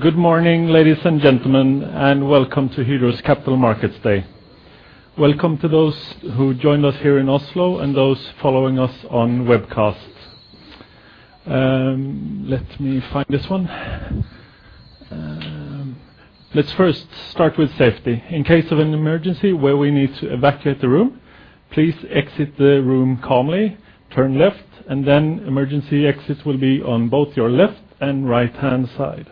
Good morning, ladies and gentlemen, and welcome to Hydro's Capital Markets Day. Welcome to those who joined us here in Oslo and those following us on webcast. Let's first start with safety. In case of an emergency where we need to evacuate the room, please exit the room calmly, turn left, and then emergency exits will be on both your left and right-hand side.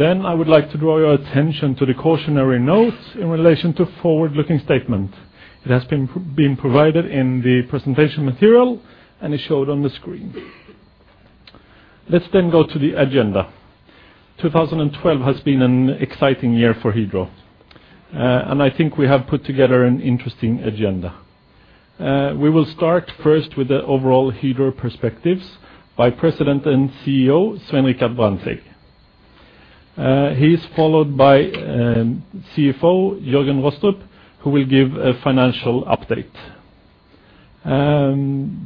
I would like to draw your attention to the cautionary notes in relation to forward-looking statement. It has been provided in the presentation material, and is shown on the screen. Let's go to the agenda. 2012 has been an exciting year for Hydro, and I think we have put together an interesting agenda. We will start first with the overall Hydro perspectives by President and CEO, Svein Richard Brandtzæg. He's followed by CFO, Jørgen Rostrup, who will give a financial update.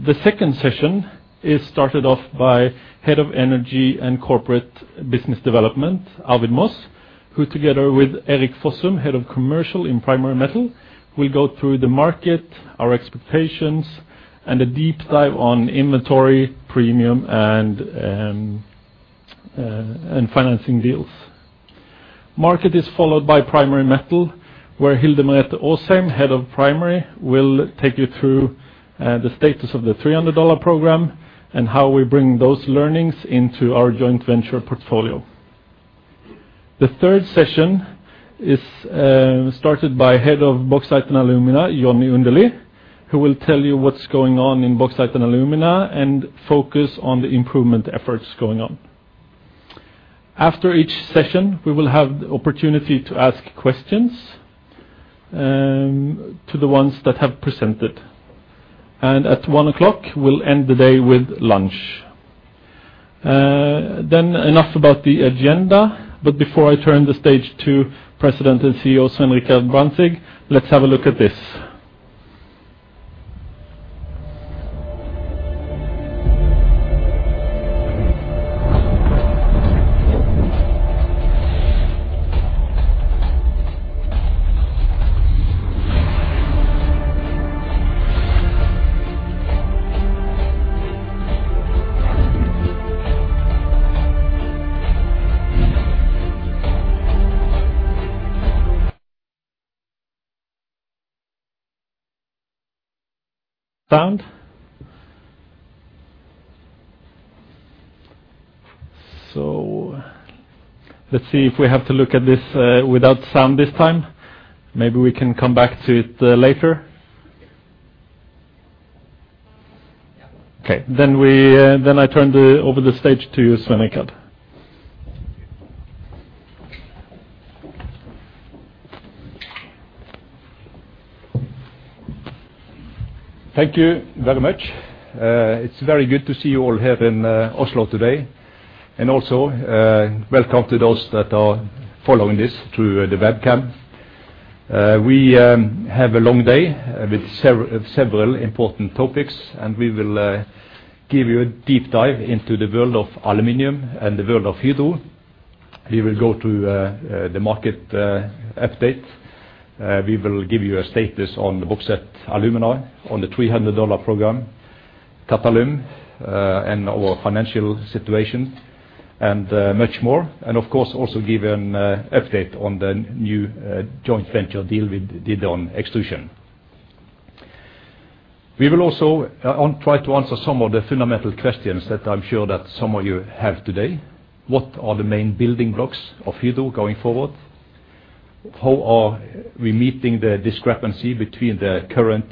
The second session is started off by Head of Energy and Corporate Business Development, Arvid Moss, who together with Erik Fossum, Head of Commercial in Primary Metal, will go through the market, our expectations, and a deep dive on inventory premium and financing deals. Market is followed by Primary Metal, where Hilde Merete Aasheim, Head of Primary, will take you through the status of the $300 program and how we bring those learnings into our joint venture portfolio. The third session is started by Head of Bauxite & Alumina, Johnny Undeli, who will tell you what's going on in Bauxite & Alumina and focus on the improvement efforts going on. After each session, we will have the opportunity to ask questions to the ones that have presented. At 1:00, we'll end the day with lunch. Enough about the agenda. Before I turn the stage to President and CEO Svein Richard Brandtzæg, let's have a look at this. Sound? Let's see if we have to look at this without sound this time. Maybe we can come back to it later. Yeah. Okay. I turn over the stage to you, Svein Richard. Thank you very much. It's very good to see you all here in Oslo today. Also, welcome to those that are following this through the webcam. We have a long day with several important topics, and we will give you a deep dive into the world of aluminum and the world of Hydro. We will go to the market update. We will give you a status on the Bauxite & Alumina, on the $300 program, Qatalum, and our financial situation, and much more. Of course, also give an update on the new joint venture deal we did on extrusion. We will also try to answer some of the fundamental questions that I'm sure that some of you have today. What are the main building blocks of Hydro going forward? How are we meeting the discrepancy between the current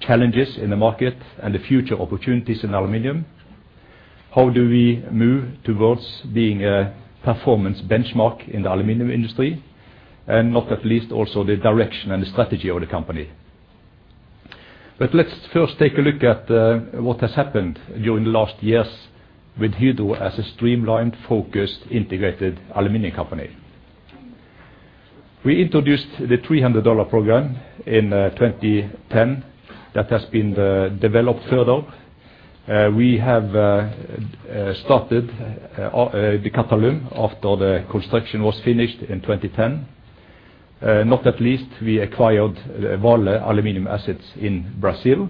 challenges in the market and the future opportunities in aluminum? How do we move towards being a performance benchmark in the aluminum industry? Not least also the direction and the strategy of the company. Let's first take a look at what has happened during the last years with Hydro as a streamlined, focused, integrated aluminum company. We introduced the $300 program in 2010. That has been developed further. We have started the Qatalum after the construction was finished in 2010. Not least we acquired Vale aluminum assets in Brazil.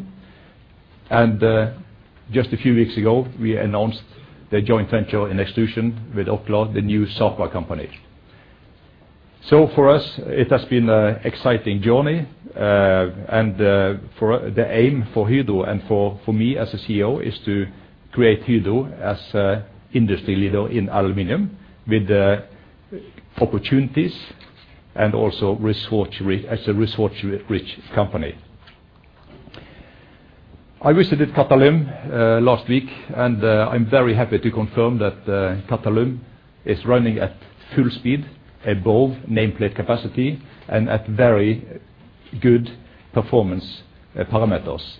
Just a few weeks ago, we announced the joint venture in extrusion with Orkla, the new software company. For us, it has been an exciting journey. The aim for Hydro and for me as a CEO is to create Hydro as an industry leader in aluminum with opportunities and also as a resource-rich company. I visited Qatalum last week, and I'm very happy to confirm that Qatalum is running at full speed, above nameplate capacity, and at very good performance parameters.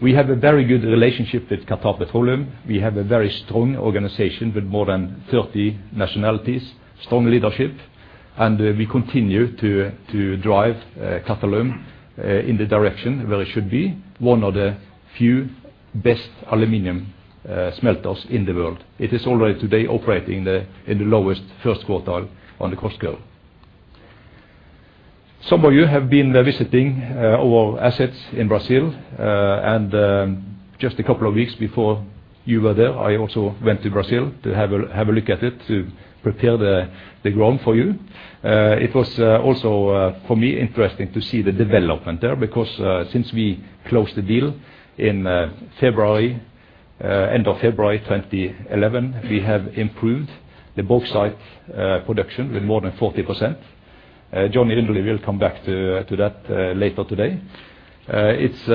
We have a very good relationship with QatarEnergy. We have a very strong organization with more than 30 nationalities, strong leadership. We continue to drive Qatalum in the direction where it should be. One of the few best aluminum smelters in the world. It is already today operating in the lowest first quartile on the cost scale. Some of you have been visiting our assets in Brazil, and just a couple of weeks before you were there, I also went to Brazil to have a look at it, to prepare the ground for you. It was also for me interesting to see the development there. Since we closed the deal in end of February 2011, we have improved the bauxite production with more than 40%. Johnny Undeli will come back to that later today. It's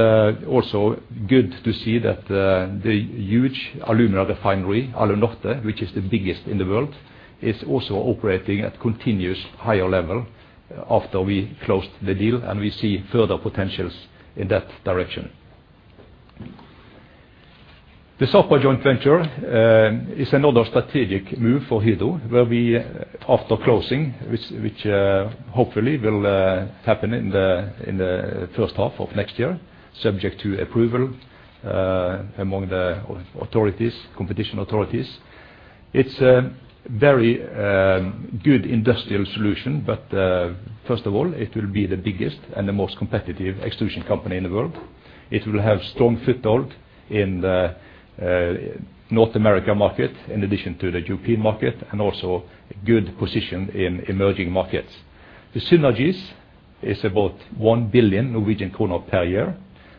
also good to see that the huge alumina refinery, Alunorte, which is the biggest in the world, is also operating at continuous higher level after we closed the deal, and we see further potentials in that direction. The Sapa joint venture is another strategic move for Hydro where we, after closing, which hopefully will happen in the first half of next year, subject to approval among the authorities, competition authorities. It's a very good industrial solution, but first of all, it will be the biggest and the most competitive extrusion company in the world. It will have strong foothold in the North America market, in addition to the European market, and also a good position in emerging markets. The synergies is about 1 billion Norwegian kroner per year,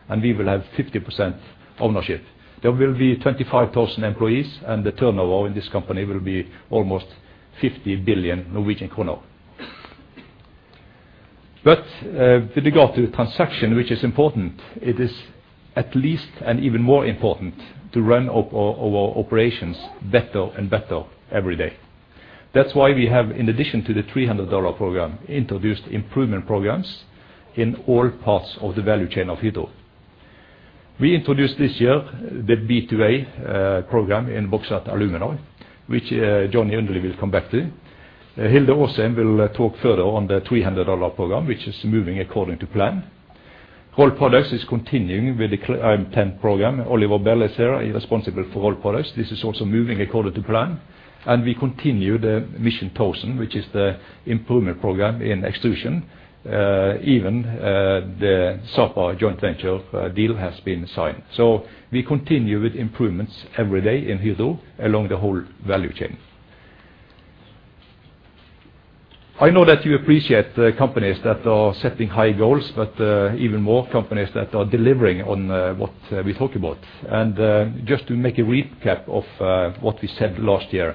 and we will have 50% ownership. There will be 25,000 employees, and the turnover in this company will be almost 50 billion Norwegian kroner. With regard to the transaction, which is important, it is at least, and even more important, to run our operations better and better every day. That's why we have, in addition to the $300 program, introduced improvement programs in all parts of the value chain of Hydro. We introduced this year, the B2A program in Bauxite & Alumina, which Johnny Undeli will come back to. Hilde Aasheim will talk further on the $300 program, which is moving according to plan. Rolled Products is continuing with the AIM10 program. Oliver Bell is here, he's responsible for Rolled Products. This is also moving according to plan. We continue the Mission Thousand, which is the improvement program in extrusion. Even the Sapa joint venture deal has been signed. We continue with improvements every day in Hydro along the whole value chain. I know that you appreciate the companies that are setting high goals, but even more companies that are delivering on what we talk about. Just to make a recap of what we said last year,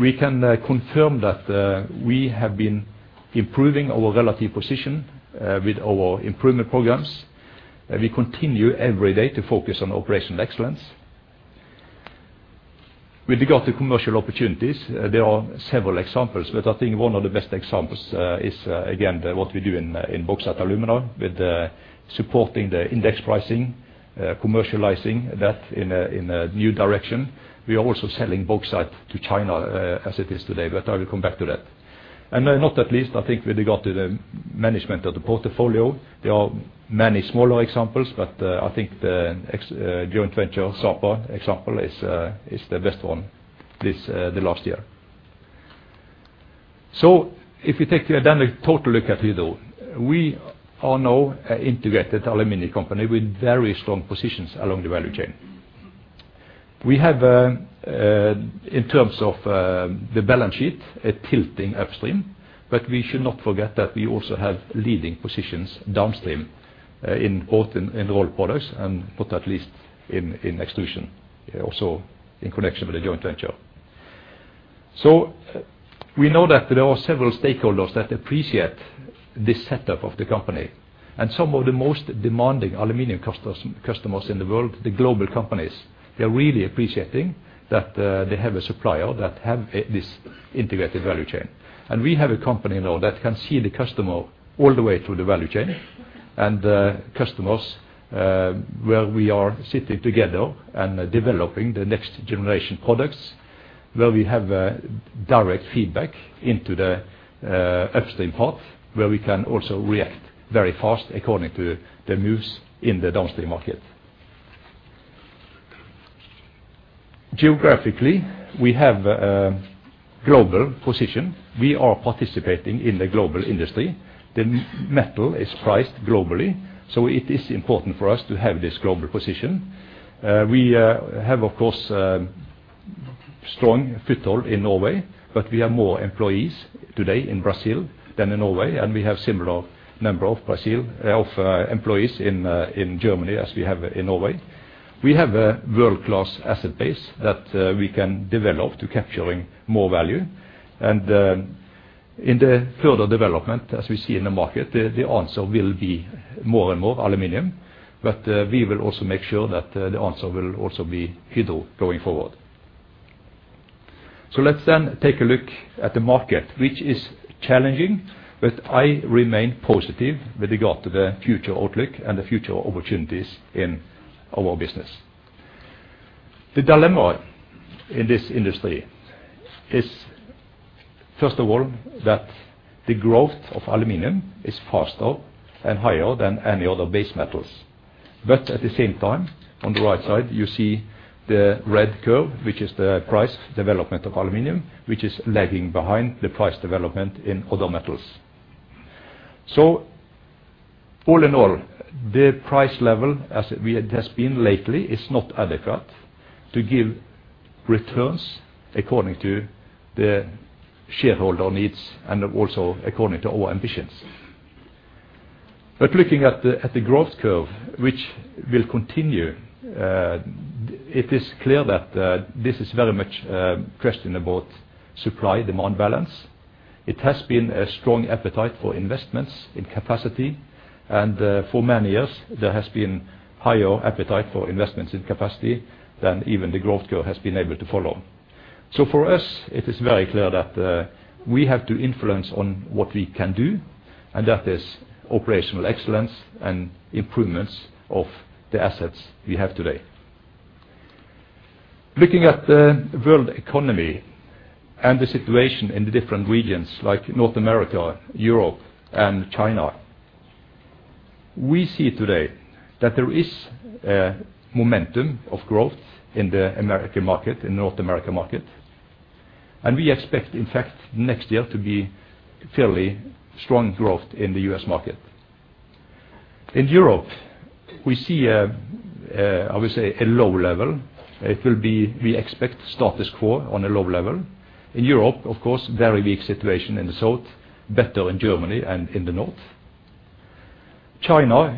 we can confirm that we have been improving our relative position with our improvement programs. We continue every day to focus on operational excellence. With regard to commercial opportunities, there are several examples, but I think one of the best examples is again what we do in Bauxite & Alumina with supporting the index pricing, commercializing that in a new direction. We are also selling bauxite to China as it is today, but I will come back to that. Not least, I think with regard to the management of the portfolio, there are many smaller examples, but I think the joint venture Sapa example is the best one in the last year. If you take then a total look at Hydro, we are now an integrated aluminum company with very strong positions along the value chain. We have, in terms of, the balance sheet, a tilting upstream, but we should not forget that we also have leading positions downstream, in both Rolled Products and not least in Extrusion, also in connection with the joint venture. We know that there are several stakeholders that appreciate this setup of the company. Some of the most demanding aluminum customers in the world, the global companies, they're really appreciating that, they have a supplier that have this integrated value chain. We have a company now that can see the customer all the way through the value chain. Customers, where we are sitting together and developing the next generation products, where we have, direct feedback into the, upstream path, where we can also react very fast according to the moves in the downstream market. Geographically, we have a global position. We are participating in the global industry. The metal is priced globally, so it is important for us to have this global position. We have of course, strong foothold in Norway, but we have more employees today in Brazil than in Norway. We have a similar number of employees in Brazil and in Germany as we have in Norway. We have a world-class asset base that we can develop to capturing more value. In the further development, as we see in the market, the answer will be more and more aluminum. We will also make sure that the answer will also be Hydro going forward. Let's then take a look at the market, which is challenging, but I remain positive with regard to the future outlook and the future opportunities in our business. The dilemma in this industry is, first of all, that the growth of aluminum is faster and higher than any other base metals. At the same time, on the right side, you see the red curve, which is the price development of aluminum, which is lagging behind the price development in other metals. All in all, the price level as it has been lately is not adequate to give returns according to the shareholder needs and also according to our ambitions. Looking at the growth curve, which will continue, it is clear that this is very much a question about supply-demand balance. It has been a strong appetite for investments in capacity. For many years, there has been higher appetite for investments in capacity than even the growth curve has been able to follow. For us, it is very clear that we have to influence on what we can do, and that is operational excellence and improvements of the assets we have today. Looking at the world economy and the situation in the different regions like North America, Europe, and China, we see today that there is a momentum of growth in the American market, in North America market. We expect, in fact, next year to be fairly strong growth in the U.S. market. In Europe, we see, obviously, a low level. It will be, we expect, status quo on a low level. In Europe, of course, very weak situation in the south, better in Germany and in the north. China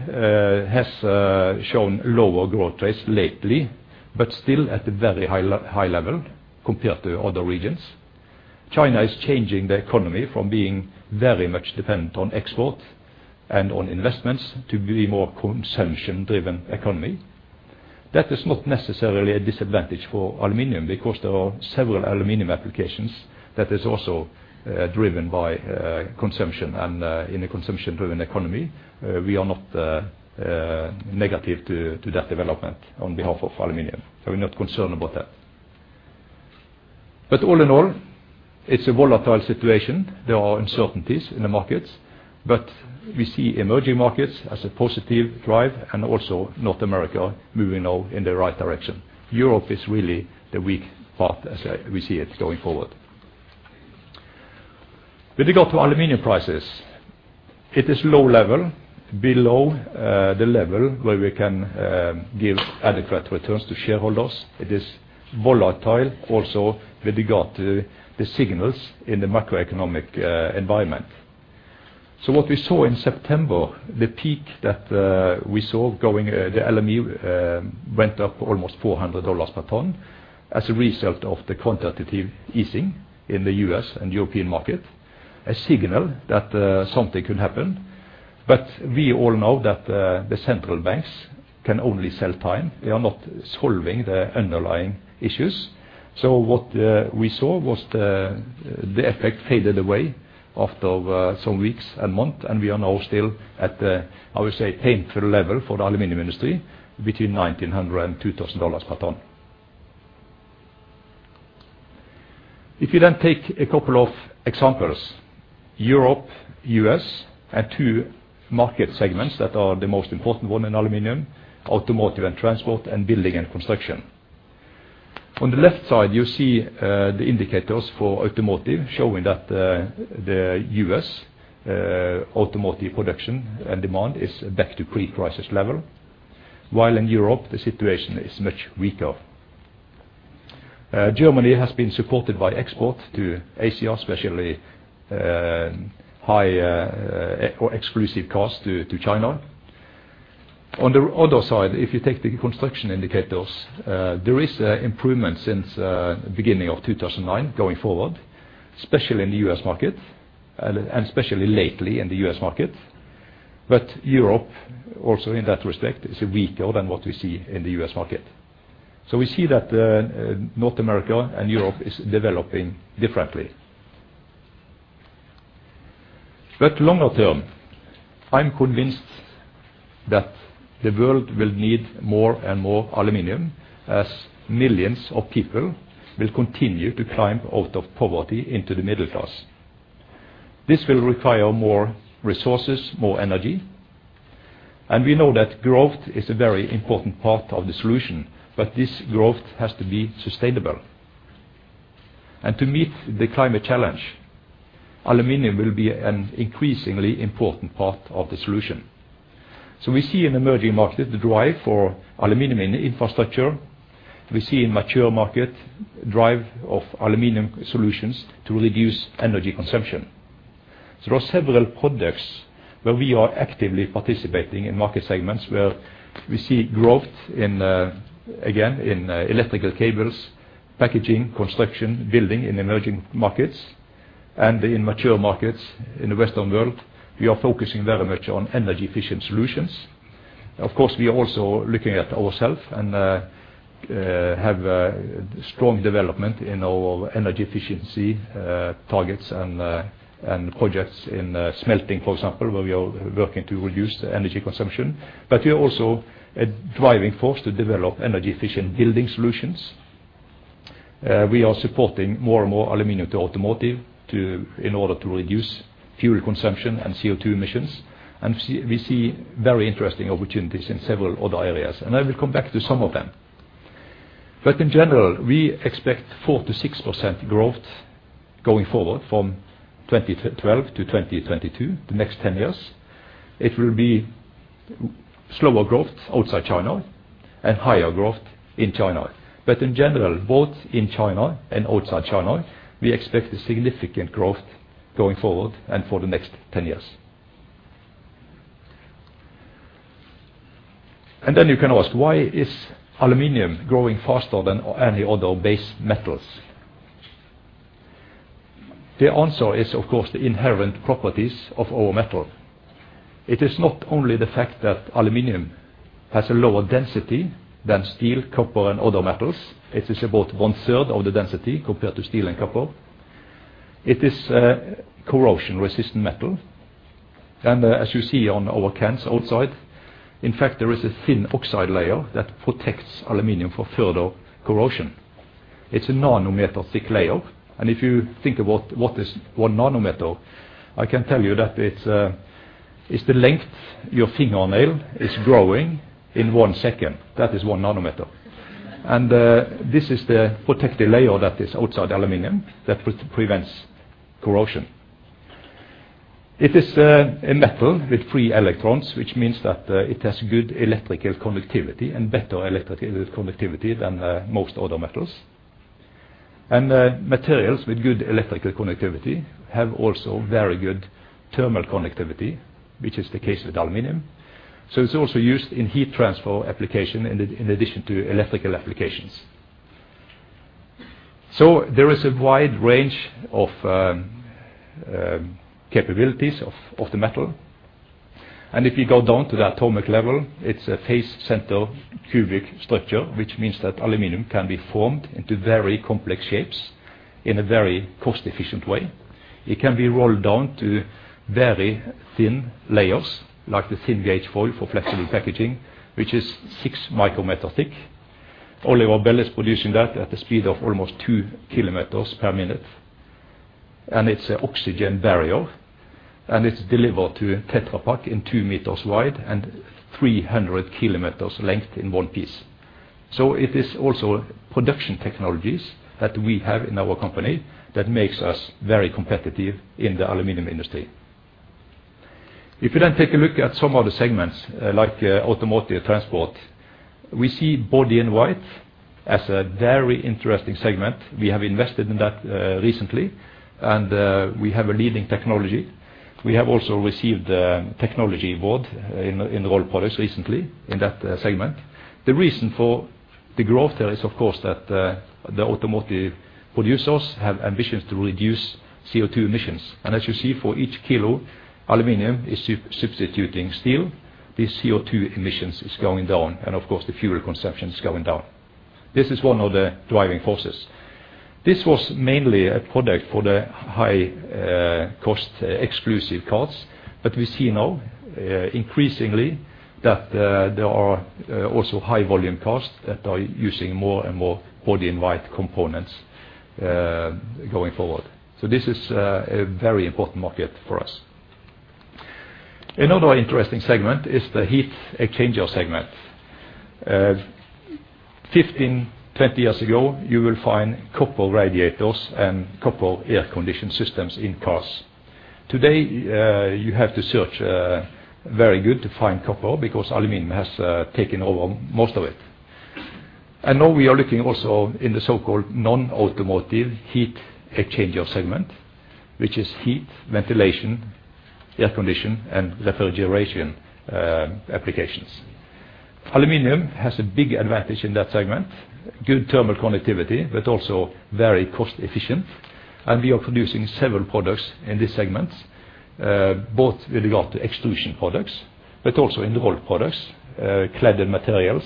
has shown lower growth rates lately, but still at a very high level compared to other regions. China is changing the economy from being very much dependent on export and on investments to be more consumption-driven economy. That is not necessarily a disadvantage for aluminum because there are several aluminum applications that is also driven by consumption, and in a consumption-driven economy, we are not negative to that development on behalf of aluminum. We're not concerned about that. All in all, it's a volatile situation. There are uncertainties in the markets, but we see emerging markets as a positive drive and also North America moving now in the right direction. Europe is really the weak part as we see it going forward. With regard to aluminum prices, it is low level, below the level where we can give adequate returns to shareholders. It is volatile also with regard to the signals in the macroeconomic environment. What we saw in September, the peak that we saw, the LME went up almost $400 per ton as a result of the quantitative easing in the U.S. and European market, a signal that something could happen. We all know that the central banks can only sell time. They are not solving the underlying issues. What we saw was the effect faded away after some weeks and month, and we are now still at a, I would say, painful level for the aluminum industry between $1,900-$2,000 per ton. If you then take a couple of examples, Europe, U.S., and two market segments that are the most important one in aluminum, automotive and transport, and building and construction. On the left side, you see, the indicators for automotive showing that, the U.S., automotive production and demand is back to pre-crisis level. While in Europe, the situation is much weaker. Germany has been supported by export to Asia, especially, high or exclusive cars to China. On the other side, if you take the construction indicators, there is improvement since beginning of 2009 going forward, especially in the U.S. market, and especially lately in the U.S. market. Europe also in that respect is weaker than what we see in the U.S. market. We see that, North America and Europe is developing differently. Longer term, I'm convinced that the world will need more and more aluminum as millions of people will continue to climb out of poverty into the middle class. This will require more resources, more energy. We know that growth is a very important part of the solution, but this growth has to be sustainable. To meet the climate challenge, aluminum will be an increasingly important part of the solution. We see in emerging markets the drive for aluminum in infrastructure. We see in mature market drive of aluminum solutions to reduce energy consumption. There are several products where we are actively participating in market segments where we see growth in, again, in electrical cables, packaging, construction, building in emerging markets. In mature markets in the Western world, we are focusing very much on energy-efficient solutions. Of course, we are also looking at ourselves and have a strong development in our energy efficiency targets and projects in smelting, for example, where we are working to reduce the energy consumption. We are also a driving force to develop energy-efficient building solutions. We are supporting more and more aluminum to automotive in order to reduce fuel consumption and CO2 emissions. We see very interesting opportunities in several other areas, and I will come back to some of them. In general, we expect 4%-6% growth going forward from 2012 to 2022, the next ten years. It will be slower growth outside China and higher growth in China. In general, both in China and outside China, we expect a significant growth going forward and for the next ten years. You can ask, "Why is aluminum growing faster than any other base metals?" The answer is, of course, the inherent properties of our metal. It is not only the fact that aluminum has a lower density than steel, copper, and other metals. It is about one-third of the density compared to steel and copper. It is corrosion-resistant metal. As you see on our cans outside, in fact, there is a thin oxide layer that protects aluminum for further corrosion. It's a nanometer-thick layer, and if you think about what is one nanometer, I can tell you that it's the length your fingernail is growing in one second. That is one nanometer. This is the protective layer that is outside aluminum that prevents corrosion. It is a metal with free electrons, which means that it has good electrical conductivity and better electrical conductivity than most other metals. Materials with good electrical conductivity have also very good thermal conductivity, which is the case with aluminum. It's also used in heat transfer application in addition to electrical applications. There is a wide range of capabilities of the metal, and if you go down to the atomic level, it's a face-centered cubic structure, which means that aluminum can be formed into very complex shapes in a very cost-efficient way. It can be rolled down to very thin layers, like the thin gauge foil for flexible packaging, which is six micrometers thick. Only our Alunorf is producing that at the speed of almost 2 km per minute. It's an oxygen barrier, and it's delivered to Tetra Pak 2 m wide and 300 km length in one piece. It is also production technologies that we have in our company that makes us very competitive in the aluminum industry. If you take a look at some of the segments, like automotive transport, we see body in white as a very interesting segment. We have invested in that recently, and we have a leading technology. We have also received a technology award in Rolled Products recently in that segment. The reason for the growth there is, of course, that the automotive producers have ambitions to reduce CO2 emissions. As you see, for each kilo, aluminum is substituting steel, the CO2 emissions is going down, and of course, the fuel consumption is going down. This is one of the driving forces. This was mainly a product for the high cost exclusive cars, but we see now increasingly that there are also high volume cars that are using more and more body in white components going forward. This is a very important market for us. Another interesting segment is the heat exchanger segment. 15, 20 years ago, you will find copper radiators and copper air conditioning systems in cars. Today you have to search very hard to find copper because aluminum has taken over most of it. Now we are looking also in the so-called non-automotive heat exchanger segment, which is heat, ventilation, air conditioning, and refrigeration applications. Aluminum has a big advantage in that segment, good thermal conductivity, but also very cost efficient. We are producing several products in this segment, both with regard to extrusion products, but also in the Rolled Products, cladded materials,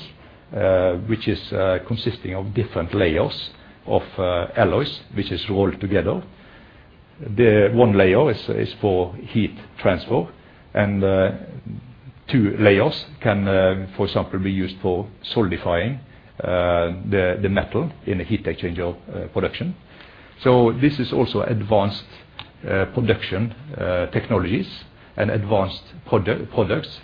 which is consisting of different layers of alloys which is rolled together. The one layer is for heat transfer, and two layers can, for example, be used for solidifying the metal in a heat exchanger production. This is also advanced production technologies and advanced products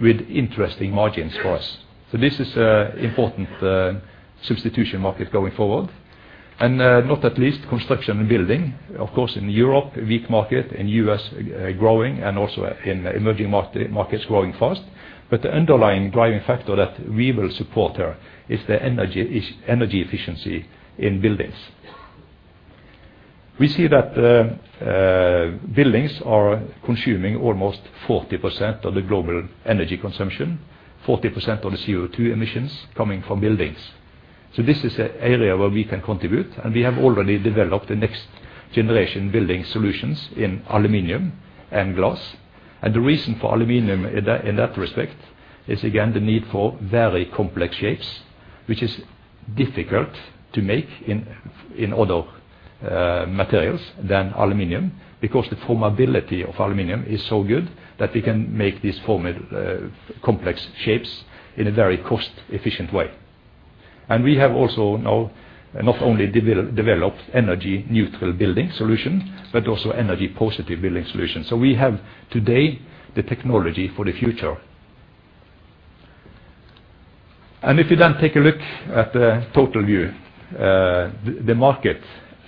with interesting margins for us. This is an important substitution market going forward. Not least construction and building. Of course, in Europe, weak market, in U.S., growing, and also in emerging markets growing fast. The underlying driving factor that we will support there is the energy efficiency in buildings. We see that buildings are consuming almost 40% of the global energy consumption, 40% of the CO2 emissions coming from buildings. This is an area where we can contribute, and we have already developed the next-generation building solutions in aluminum and glass. The reason for aluminum in that respect is again the need for very complex shapes, which is difficult to make in other materials than aluminum, because the formability of aluminum is so good that we can make these form complex shapes in a very cost efficient way. We have also now not only developed energy neutral building solution, but also energy positive building solutions. We have today the technology for the future. If you then take a look at the total view, the market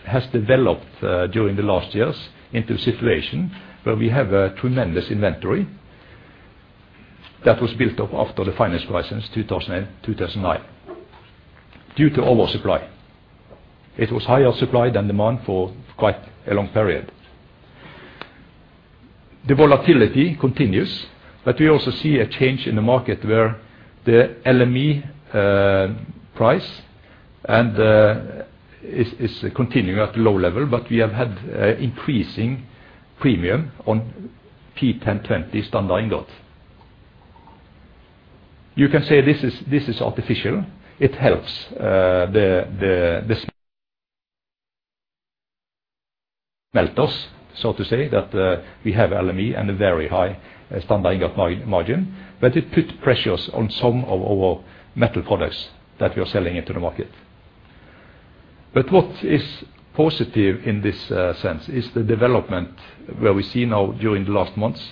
has developed during the last years into a situation where we have a tremendous inventory that was built up after the financial crisis, 2008, 2009, due to oversupply. It was higher supply than demand for quite a long period. The volatility continues, but we also see a change in the market where the LME price is continuing at low level, but we have had increasing premium on P1020 standard ingot. You can say this is artificial. It helps the smelters, so to say that we have LME and a very high standard ingot margin. But it put pressures on some of our metal products that we are selling into the market. What is positive in this sense is the development where we see now during the last months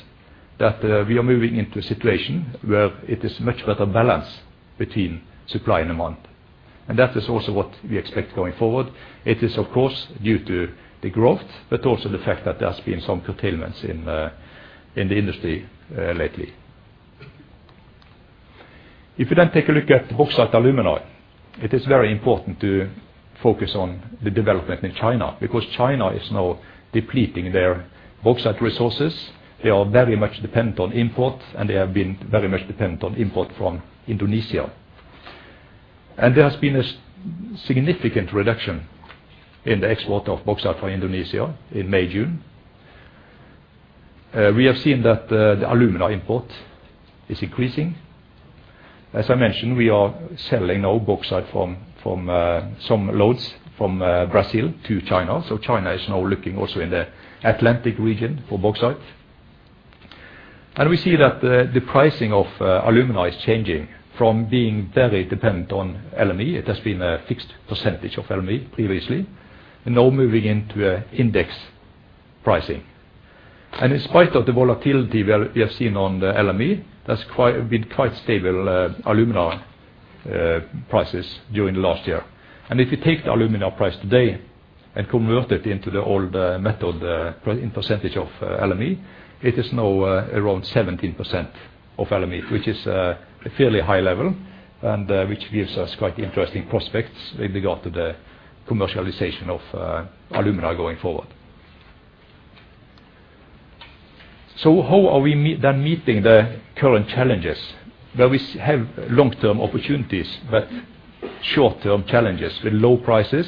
that we are moving into a situation where it is much better balance between supply and demand. That is also what we expect going forward. It is of course due to the growth, but also the fact that there's been some curtailments in the industry lately. If you then take a look at Bauxite & Alumina, it is very important to focus on the development in China because China is now depleting their bauxite resources. They are very much dependent on imports, and they have been very much dependent on import from Indonesia. There has been a significant reduction in the export of bauxite from Indonesia in May, June. We have seen that the alumina import is increasing. As I mentioned, we are selling now bauxite from some loads from Brazil to China. China is now looking also in the Atlantic region for bauxite. We see that the pricing of alumina is changing from being very dependent on LME. It has been a fixed percentage of LME previously, and now moving into an index pricing. In spite of the volatility where we have seen on the LME, that's been quite stable, alumina prices during the last year. If you take the alumina price today and convert it into the old method, in percentage of LME, it is now around 17% of LME, which is a fairly high level, and which gives us quite interesting prospects with regard to the commercialization of alumina going forward. How are we meeting the current challenges where we have long-term opportunities, but short-term challenges with low prices,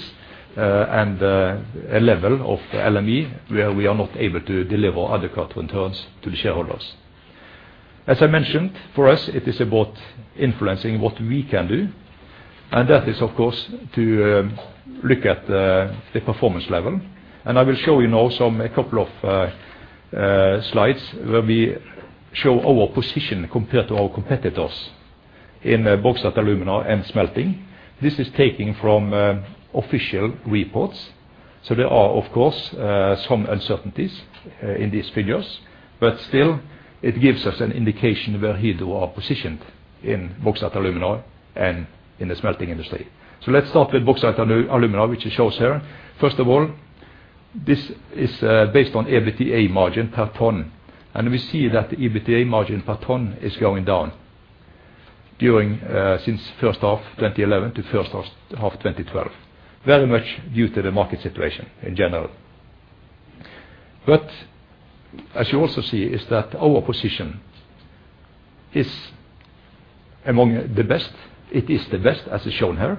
and a level of LME where we are not able to deliver adequate returns to the shareholders? As I mentioned, for us, it is about influencing what we can do, and that is of course, to look at the performance level. I will show you now a couple of slides where we show our position compared to our competitors in bauxite, alumina and smelting. This is taken from official reports. There are of course some uncertainties in these figures, but still, it gives us an indication where we are positioned in bauxite, alumina and in the smelting industry. Let's start with bauxite alumina, which it shows here. First of all, this is based on EBITDA margin per ton, and we see that the EBITDA margin per ton is going down since first half 2011 to first half 2012, very much due to the market situation in general. As you also see is that our position is among the best. It is the best, as is shown here.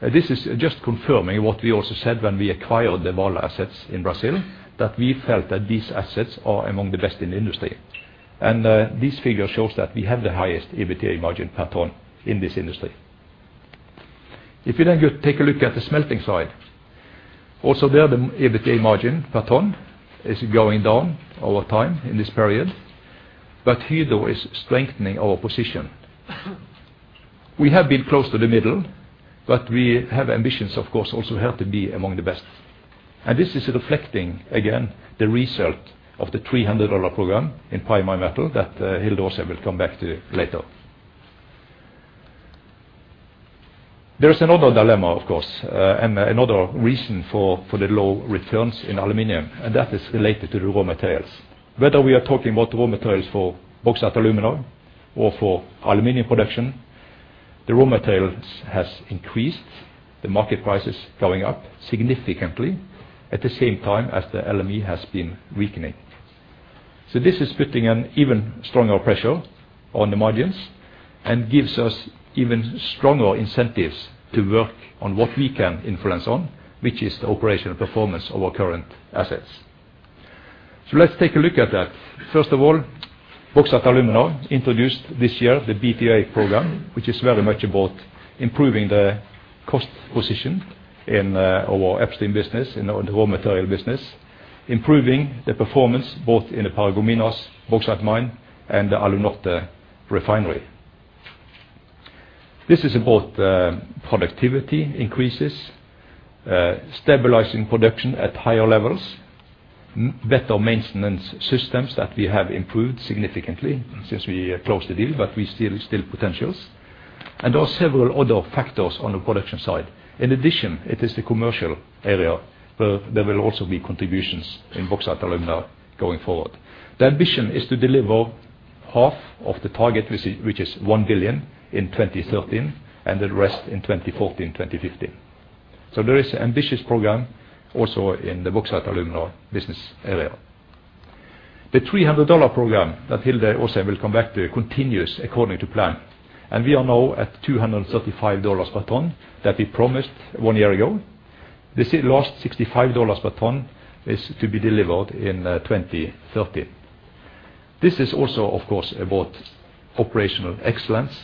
This is just confirming what we also said when we acquired the Vale assets in Brazil, that we felt that these assets are among the best in the industry. This figure shows that we have the highest EBITDA margin per ton in this industry. If you then go take a look at the smelting side, also there the EBITDA margin per ton is going down over time in this period. Here, though, is strengthening our position. We have been close to the middle, but we have ambitions, of course, also have to be among the best. This is reflecting again the result of the $300 program in Primary Metal that, Hilde also will come back to later. There's another dilemma, of course, and another reason for the low returns in aluminum, and that is related to the raw materials. Whether we are talking about raw materials for Bauxite & Alumina or for aluminum production, the raw materials has increased, the market price is going up significantly at the same time as the LME has been weakening. This is putting an even stronger pressure on the margins and gives us even stronger incentives to work on what we can influence on, which is the operational performance of our current assets. Let's take a look at that. First of all, Bauxite & Alumina introduced this year the B to A program, which is very much about improving the cost position in our upstream business, in our raw material business, improving the performance, both in the Paragominas bauxite mine and the Alunorte refinery. This is about productivity increases, stabilizing production at higher levels, better maintenance systems that we have improved significantly since we closed the deal, but we still potentials, and there are several other factors on the production side. In addition, it is the commercial area where there will also be contributions in Bauxite & Alumina going forward. The ambition is to deliver half of the target, which is 1 billion in 2013, and the rest in 2014, 2015. There is ambitious program also in the Bauxite & Alumina business area. The $300 program that Hilde also will come back to continues according to plan. We are now at $235 per ton that we promised one year ago. This last $65 per ton is to be delivered in 2013. This is also, of course, about operational excellence,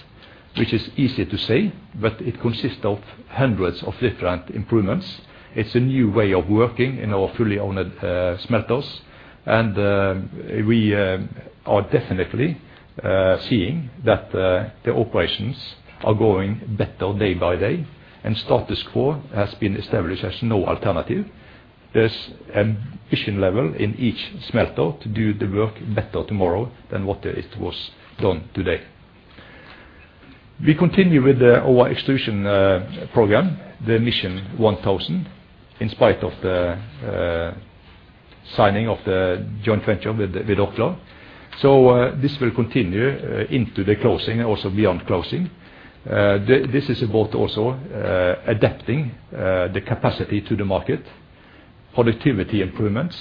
which is easy to say, but it consists of hundreds of different improvements. It's a new way of working in our fully owned smelters, and we are definitely seeing that the operations are going better day-by-day, and status quo has been established as no alternative. There's ambition level in each smelter to do the work better tomorrow than what it was done today. We continue with our extrusion program, the Mission Thousand, in spite of the signing of the joint venture with Alcoa. This will continue into the closing and also beyond closing. This is about also adapting the capacity to the market, productivity improvements.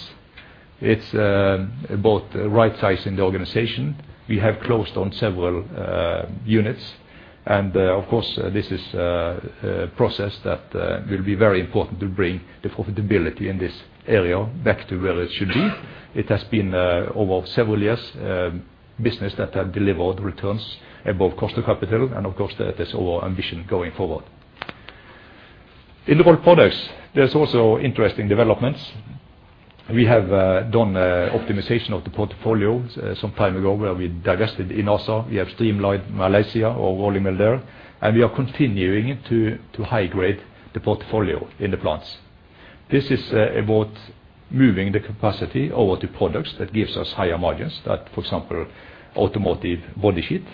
It's about rightsizing the organization. We have closed on several units. Of course, this is a process that will be very important to bring the profitability in this area back to where it should be. It has been over several years, business that have delivered returns above cost of capital, and of course, that is our ambition going forward. In Rolled Products, there's also interesting developments. We have done optimization of the portfolio some time ago, where we divested in USA. We have streamlined Malaysia, our rolling mill there, and we are continuing to high grade the portfolio in the plants. This is about moving the capacity over to products that gives us higher margins that, for example, automotive body sheet.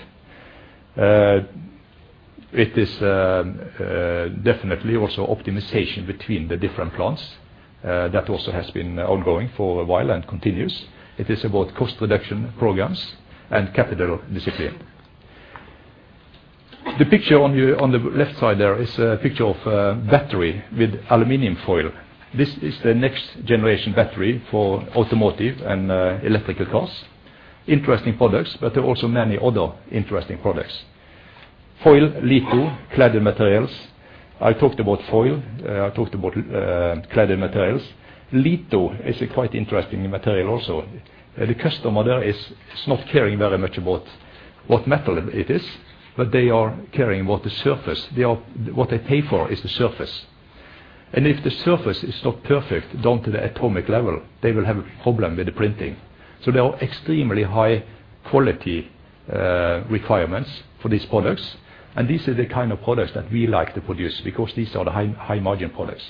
It is definitely also optimization between the different plants that also has been ongoing for a while and continues. It is about cost reduction programs and capital discipline. The picture on your, on the left side there is a picture of a battery with aluminum foil. This is the next generation battery for automotive and electric cars. Interesting products, but there are also many other interesting products. Foil, litho, cladding materials. I talked about foil. I talked about cladding materials. Litho is a quite interesting material also. The customer there is not caring very much about what metal it is, but they are caring about the surface. They are. What they pay for is the surface. If the surface is not perfect down to the atomic level, they will have a problem with the printing. There are extremely high quality requirements for these products, and these are the kind of products that we like to produce because these are the high, high margin products.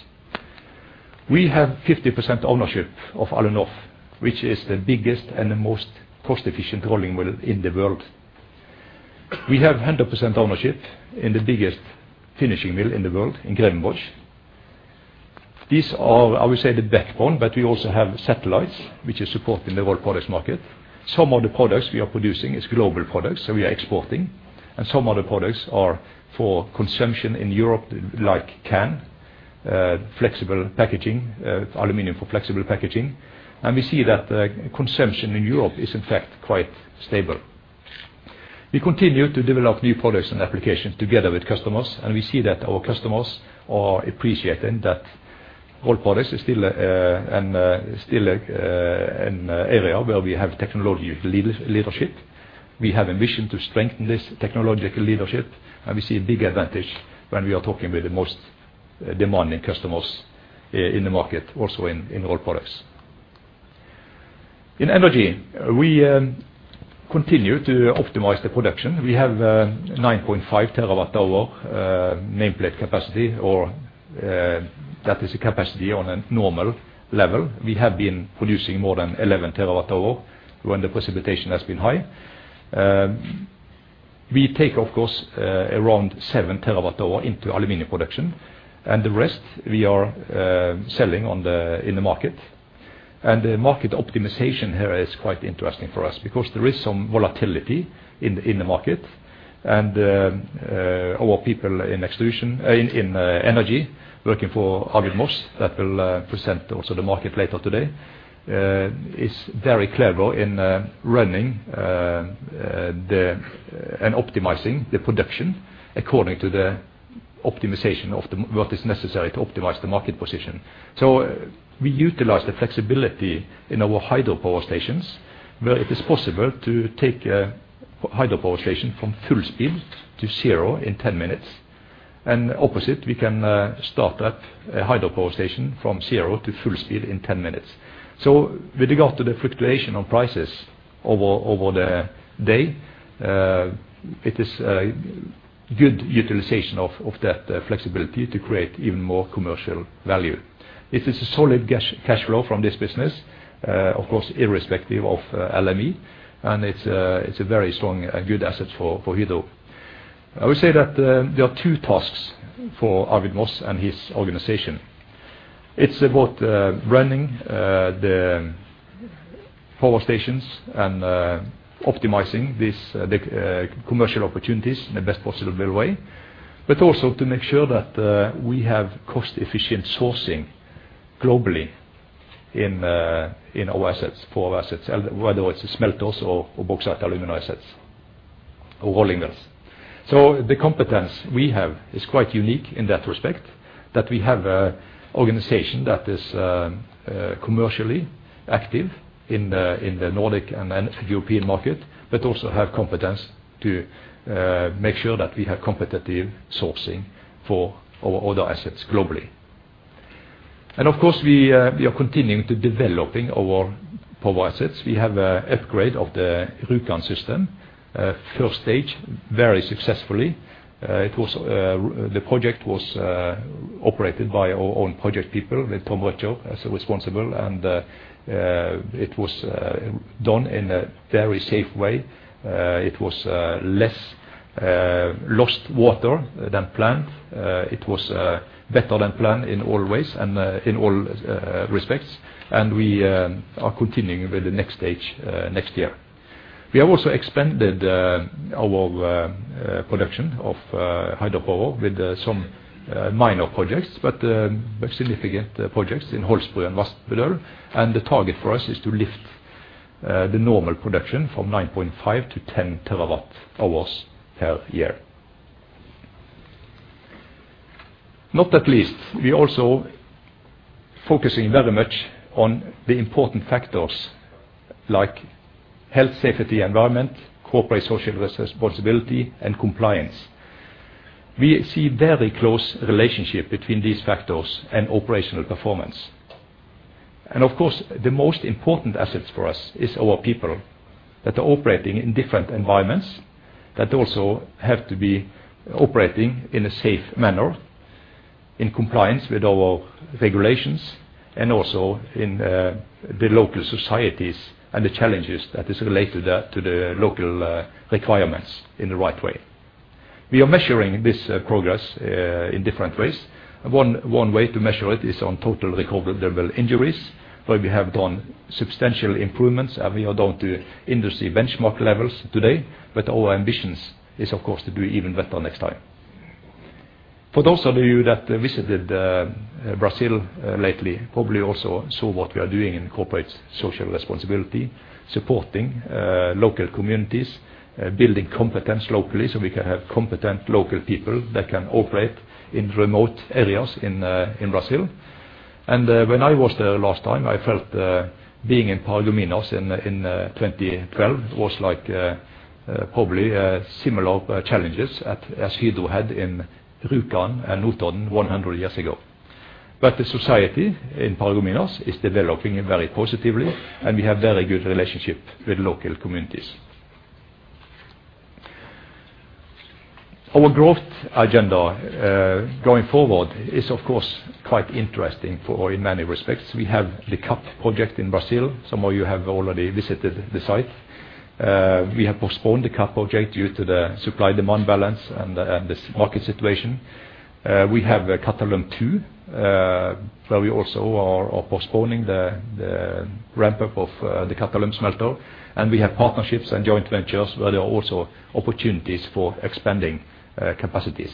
We have 50% ownership of Alunorf, which is the biggest and the most cost-efficient rolling mill in the world. We have 100% ownership in the biggest finishing mill in the world, in Grevenbroich. These are, I would say, the backbone, but we also have satellites which is supporting the Rolled Products market. Some of the products we are producing is global products, so we are exporting, and some of the products are for consumption in Europe, like can, flexible packaging, aluminum for flexible packaging. We see that consumption in Europe is in fact quite stable. We continue to develop new products and applications together with customers, and we see that our customers are appreciating that Rolled Products is still an area where we have technology leadership. We have ambition to strengthen this technological leadership, and we see a big advantage when we are talking with the most demanding customers in the market, also in Rolled Products. In Energy, we continue to optimize the production. We have 9.5 TWh nameplate capacity, that is a capacity on a normal level. We have been producing more than 11 TWh when the precipitation has been high. We take, of course, around 7 TWh into aluminum production, and the rest we are selling on the, in the market. The market optimization here is quite interesting for us because there is some volatility in the market. Our people in Extrusion, in Energy, working for Arvid Moss that will present also the market later today, is very clever in running and optimizing the production according to the optimization of what is necessary to optimize the market position. We utilize the flexibility in our hydropower stations, where it is possible to take a hydropower station from full speed to zero in 10 minutes. Opposite, we can start up a hydropower station from zero to full speed in 10 minutes. With regard to the fluctuation on prices over the day, it is good utilization of that flexibility to create even more commercial value. It is a solid cash flow from this business, of course, irrespective of LME, and it's a very strong and good asset for Hydro. I would say that there are two tasks for Arvid Moss and his organization. It's about running the power stations and optimizing these commercial opportunities in the best possible way, but also to make sure that we have cost-efficient sourcing globally in our assets, for our assets, whether it's smelters or Bauxite & Alumina assets or rolling mills. The competence we have is quite unique in that respect, that we have an organization that is commercially active in the Nordic and European market but also have competence to make sure that we have competitive sourcing for our other assets globally. Of course, we are continuing to developing our power assets. We have an upgrade of the Rjukan system, first stage very successfully. The project was operated by our own project people with Tom Børgo as responsible, and it was done in a very safe way. It was less lost water than planned. It was better than planned in all ways and in all respects. We are continuing with the next stage next year. We have also expanded our production of hydropower with some minor projects but with significant projects in Holsbru and Vassbrua. The target for us is to lift the normal production from 9.5 TWh-10 TWh per year. Not least, we're also focusing very much on the important factors like health, safety, environment, corporate social responsibility, and compliance. We see very close relationship between these factors and operational performance. Of course, the most important assets for us is our people that are operating in different environments, that also have to be operating in a safe manner, in compliance with our regulations and also in the local societies and the challenges that is related to the local requirements in the right way. We are measuring this progress in different ways. One way to measure it is on total recordable injuries, where we have done substantial improvements, and we are down to industry benchmark levels today, but our ambitions is of course to do even better next time. For those of you that visited Brazil lately probably also saw what we are doing in corporate social responsibility, supporting local communities, building competence locally, so we can have competent local people that can operate in remote areas in Brazil. When I was there last time, I felt being in Paragominas in 2012 was like probably similar challenges as Hydro had in Rjukan and Notodden 100 years ago. The society in Paragominas is developing very positively, and we have very good relationship with local communities. Our growth agenda, going forward, is of course quite interesting in many respects. We have the CAP project in Brazil. Some of you have already visited the site. We have postponed the CAP project due to the supply-demand balance and this market situation. We have a Qatalum 2, where we also are postponing the ramp-up of the Qatalum smelter. We have partnerships and joint ventures where there are also opportunities for expanding capacities.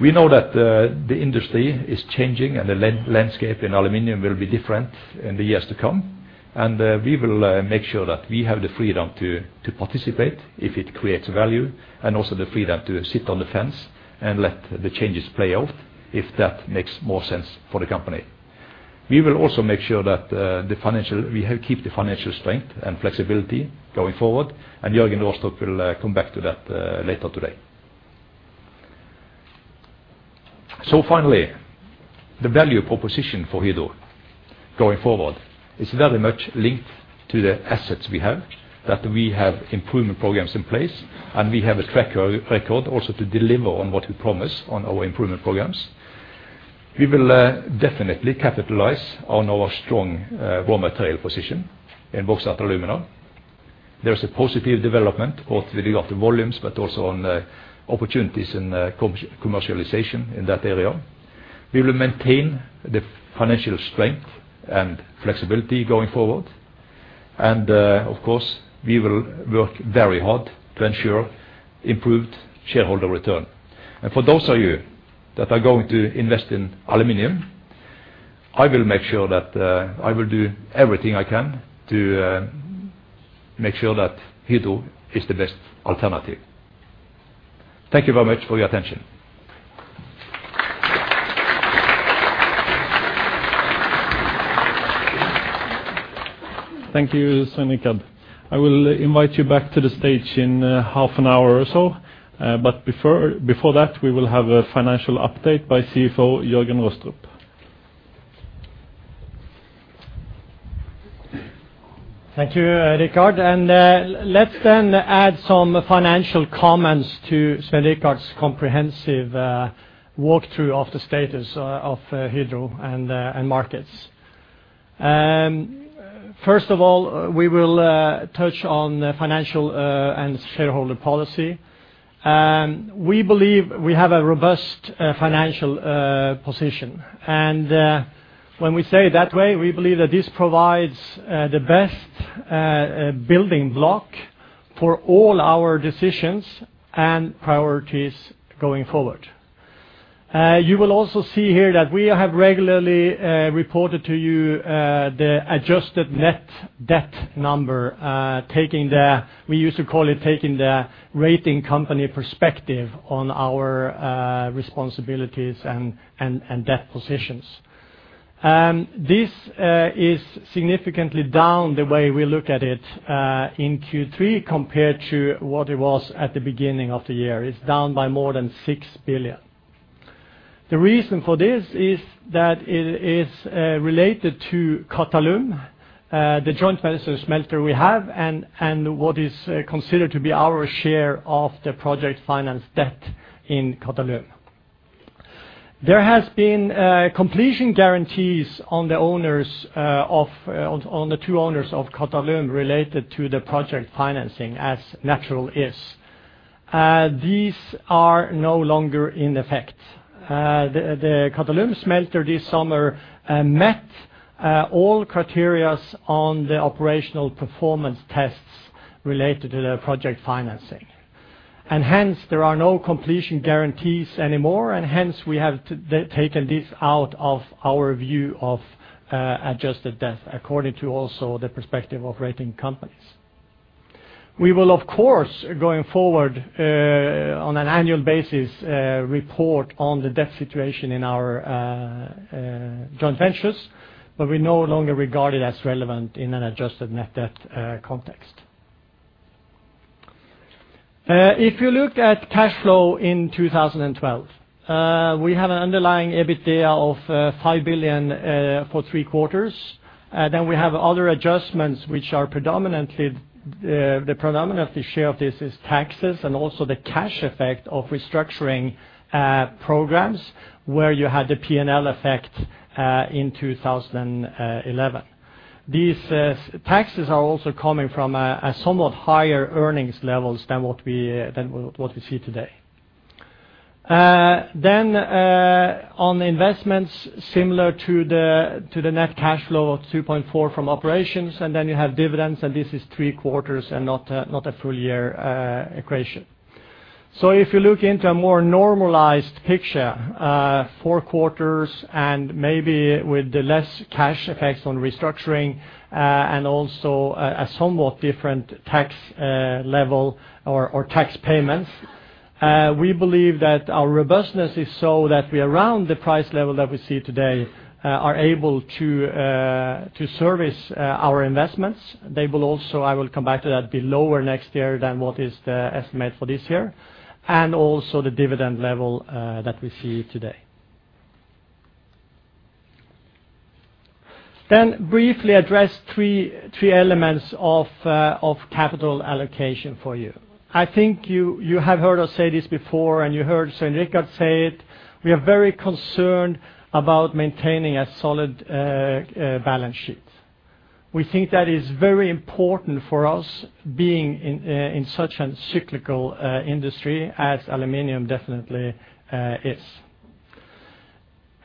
We know that the industry is changing, and the landscape in aluminum will be different in the years to come. We will make sure that we have the freedom to participate if it creates value and also the freedom to sit on the fence and let the changes play out if that makes more sense for the company. We will also make sure that we keep the financial strength and flexibility going forward, and Jørgen Rostrup will come back to that later today. Finally, the value proposition for Hydro going forward is very much linked to the assets we have, that we have improvement programs in place, and we have a track record also to deliver on what we promise on our improvement programs. We will definitely capitalize on our strong raw material position in Bauxite & Alumina. There is a positive development both with regard to volumes but also on opportunities in commercialization in that area. We will maintain the financial strength and flexibility going forward. Of course, we will work very hard to ensure improved shareholder return. For those of you that are going to invest in aluminum, I will make sure that I will do everything I can to make sure that Hydro is the best alternative. Thank you very much for your attention. Thank you, Svein Richard. I will invite you back to the stage in half an hour or so. Before that, we will have a financial update by CFO Jørgen Rostrup. Thank you, Rikard. Let's then add some financial comments to Svein Richard's comprehensive walkthrough of the status of Hydro and markets. First of all, we will touch on the financial and shareholder policy. We believe we have a robust financial position. When we say it that way, we believe that this provides the best building block for all our decisions and priorities going forward. You will also see here that we have regularly reported to you the adjusted net debt number. We used to call it taking the rating company perspective on our responsibilities and debt positions. This is significantly down, the way we look at it, in Q3 compared to what it was at the beginning of the year. It's down by more than 6 billion. The reason for this is that it is related to Qatalum, the joint venture smelter we have and what is considered to be our share of the project finance debt in Qatalum. There has been completion guarantees on the two owners of Qatalum related to the project financing as is natural. These are no longer in effect. The Qatalum smelter this summer met all criteria on the operational performance tests related to the project financing. Hence, there are no completion guarantees anymore, and hence, we have taken this out of our view of adjusted debt according to also the perspective of rating companies. We will, of course, going forward, on an annual basis, report on the debt situation in our joint ventures, but we no longer regard it as relevant in an adjusted net debt context. If you look at cash flow in 2012, we have an underlying EBITDA of 5 billion for three quarters. We have other adjustments which are predominantly the predominant share of this is taxes and also the cash effect of restructuring programs where you had the P&L effect in 2011. These taxes are also coming from a somewhat higher earnings levels than what we see today. On the investments similar to the net cash flow of 2.4 billion from operations, and then you have dividends, and this is three quarters and not a full year equation. If you look into a more normalized picture, four quarters and maybe with the less cash effects on restructuring, and also a somewhat different tax level or tax payments, we believe that our robustness is so that we around the price level that we see today are able to service our investments. They will also, I will come back to that, be lower next year than what is the estimate for this year, and also the dividend level that we see today. Briefly address three elements of capital allocation for you. I think you have heard us say this before, and you heard Svein Richard say it. We are very concerned about maintaining a solid balance sheet. We think that is very important for us being in such a cyclical industry as aluminum definitely is.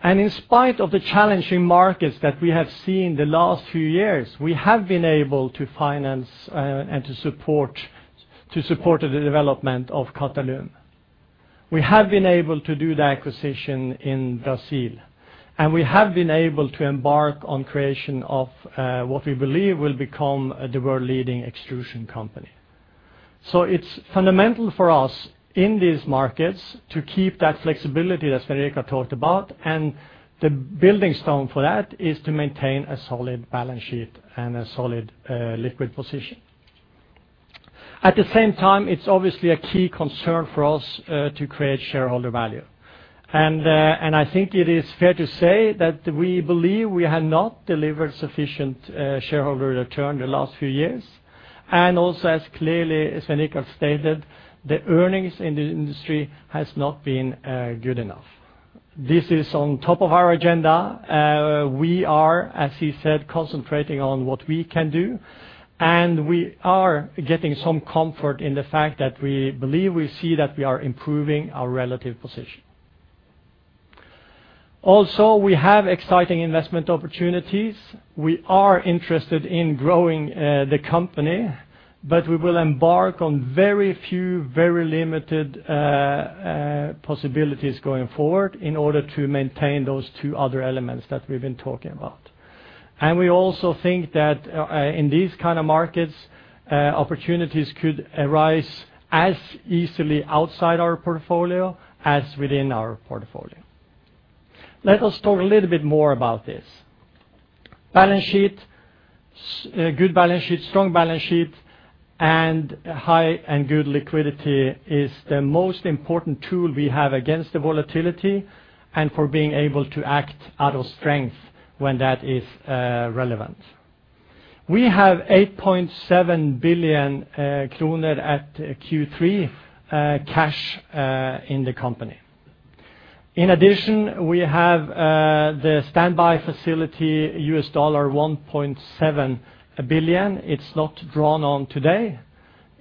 In spite of the challenging markets that we have seen the last few years, we have been able to finance and to support the development of Qatalum. We have been able to do the acquisition in Brazil, and we have been able to embark on creation of what we believe will become the world-leading extrusion company. It's fundamental for us in these markets to keep that flexibility, as Svein Richard talked about. The building stone for that is to maintain a solid balance sheet and a solid liquidity position. At the same time, it's obviously a key concern for us to create shareholder value. I think it is fair to say that we believe we have not delivered sufficient shareholder return the last few years. Also, as clearly as Svein Richard stated, the earnings in the industry has not been good enough. This is on top of our agenda. We are, as he said, concentrating on what we can do, and we are getting some comfort in the fact that we believe we see that we are improving our relative position. Also, we have exciting investment opportunities. We are interested in growing the company. We will embark on very few, very limited possibilities going forward in order to maintain those two other elements that we've been talking about. We also think that in these kind of markets opportunities could arise as easily outside our portfolio as within our portfolio. Let us talk a little bit more about this. Balance sheet good balance sheet strong balance sheet and high and good liquidity is the most important tool we have against the volatility and for being able to act out of strength when that is relevant. We have 8.7 billion kroner at Q3 cash in the company. In addition we have the standby facility $1.7 billion. It's not drawn on today.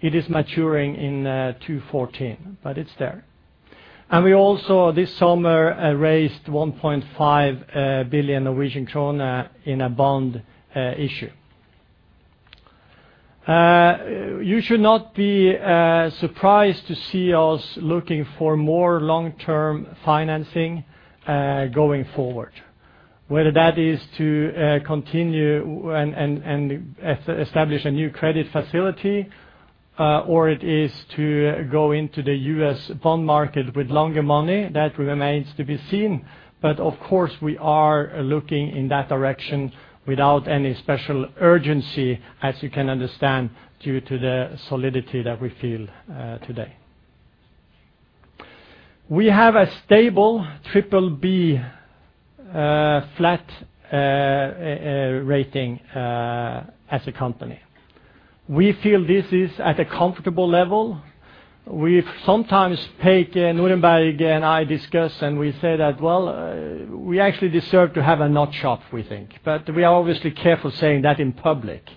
It is maturing in 2014 but it's there. We also this summer raised 1.5 billion Norwegian krone in a bond issue. You should not be surprised to see us looking for more long-term financing going forward. Whether that is to continue and establish a new credit facility or it is to go into the U.S. bond market with longer money, that remains to be seen. Of course we are looking in that direction without any special urgency, as you can understand, due to the solidity that we feel today. We have a stable BBB flat rating as a company. We feel this is at a comfortable level. We sometimes, Pål Kildemo and I discuss, and we say that, well, we actually deserve to have a notch up, we think. We are obviously careful saying that in public.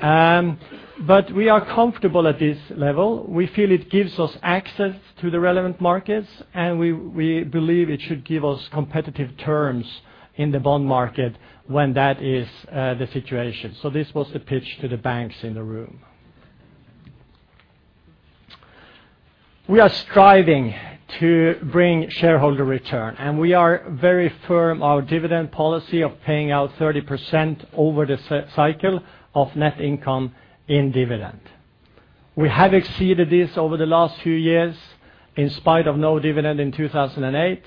We are comfortable at this level. We feel it gives us access to the relevant markets, and we believe it should give us competitive terms in the bond market when that is the situation. This was the pitch to the banks in the room. We are striving to bring shareholder return, and we are very firm on our dividend policy of paying out 30% over the cycle of net income in dividend. We have exceeded this over the last few years in spite of no dividend in 2008.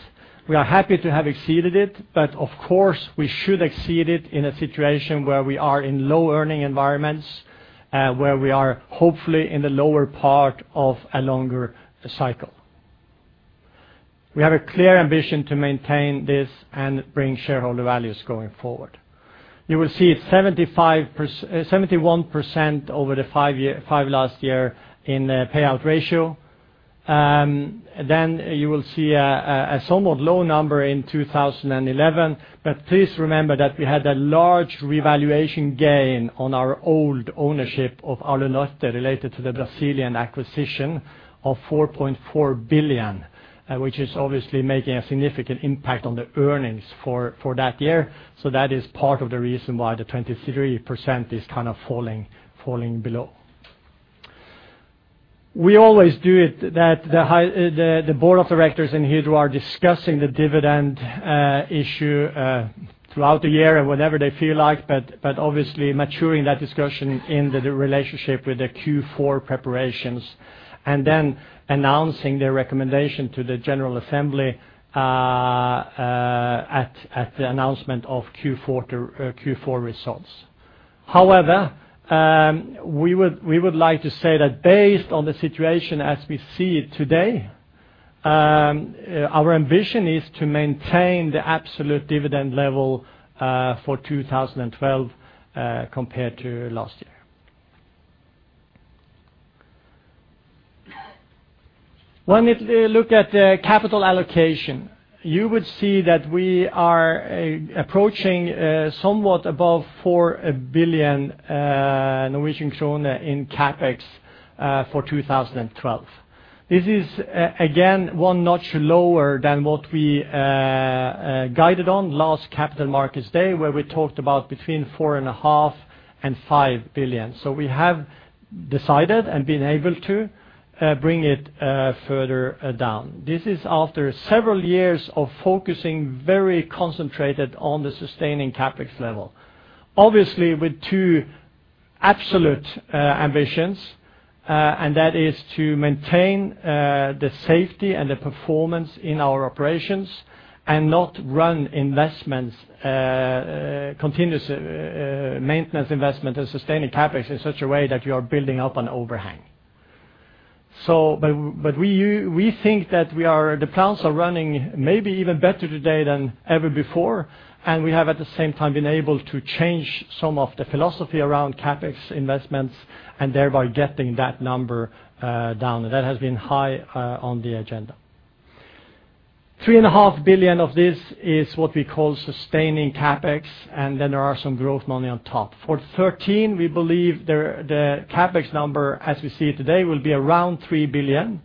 We are happy to have exceeded it, but of course, we should exceed it in a situation where we are in low earning environments, where we are hopefully in the lower part of a longer cycle. We have a clear ambition to maintain this and bring shareholder values going forward. You will see 75% -- 71% over the last five years in the payout ratio. You will see a somewhat low number in 2011. Please remember that we had a large revaluation gain on our old ownership of Alunorte related to the Brazilian acquisition of 4.4 billion, which is obviously making a significant impact on the earnings for that year. That is part of the reason why the 23% is kind of falling below. We always do it that the Board of Directors in Hydro are discussing the dividend issue throughout the year and whenever they feel like, but obviously maturing that discussion in relation to the Q4 preparations and then announcing their recommendation to the general assembly at the announcement of the Q4 results. However, we would like to say that based on the situation as we see it today, our ambition is to maintain the absolute dividend level for 2012 compared to last year. When we look at the capital allocation, you would see that we are approaching somewhat above 4 billion Norwegian krone in CapEx for 2012. This is again one notch lower than what we guided on last Capital Markets Day, where we talked about between 4.5 billion and 5 billion. We have decided and been able to bring it further down. This is after several years of focusing very concentrated on the sustaining CapEx level. Obviously, with two absolute ambitions, and that is to maintain the safety and the performance in our operations and not run investments continuous maintenance investment and sustaining CapEx in such a way that you are building up an overhang. We think that the plants are running maybe even better today than ever before, and we have at the same time been able to change some of the philosophy around CapEx investments and thereby getting that number down. That has been high on the agenda. 3.5 billion of this is what we call sustaining CapEx, and then there are some growth money on top. For 2013, we believe the CapEx number as we see it today will be around 3 billion.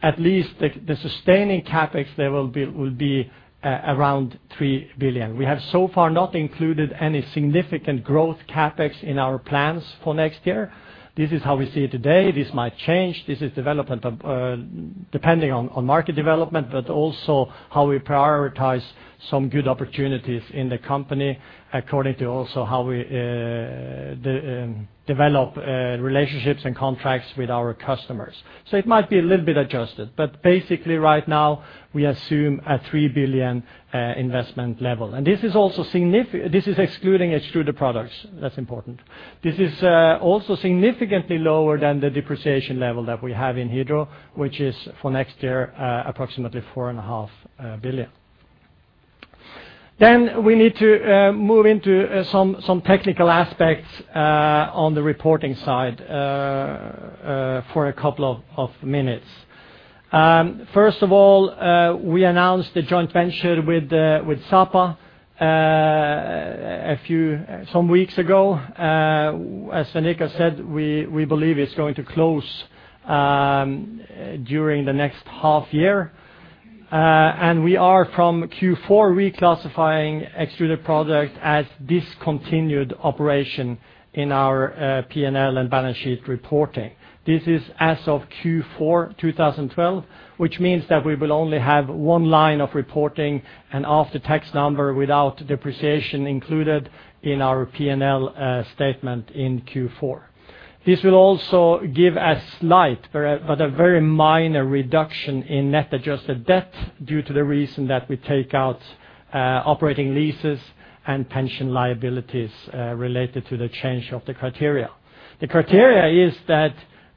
At least the sustaining CapEx level will be around 3 billion. We have so far not included any significant growth CapEx in our plans for next year. This is how we see it today. This might change. This is dependent on market development, but also how we prioritize some good opportunities in the company according to also how we develop relationships and contracts with our customers. It might be a little bit adjusted, but basically right now we assume a 3 billion investment level. This is excluding Extruded Products. That's important. This is also significantly lower than the depreciation level that we have in Hydro, which is for next year, approximately 4.5 billion. We need to move into some technical aspects on the reporting side for a couple of minutes. First of all, we announced a joint venture with Sapa some weeks ago. As Annica said, we believe it's going to close during the next half year. We are from Q4 reclassifying Extruded Products as discontinued operation in our P&L and balance sheet reporting. This is as of Q4 2012, which means that we will only have one line of reporting an after-tax number without depreciation included in our P&L statement in Q4. This will also give a slight but very minor reduction in net adjusted debt due to the reason that we take out operating leases and pension liabilities related to the change of the criteria. The criteria is that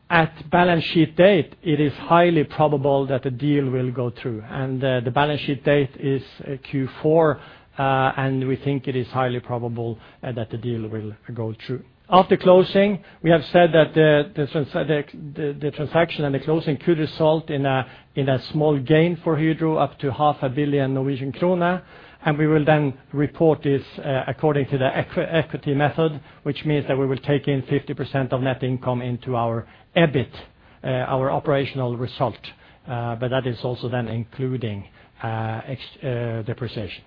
at balance sheet date, it is highly probable that the deal will go through, and the balance sheet date is Q4. We think it is highly probable that the deal will go through. After closing, we have said that the transaction and the closing could result in a small gain for Hydro, up to 500 million Norwegian krone, and we will then report this according to the equity method, which means that we will take in 50% of net income into our EBIT, our operational result, but that is also then including, e.g., depreciation.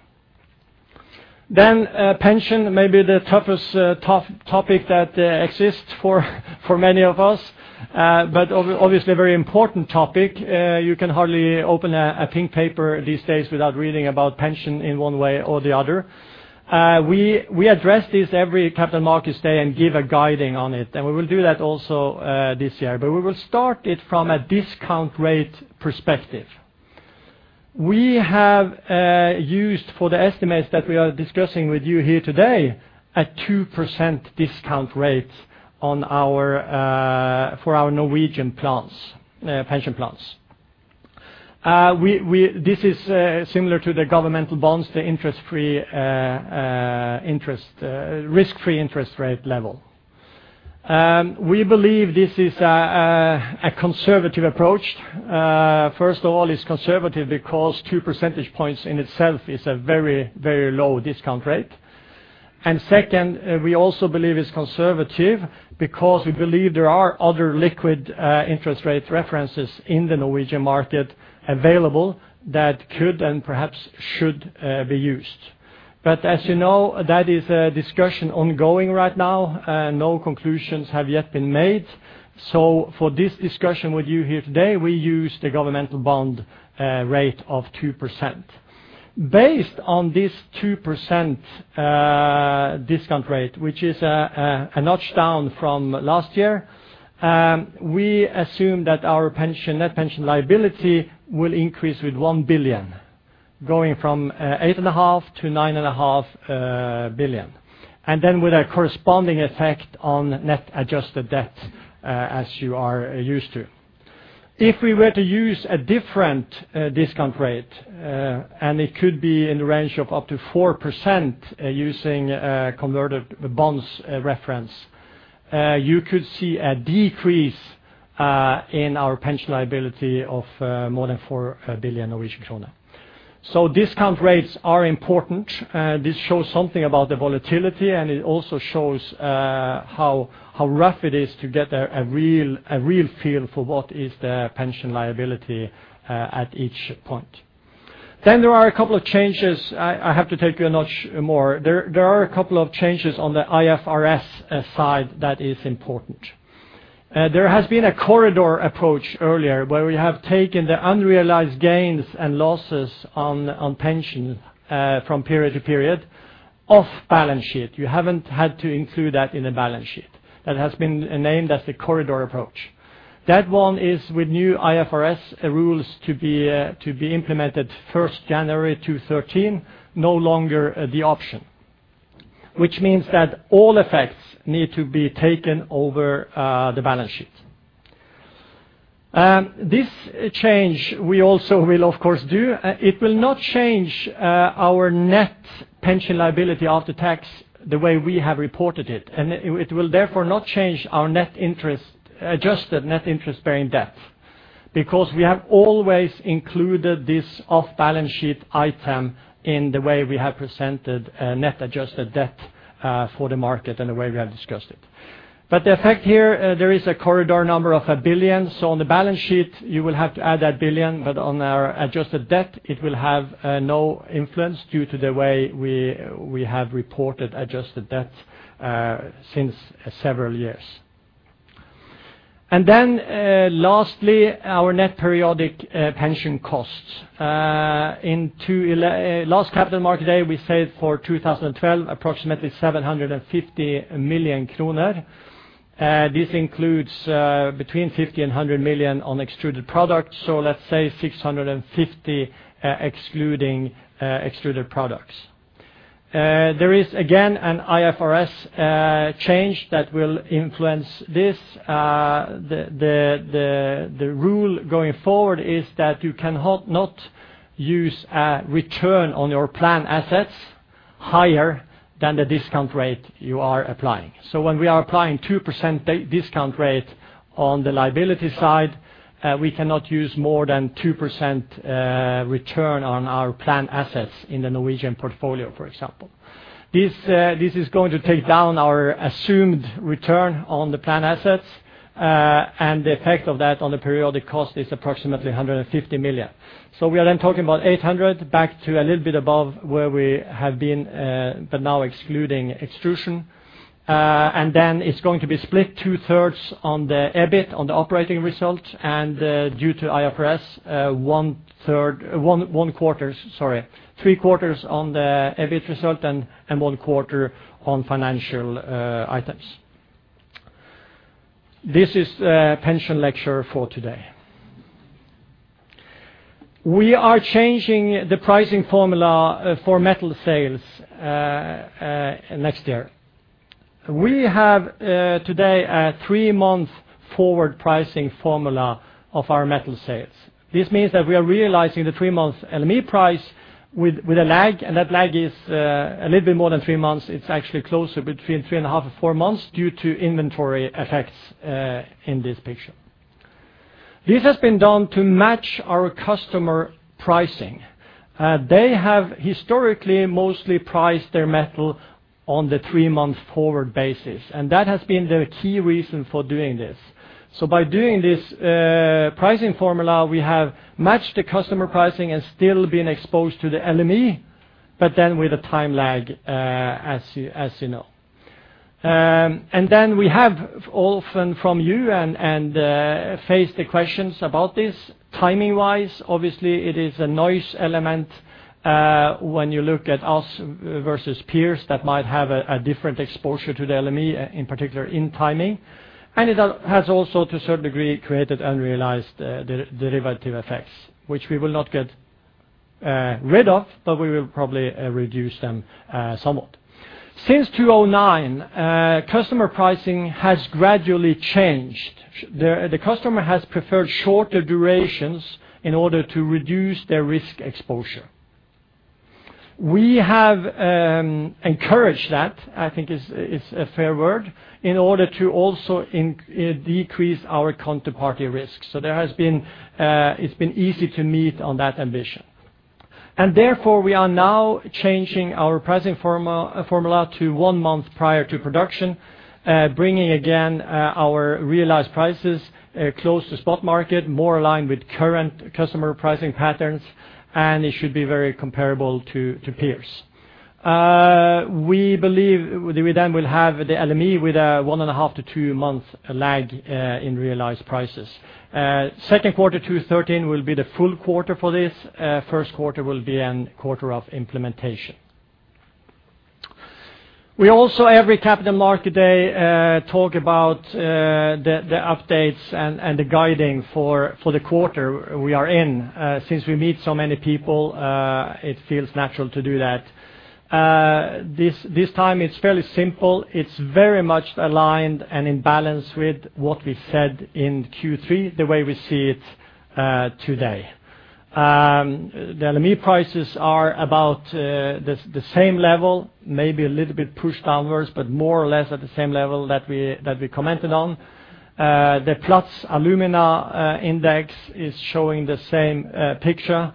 Pension may be the toughest top topic that exists for many of us, but obviously a very important topic. You can hardly open a pink paper these days without reading about pension in one way or the other. We address this every Capital Markets Day and give guidance on it, and we will do that also this year. We will start it from a discount rate perspective. We have used for the estimates that we are discussing with you here today a 2% discount rate for our Norwegian pension plans. This is similar to the government bonds, the risk-free interest rate level. We believe this is a conservative approach. First of all, it's conservative because 2 percentage points in itself is a very, very low discount rate. Second, we also believe it's conservative because we believe there are other liquid interest rate references in the Norwegian market available that could and perhaps should be used. As you know, that is a discussion ongoing right now, and no conclusions have yet been made. For this discussion with you here today, we use the government bond rate of 2%. Based on this 2% discount rate, which is a notch down from last year, we assume that our pension net pension liability will increase with 1 billion, going from 8.5 billion to 9.5 billion. With a corresponding effect on net adjusted debt, as you are used to. If we were to use a different discount rate, and it could be in the range of up to 4%, using a covered bonds reference, you could see a decrease in our pension liability of more than 4 billion Norwegian kroner. Discount rates are important. This shows something about the volatility, and it also shows how rough it is to get a real feel for what is the pension liability at each point. There are a couple of changes. I have to take you a notch more. There are a couple of changes on the IFRS side that is important. There has been a corridor approach earlier where we have taken the unrealized gains and losses on pension from period to period off balance sheet. You haven't had to include that in the balance sheet. That has been named as the corridor approach. That one is with new IFRS rules to be implemented 1st January 2013, no longer the option. Which means that all effects need to be taken over the balance sheet. This change we also will of course do. It will not change our net pension liability after tax the way we have reported it, and it will therefore not change our net interest, adjusted net interest-bearing debt. Because we have always included this off-balance sheet item in the way we have presented net adjusted debt for the market and the way we have discussed it. The effect here, there is a corridor number of 1 billion. So on the balance sheet, you will have to add that billion, but on our adjusted debt, it will have no influence due to the way we have reported adjusted debt since several years. Lastly, our net periodic pension costs. Last Capital Markets Day, we said for 2012 approximately 750 million kroner. This includes between 50 million and 100 million on Extruded Products, so let's say 650 million, excluding Extruded Products. There is again an IFRS change that will influence this. The rule going forward is that you can not use a return on your plan assets higher than the discount rate you are applying. When we are applying 2% discount rate on the liability side, we cannot use more than 2% return on our plan assets in the Norwegian portfolio, for example. This is going to take down our assumed return on the plan assets, and the effect of that on the periodic cost is approximately 150 million. We are then talking about 800 back to a little bit above where we have been, but now excluding extrusion. It's going to be split 2/3 on the EBIT, on the operating result, and due to IFRS, sorry, three quarters on the EBIT result and one quarter on financial items. This is the pension lecture for today. We are changing the pricing formula for metal sales next year. We have today a three-month forward pricing formula of our metal sales. This means that we are realizing the three months LME price with a lag, and that lag is a little bit more than three months. It's actually closer between three and a half to four months due to inventory effects in this picture. This has been done to match our customer pricing. They have historically mostly priced their metal on the three-month forward basis, and that has been the key reason for doing this. By doing this pricing formula, we have matched the customer pricing and still been exposed to the LME, but then with a time lag, as you know. We have often heard from you and faced the questions about this timing-wise. Obviously, it is a noise element when you look at us versus peers that might have a different exposure to the LME in particular in timing. It has also to a certain degree created unrealized derivative effects, which we will not get rid of, but we will probably reduce them somewhat. Since 2009, customer pricing has gradually changed. The customer has preferred shorter durations in order to reduce their risk exposure. We have encouraged that, I think is a fair word, in order to also decrease our counterparty risk. There has been, it's been easy to meet on that ambition. Therefore, we are now changing our pricing formula to one month prior to production, bringing again our realized prices close to spot market, more aligned with current customer pricing patterns, and it should be very comparable to peers. We believe we then will have the LME with a 1.5-2 months lag in realized prices. Second quarter 2013 will be the full quarter for this. First quarter will be a quarter of implementation. We also every Capital Markets Day talk about the updates and the guidance for the quarter we are in. Since we meet so many people, it feels natural to do that. This time it's fairly simple. It's very much aligned and in balance with what we said in Q3, the way we see it today. The LME prices are about the same level, maybe a little bit pushed downwards, but more or less at the same level that we commented on. The Platts alumina index is showing the same picture.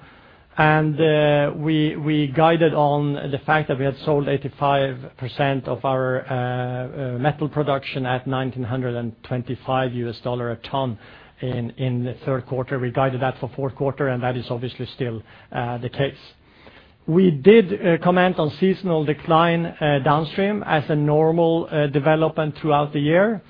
We guided on the fact that we had sold 85% of our metal production at $1,925 a ton in the third quarter. We guided that for fourth quarter, and that is obviously still the case. We did comment on seasonal decline downstream as a normal development throughout the year.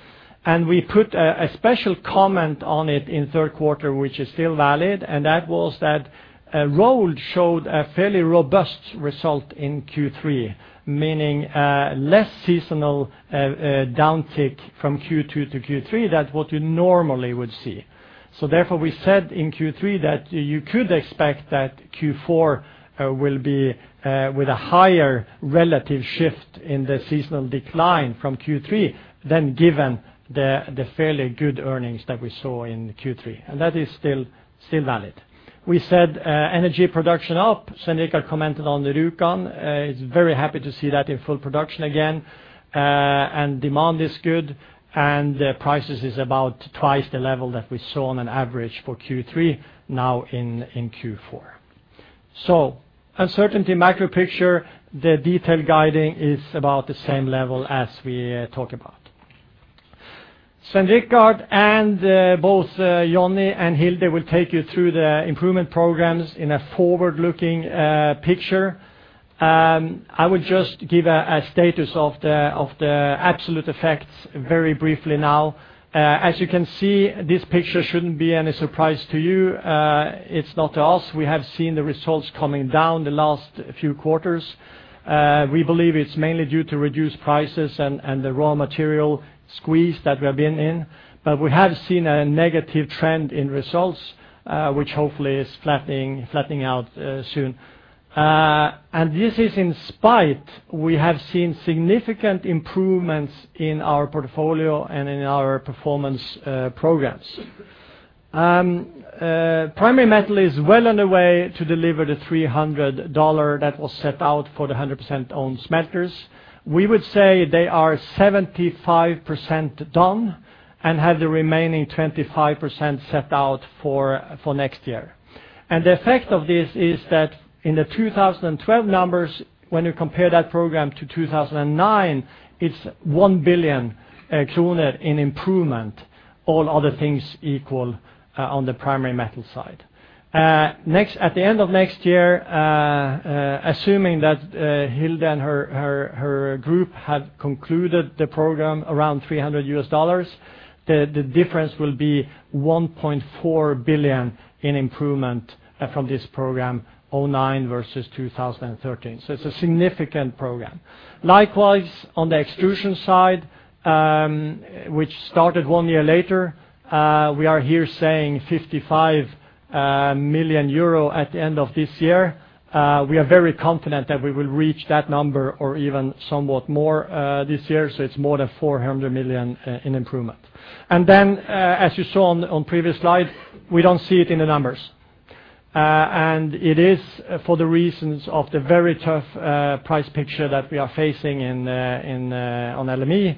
We put a special comment on it in third quarter, which is still valid, and that was that Rolled showed a fairly robust result in Q3, meaning less seasonal downtick from Q2 to Q3 than what you normally would see. Therefore, we said in Q3 that you could expect that Q4 will be with a higher relative shift in the seasonal decline from Q3 than given the fairly good earnings that we saw in Q3. That is still valid. We said energy production up. Svein Richard commented on the Rjukan. He's very happy to see that in full production again. Demand is good, and the prices is about twice the level that we saw on average for Q3 now in Q4. Uncertain macro picture, the detailed guidance is about the same level as we talk about. Svein Richard and both Johnny and Hilde will take you through the improvement programs in a forward-looking picture. I would just give a status of the absolute effects very briefly now. As you can see, this picture shouldn't be any surprise to you. It's not to us. We have seen the results coming down the last few quarters. We believe it's mainly due to reduced prices and the raw material squeeze that we have been in. We have seen a negative trend in results, which hopefully is flattening out soon. This is in spite we have seen significant improvements in our portfolio and in our performance programs. Primary Metal is well on the way to deliver the $300 that was set out for the 100% owned smelters. We would say they are 75% done and have the remaining 25% set out for next year. The effect of this is that in the 2012 numbers, when you compare that program to 2009, it's 1 billion kroner in improvement, all other things equal, on the Primary Metal side. Next, at the end of next year, assuming that Hilde and her group have concluded the program around $300, the difference will be $1.4 billion in improvement from this program, 2009 versus 2013. It's a significant program. Likewise, on the extrusion side, which started one year later, we are here saying 55 million euro at the end of this year. We are very confident that we will reach that number or even somewhat more this year. It's more than 400 million in improvement. Then, as you saw on previous slide, we don't see it in the numbers. It is for the reasons of the very tough price picture that we are facing in on LME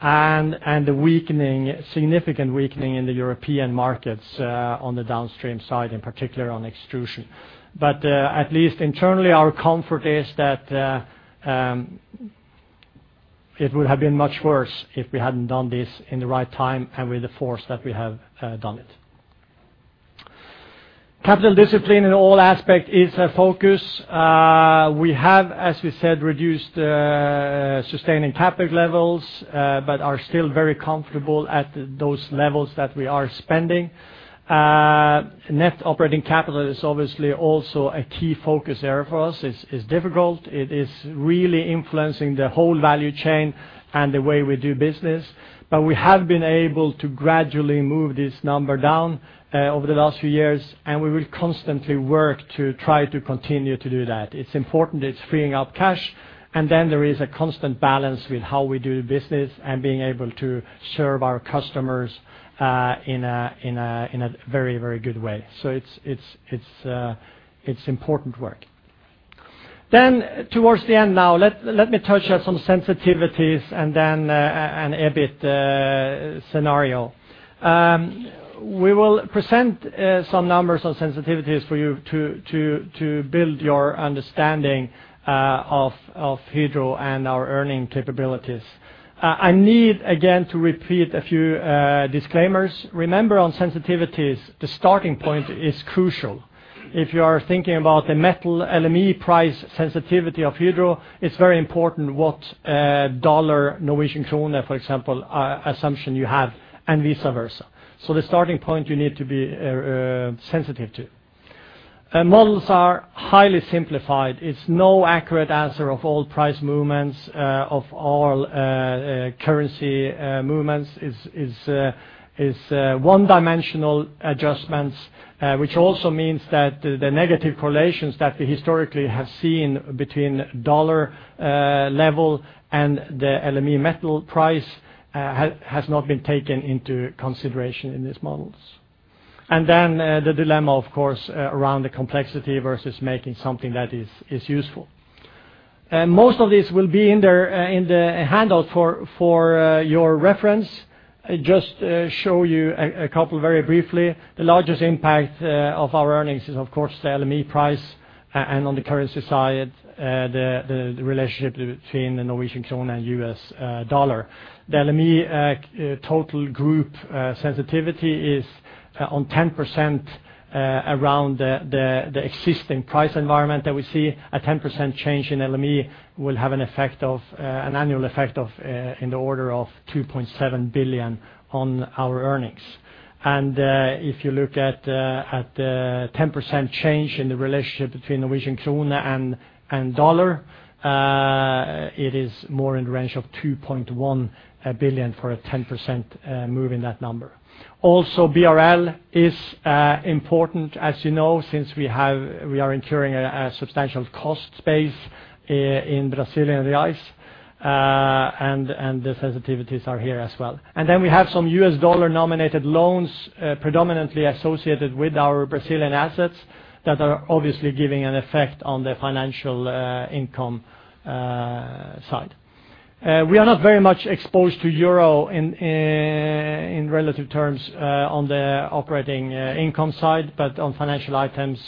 and the weakening, significant weakening in the European markets on the downstream side, in particular on extrusion. At least internally, our comfort is that it would have been much worse if we hadn't done this in the right time and with the force that we have done it. Capital discipline in all aspect is a focus. We have, as we said, reduced sustaining CapEx levels but are still very comfortable at those levels that we are spending. Net operating capital is obviously also a key focus area for us. It's difficult. It is really influencing the whole value chain and the way we do business. We have been able to gradually move this number down over the last few years, and we will constantly work to try to continue to do that. It's important, it's freeing up cash, and then there is a constant balance with how we do business and being able to serve our customers in a very, very good way. It's important work. Let me touch on some sensitivities and then an EBIT scenario. We will present some numbers on sensitivities for you to build your understanding of Hydro and our earning capabilities. I need again to repeat a few disclaimers. Remember, on sensitivities, the starting point is crucial. If you are thinking about the metal LME price sensitivity of Hydro, it's very important what dollar Norwegian krone, for example, assumption you have, and vice versa. The starting point you need to be sensitive to. Models are highly simplified. It's not an accurate answer of all price movements, of all currency movements. It's one-dimensional adjustments, which also means that the negative correlations that we historically have seen between dollar level and the LME metal price has not been taken into consideration in these models. The dilemma of course around the complexity versus making something that is useful. Most of these will be in the handout for your reference. I just show you a couple very briefly. The largest impact of our earnings is of course the LME price, and on the currency side, the relationship between the Norwegian krone and U.S. dollar. The LME total group sensitivity is on 10% around the existing price environment that we see. A 10% change in LME will have an annual effect of in the order of 2.7 billion on our earnings. If you look at the 10% change in the relationship between Norwegian krone and dollar, it is more in the range of 2.1 billion for a 10% move in that number. BRL is important, as you know, since we are incurring a substantial cost base in Brazilian reais, and the sensitivities are here as well. We have some U.S. dollar-nominated loans, predominantly associated with our Brazilian assets that are obviously giving an effect on the financial income side. We are not very much exposed to euro in relative terms on the operating income side. On financial items,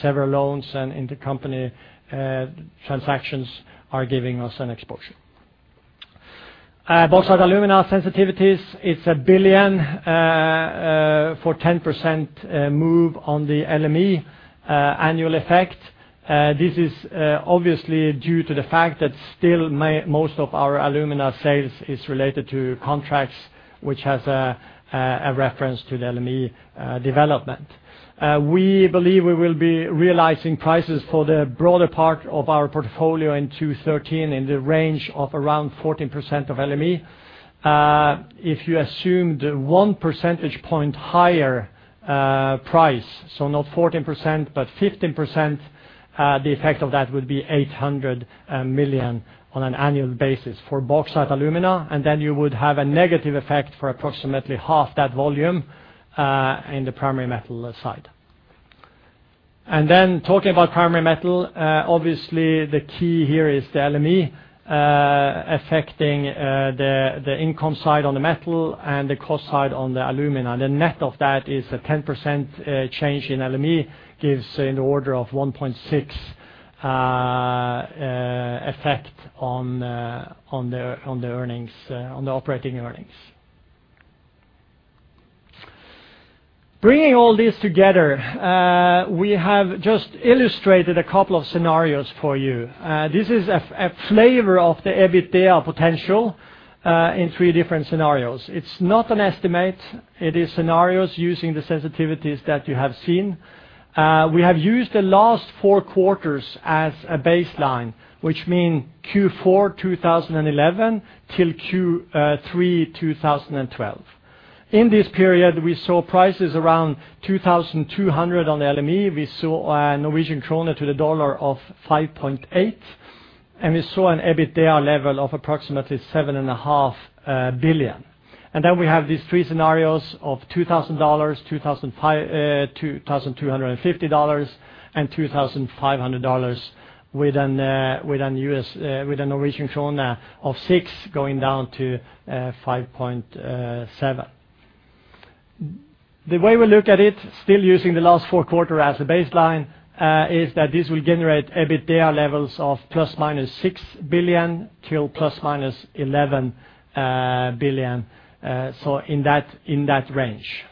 several loans and intercompany transactions are giving us an exposure. Bauxite & Alumina sensitivities, it's 1 billion for 10% move on the LME, annual effect. This is obviously due to the fact that still most of our alumina sales is related to contracts which has a reference to the LME development. We believe we will be realizing prices for the broader part of our portfolio in 2013 in the range of around 14% of LME. If you assume the one percentage point higher price, so not 14% but 15%, the effect of that would be 800 million on an annual basis for Bauxite & Alumina. You would have a negative effect for approximately half that volume in the Primary Metal side. Talking about Primary Metal, obviously the key here is the LME affecting the income side on the metal and the cost side on the alumina. The net of that is a 10% change in LME gives an order of 1.6 effect on the earnings on the operating earnings. Bringing all this together, we have just illustrated a couple of scenarios for you. This is a flavor of the EBITDA potential in three different scenarios. It's not an estimate. It is scenarios using the sensitivities that you have seen. We have used the last four quarters as a baseline, which mean Q4 2011 till Q3 2012. In this period, we saw prices around $2,200 on the LME. We saw a Norwegian krone to the dollar of 5.8. We saw an EBITDA level of approximately 7.5 billion. Then we have these three scenarios of $2,000, $2,250, and $2,500 with a U.S.D, with a Norwegian krone of 6 going down to 5.7. The way we look at it, still using the last four quarters as a baseline, is that this will generate EBITDA levels of ±6 billion to ±11 billion, so in that range.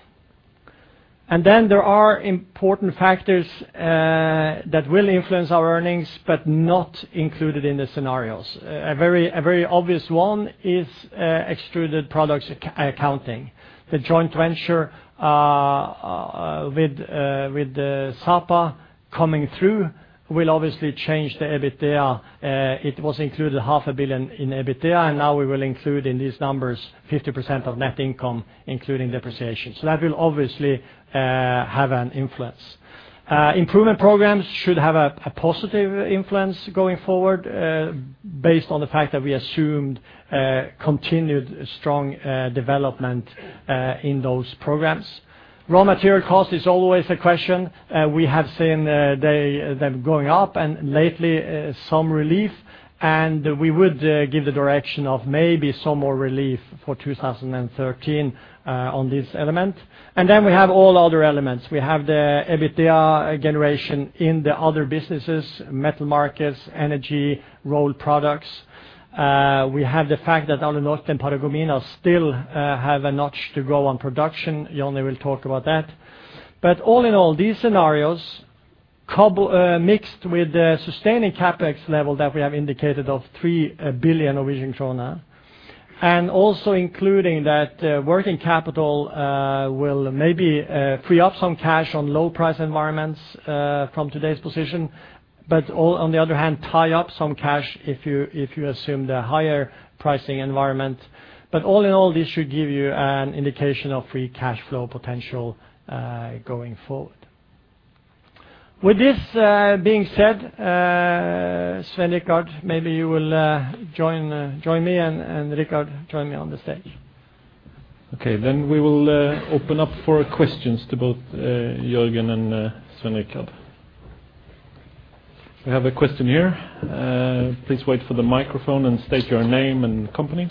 There are important factors that will influence our earnings but not included in the scenarios. A very obvious one is Extruded Products accounting. The joint venture with Sapa coming through will obviously change the EBITDA. It was included 500 million in EBITDA, and now we will include in these numbers 50% of net income, including depreciation. That will obviously have an influence. Improvement programs should have a positive influence going forward, based on the fact that we assumed continued strong development in those programs. Raw material cost is always a question. We have seen them going up and lately some relief. We would give the direction of maybe some more relief for 2013 on this element. Then we have all other elements. We have the EBITDA generation in the other businesses, Metal Markets, Energy, Rolled Products. We have the fact that Alunorte and Paragominas still have a notch to grow on production. Jon will talk about that. All in all, these scenarios combined with the sustaining CapEx level that we have indicated of 3 billion Norwegian krone, and also including that working capital will maybe free up some cash on low price environments from today's position. On the other hand, tie up some cash if you assume the higher pricing environment. All in all, this should give you an indication of free cash flow potential going forward. With this being said, Svein Richard, maybe you will join me, and Rikard, join me on the stage. Okay, we will open up for questions to both Jørgen and Svein Richard. We have a question here. Please wait for the microphone and state your name and company.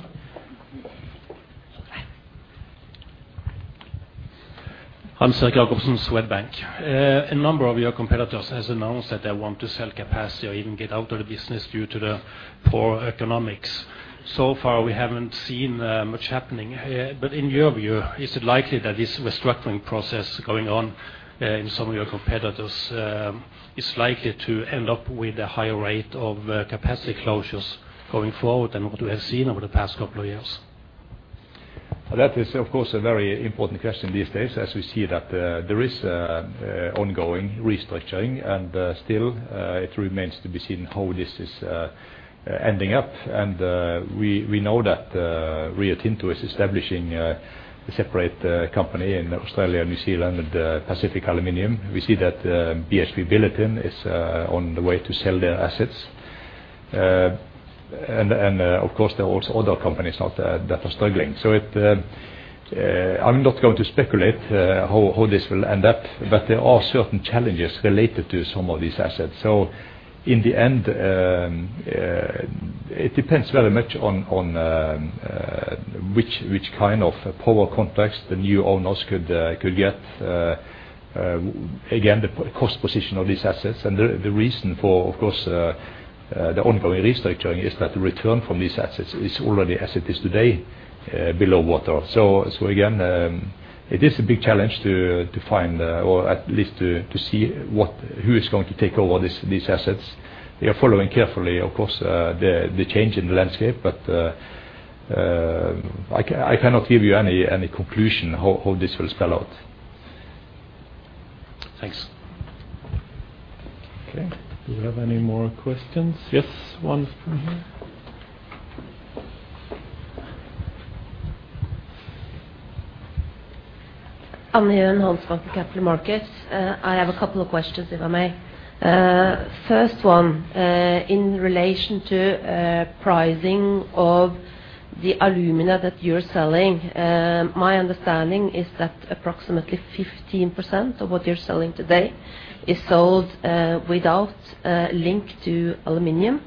Hans-Erik Jacobsen, Swedbank. A number of your competitors has announced that they want to sell capacity or even get out of the business due to the poor economics. So far, we haven't seen much happening. In your view, is it likely that this restructuring process going on in some of your competitors is likely to end up with a higher rate of capacity closures going forward than what we have seen over the past couple of years? That is of course a very important question these days as we see that there is ongoing restructuring, and still, it remains to be seen how this is ending up. We know that Rio Tinto is establishing a separate company in Australia and New Zealand with Pacific Aluminium. We see that BHP Billiton is on the way to sell their assets. Of course there are other companies out there that are struggling. It I'm not going to speculate how this will end up, but there are certain challenges related to some of these assets. In the end, it depends very much on which kind of power contracts the new owners could get. Again, the cost position of these assets and the reason for, of course, the ongoing restructuring is that the return from these assets is already as it is today below water. Again, it is a big challenge to find or at least to see who is going to take over these assets. We are following carefully, of course, the change in the landscape, but I cannot give you any conclusion how this will spell out. Thanks. Okay. Do we have any more questions? Yes. One from here. Anne-Helen Holtsmark from Capital Markets. I have a couple of questions, if I may. First one, in relation to pricing of the alumina that you're selling, my understanding is that approximately 15% of what you're selling today is sold without a link to aluminum.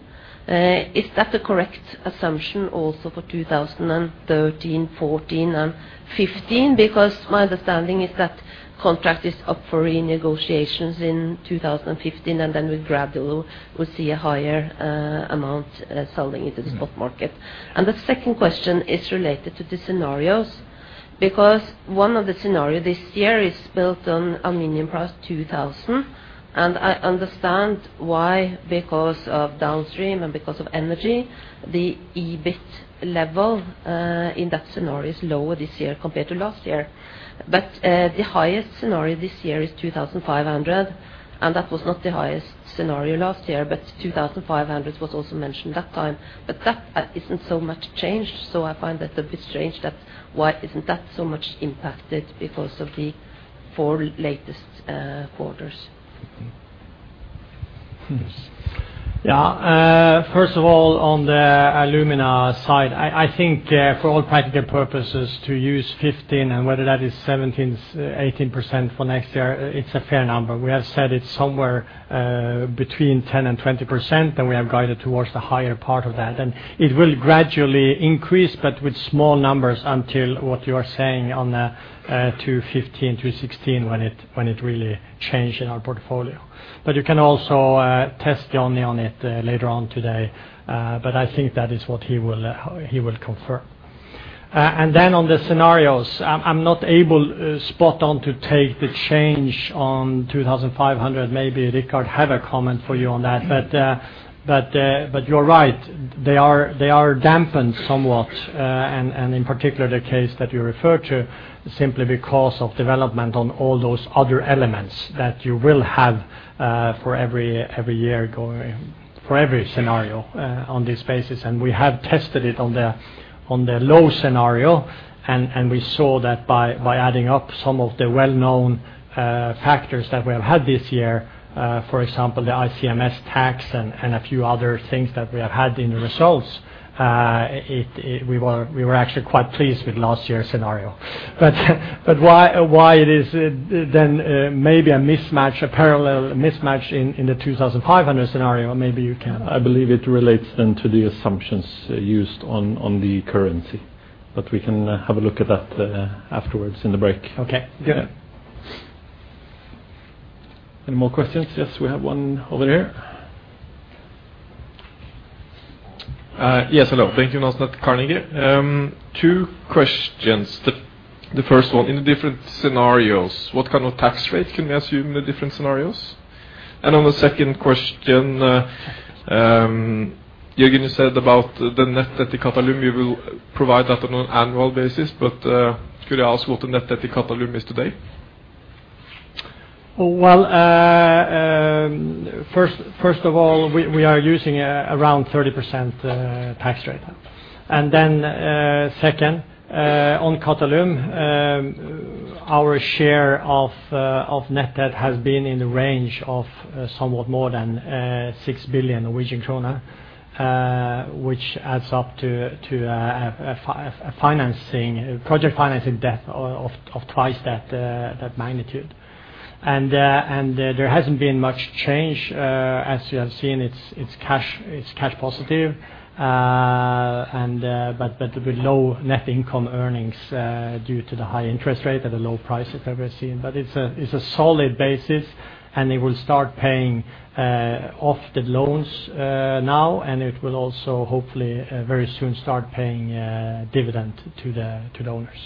Is that the correct assumption also for 2013, 2014, and 2015? Because my understanding is that contract is up for renegotiations in 2015, and then we gradually will see a higher amount selling into the spot market. The second question is related to the scenarios, because one of the scenario this year is built on aluminum price $2,000. I understand why, because of downstream and because of energy. The EBIT level in that scenario is lower this year compared to last year. The highest scenario this year is $2,500, and that was not the highest scenario last year, but $2,500 was also mentioned that time. That isn't so much changed, so I find that a bit strange that why isn't that so much impacted because of the four latest quarters? Mm-hmm. Yes. Yeah. First of all, on the alumina side, I think for all practical purposes to use 15% and whether that is 17%, 18% for next year, it's a fair number. We have said it's somewhere between 10%-20%, and we have guided towards the higher part of that. It will gradually increase, but with small numbers until what you are saying on 2015, 2016 when it really change in our portfolio. You can also test Johnny on it later on today. I think that is what he will confirm. Then on the scenarios, I'm not able spot on to take the change on 2,500. Maybe Richard have a comment for you on that. You're right. They are dampened somewhat, and in particular the case that you refer to simply because of development on all those other elements that you will have for every scenario on this basis. We have tested it on the low scenario. We saw that by adding up some of the well-known factors that we have had this year, for example, the ICMS tax and a few other things that we have had in the results, we were actually quite pleased with last year's scenario. But why it is then maybe a mismatch, a parallel mismatch in the 2,500 scenario, maybe you can- I believe it relates then to the assumptions used on the currency. We can have a look at that afterwards in the break. Okay, good. Any more questions? Yes, we have one over there. Yes. Hello. Bengt Jonassen, Carnegie. Two questions. The first one, in the different scenarios, what kind of tax rate can we assume in the different scenarios? On the second question, Jørgen, you said about the net debt to Qatalum, you will provide that on an annual basis. Could I ask what the net debt to Qatalum is today? Well, first of all, we are using around 30% tax rate. Second, on Qatalum, our share of net debt has been in the range of somewhat more than 6 billion Norwegian krone, which adds up to a financing, project financing debt of twice that magnitude. There hasn't been much change. As you have seen, it's cash positive. With low net income earnings due to the high interest rate at a low price we've ever seen. It's a solid basis, and it will start paying off the loans now, and it will also hopefully very soon start paying dividend to the owners.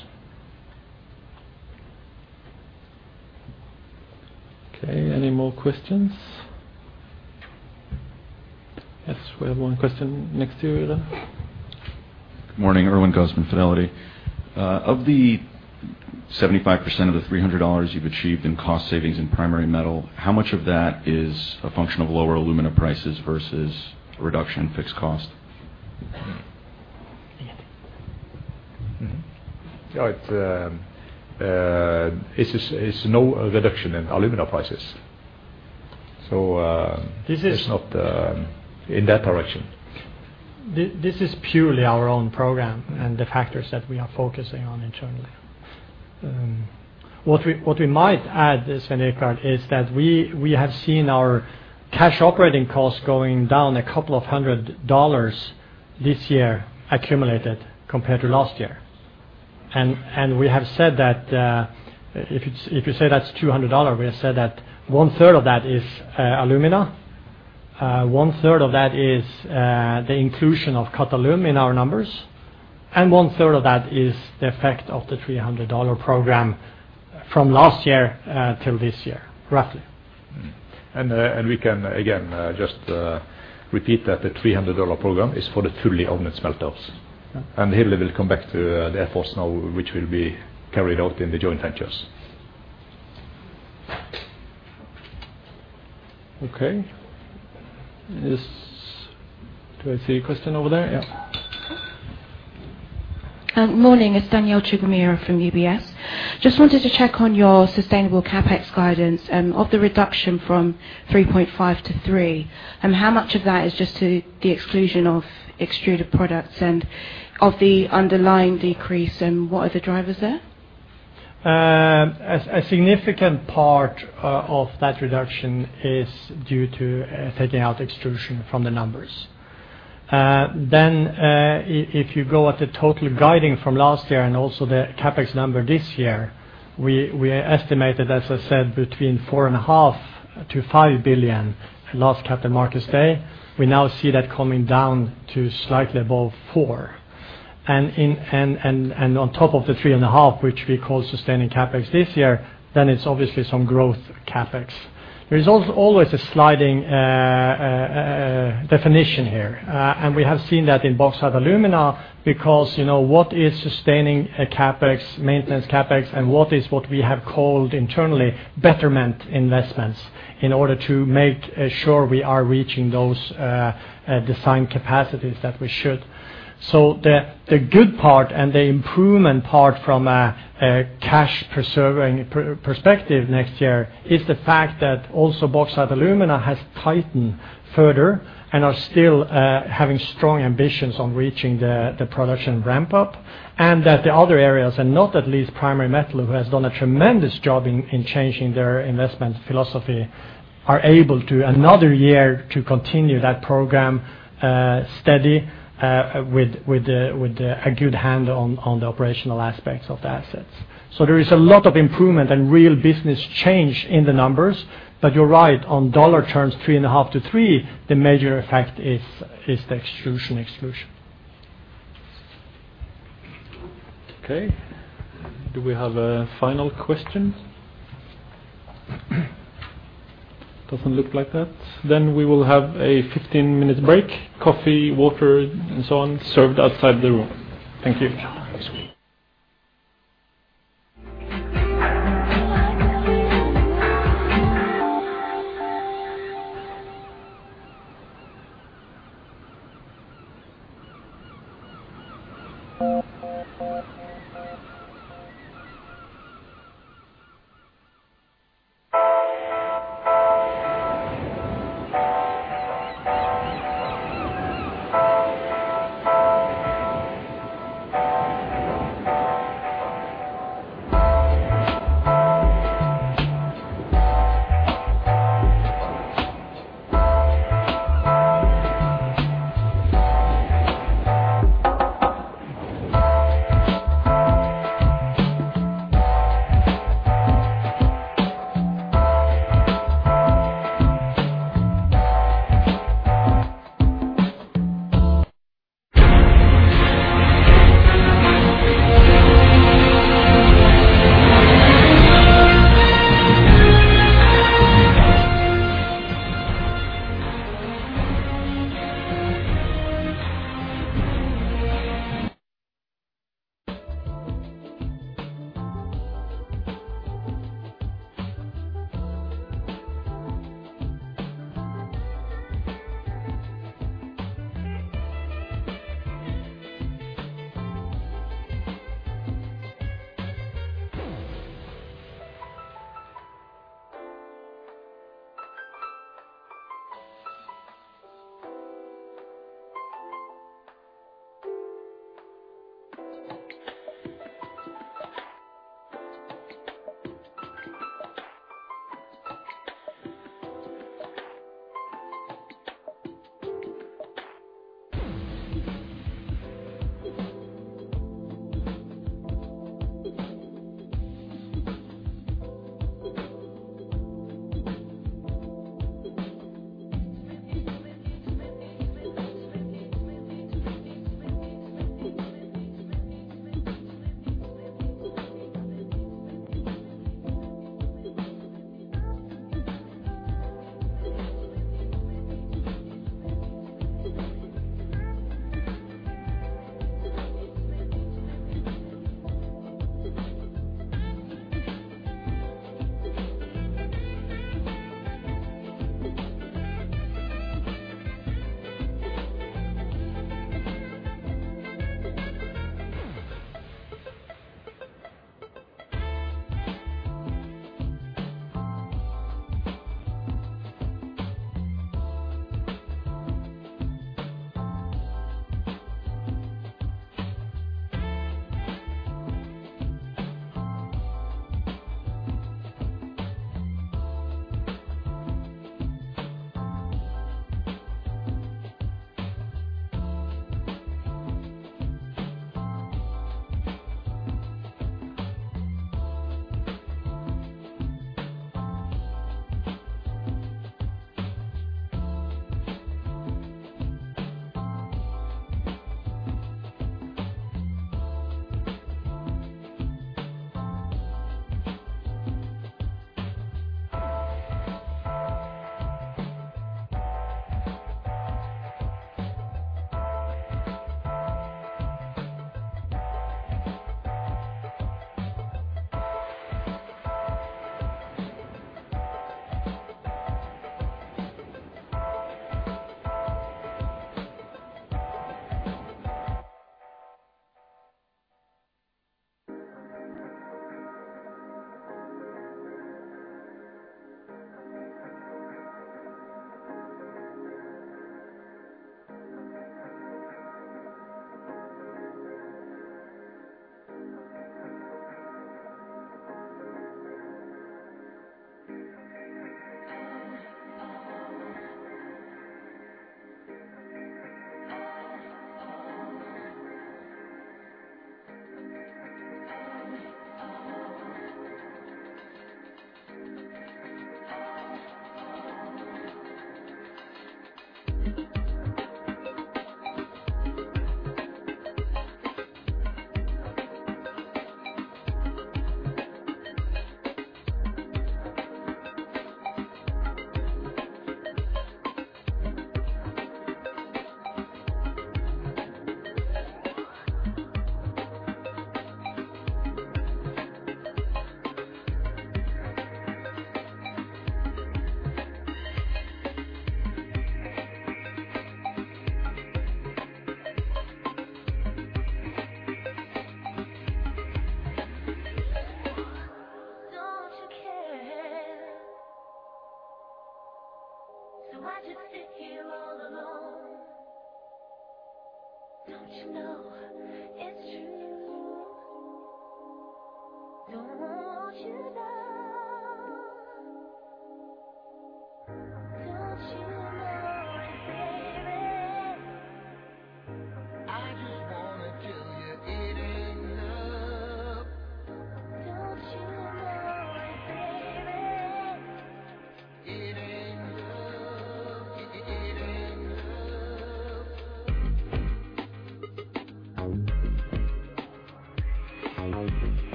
Okay, any more questions? Yes, we have one question next to you there. Good morning. Edwin Gomez from Fidelity. Of the 75% of the $300 you've achieved in cost savings in Primary Metal, how much of that is a function of lower alumina prices versus a reduction in fixed cost? Yeah. It's no reduction in alumina prices. So, uh- This is- It's not in that direction. This is purely our own program and the factors that we are focusing on internally. What we might add, Svein Richard, is that we have seen our cash operating costs going down $200 this year accumulated compared to last year. We have said that if you say that's $200, we have said that 1/3 of that is alumina, one-third of that is the inclusion of Qatalum in our numbers, and one-third of that is the effect of the $300 program from last year till this year, roughly. We can again just repeat that the $300 program is for the fully owned smelters. Yeah. Hilde will come back to the efforts now, which will be carried out in the joint ventures. Okay. Do I see a question over there? Yeah. Morning. It's Danielle Chigumira from UBS. Just wanted to check on your sustaining CapEx guidance of the reduction from 3.5 billion to 3 billion. How much of that is just to the exclusion of Extruded Products? And of the underlying decrease, what are the drivers there? A significant part of that reduction is due to taking out extrusion from the numbers. If you go at the total guiding from last year and also the CapEx number this year, we estimated, as I said, 4.5 billion-5 billion last Capital Markets Day. We now see that coming down to slightly above 4 billion. On top of the 3.5 billion, which we call sustaining CapEx this year, it's obviously some growth CapEx. There is always a sliding definition here, and we have seen that in Bauxite & Alumina because, you know, what is sustaining CapEx, maintenance CapEx, and what we have called internally betterment investments in order to make sure we are reaching those designed capacities that we should. The good part and the improvement part from a cash preserving perspective next year is the fact that also Bauxite & Alumina has tightened further and are still having strong ambitions on reaching the production ramp-up. That the other areas, and not least Primary Metal, who has done a tremendous job in changing their investment philosophy, are able another year to continue that program steady with a good handle on the operational aspects of the assets. There is a lot of improvement and real business change in the numbers. But you're right, on dollar terms, 3.5-3, the major effect is the extrusion exclusion. Okay. Do we have a final question? Doesn't look like that. We will have a 15-minute break. Coffee, water, and so on served outside the room. Thank you.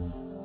That's good.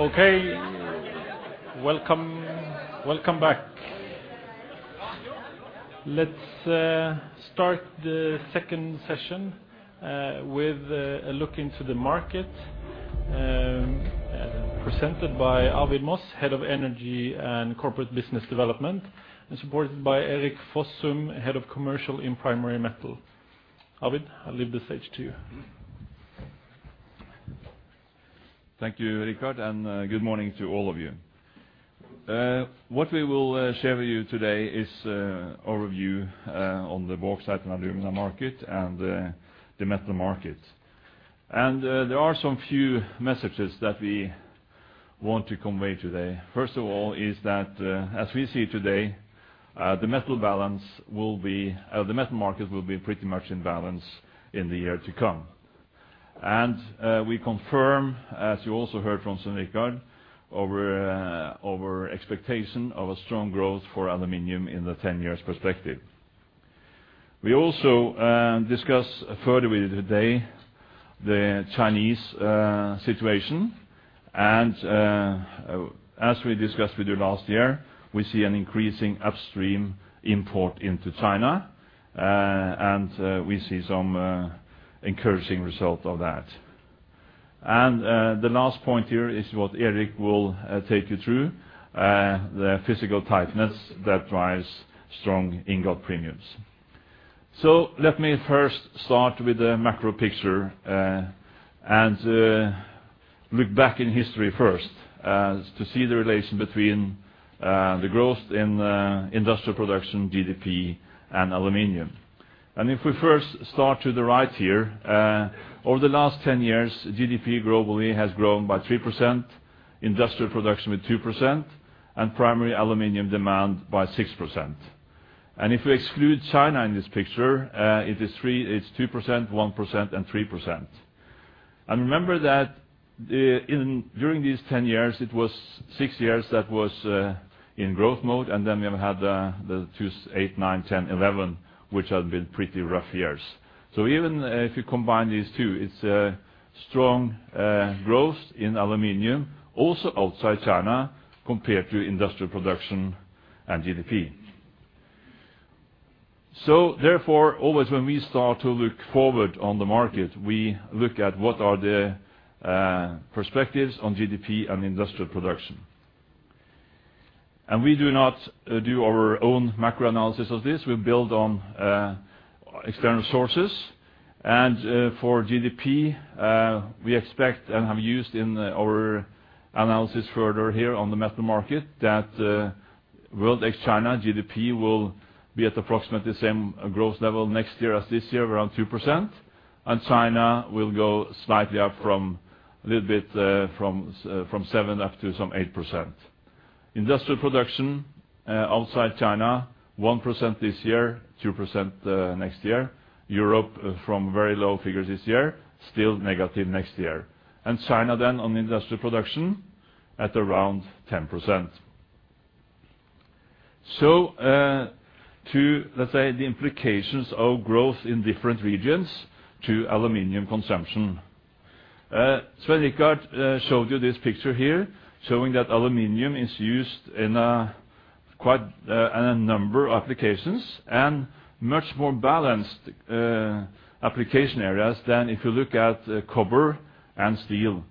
Okay. Welcome back. Let's start the second session with a look into the market, presented by Arvid Moss, Head of Energy and Corporate Business Development, and supported by Erik Fossum, Head of Commercial in Primary Metal. Arvid, I leave the stage to you. Thank you, Rikard, and good morning to all of you. What we will share with you today is our review on the Bauxite & Alumina market and the Metal Markets. There are some few messages that we want to convey today. First of all is that, as we see today, the metal balance will be or the metal market will be pretty much in balance in the year to come. We confirm, as you also heard from Svein Richard, our expectation of a strong growth for aluminum in the ten years perspective. We also discuss further with you today the Chinese situation. As we discussed with you last year, we see an increasing upstream import into China, and we see some encouraging result of that. The last point here is what Erik will take you through, the physical tightness that drives strong ingot premiums. Let me first start with the macro picture and look back in history first to see the relation between the growth in industrial production, GDP and aluminum. If we first start to the right here, over the last 10 years, GDP globally has grown by 3%, industrial production with 2%, and primary aluminum demand by 6%. If we exclude China in this picture, it is it's 2%, 1%, and 3%. Remember that during these 10 years, it was six years that was in growth mode, and then we have had the 2008, 2009, 2010, 2011, which have been pretty rough years. Even if you combine these two, it's a strong growth in aluminum, also outside China, compared to industrial production and GDP. Therefore, always when we start to look forward on the market, we look at what are the perspectives on GDP and industrial production. We do not do our own macro analysis of this. We build on external sources. For GDP, we expect and have used in our analysis further here on the Metal Markets that world ex-China GDP will be at approximately the same growth level next year as this year, around 2%, and China will go slightly up from 7% up to some 8%. Industrial production outside China, 1% this year, 2% next year. Europe, from very low figures this year, still negative next year. China then on industrial production at around 10%. To, let's say, the implications of growth in different regions to aluminum consumption. Svein Richard showed you this picture here, showing that aluminum is used in quite a number of applications and much more balanced application areas than if you look at copper and steel.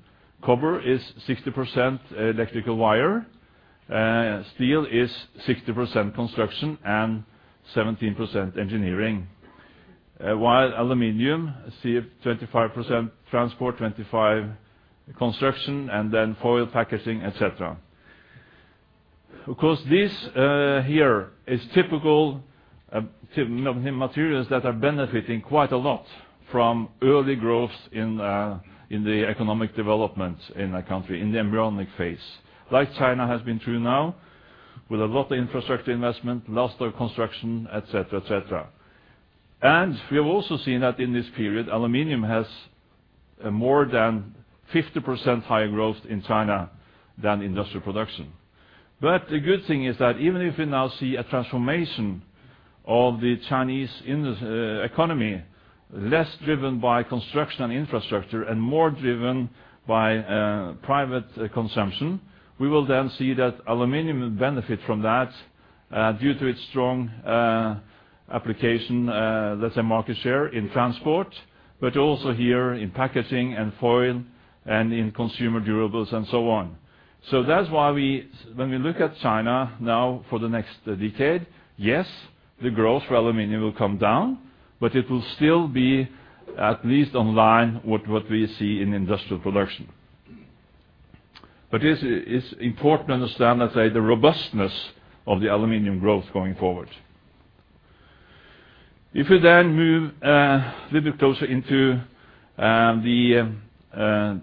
Copper is 60% electrical wire. Steel is 60% construction and 17% engineering. While aluminum, see 25% transport, 25% construction, and then foil packaging, et cetera. Of course, this here is typical materials that are benefiting quite a lot from early growth in the economic development in a country, in the embryonic phase, like China has been through now with a lot of infrastructure investment, lots of construction, et cetera. We have also seen that in this period, aluminum has a more than 50% higher growth in China than industrial production. The good thing is that even if we now see a transformation of the Chinese industrial economy, less driven by construction and infrastructure, and more driven by private consumption, we will then see that aluminum will benefit from that due to its strong application, let's say market share in transport, but also here in packaging, and foil, and in consumer durables, and so on. That's why when we look at China now for the next decade, yes, the growth for aluminum will come down, but it will still be at least in line with what we see in industrial production. This is important to understand, let's say, the robustness of the aluminum growth going forward. If we then move a little bit closer into the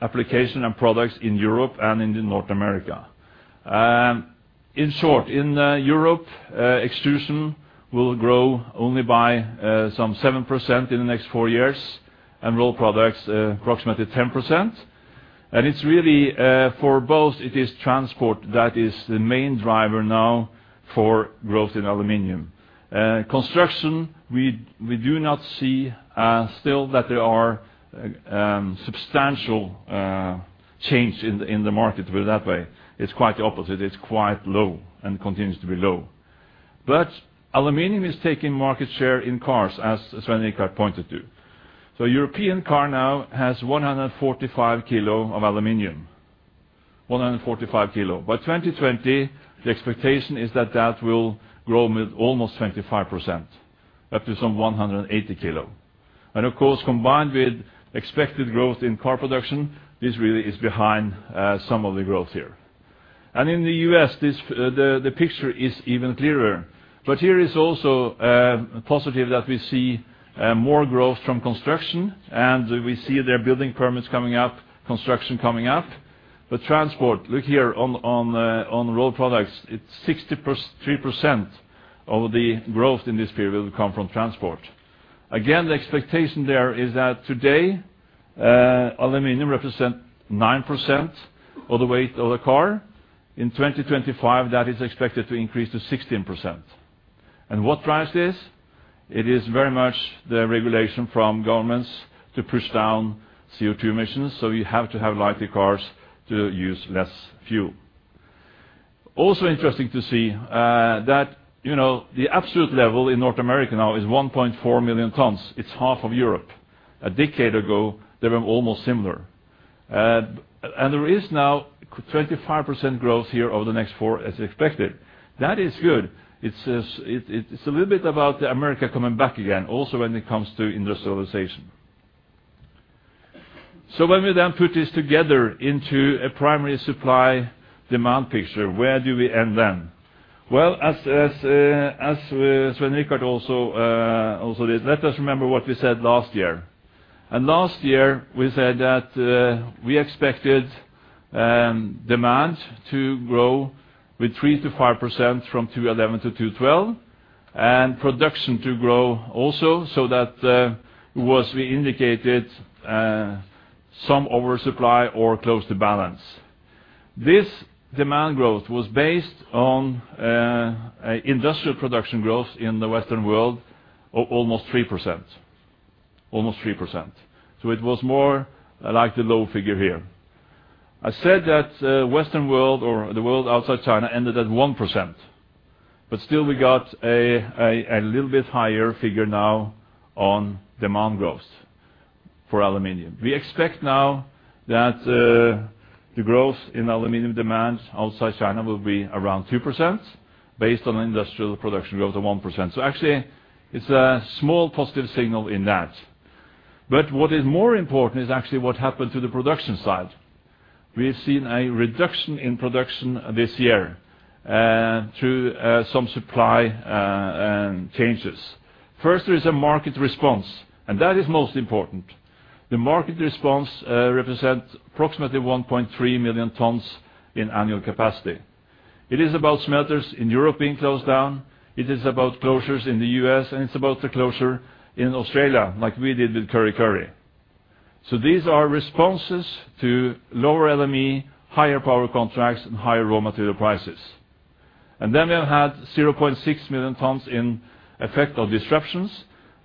application and products in Europe and in North America. In short, in Europe, extrusion will grow only by some 7% in the next four years, and Rolled Products approximately 10%. It's really for both it is transport that is the main driver now for growth in aluminum. Construction, we do not see still that there are substantial change in the market with that way. It's quite the opposite. It's quite low and continues to be low. Aluminum is taking market share in cars, as Svein Richard pointed to. A European car now has 145 kilos of aluminum. 145 kilos. By 2020, the expectation is that that will grow almost 25%, up to some 180 kilo. Of course, combined with expected growth in car production, this really is behind some of the growth here. In the U.S., the picture is even clearer. Here is also positive that we see more growth from construction, and we see their building permits coming up, construction coming up. Transport, look here on Rolled Products, it's 63% of the growth in this period will come from transport. Again, the expectation there is that today aluminum represent 9% of the weight of the car. In 2025, that is expected to increase to 16%. What drives this? It is very much the regulation from governments to push down CO2 emissions, so you have to have lighter cars to use less fuel. Also interesting to see that, you know, the absolute level in North America now is 1.4 million tons. It's half of Europe. A decade ago, they were almost similar. There is now 25% growth here over the next four as expected. That is good. It's a little bit about America coming back again, also when it comes to industrialization. When we then put this together into a primary supply demand picture, where do we end then? Well, as Svein Richard also did, let us remember what we said last year. Last year, we said that we expected demand to grow with 3%-5% from 2011 to 2012, and production to grow also, so that what we indicated, some oversupply or close to balance. This demand growth was based on industrial production growth in the Western world of almost 3%. It was more like the low figure here. I said that Western world or the world outside China ended at 1%, but still we got a little bit higher figure now on demand growth for aluminum. We expect now that the growth in aluminum demand outside China will be around 2% based on industrial production growth of 1%. Actually, it's a small positive signal in that. What is more important is actually what happened to the production side. We've seen a reduction in production this year through some supply changes. First, there is a market response, and that is most important. The market response represents approximately 1.3 million tons in annual capacity. It is about smelters in Europe being closed down. It is about closures in the U.S., and it's about the closure in Australia, like we did with Kurri Kurri. These are responses to lower LME, higher power contracts, and higher raw material prices. We have had 0.6 million tons in effect of disruptions.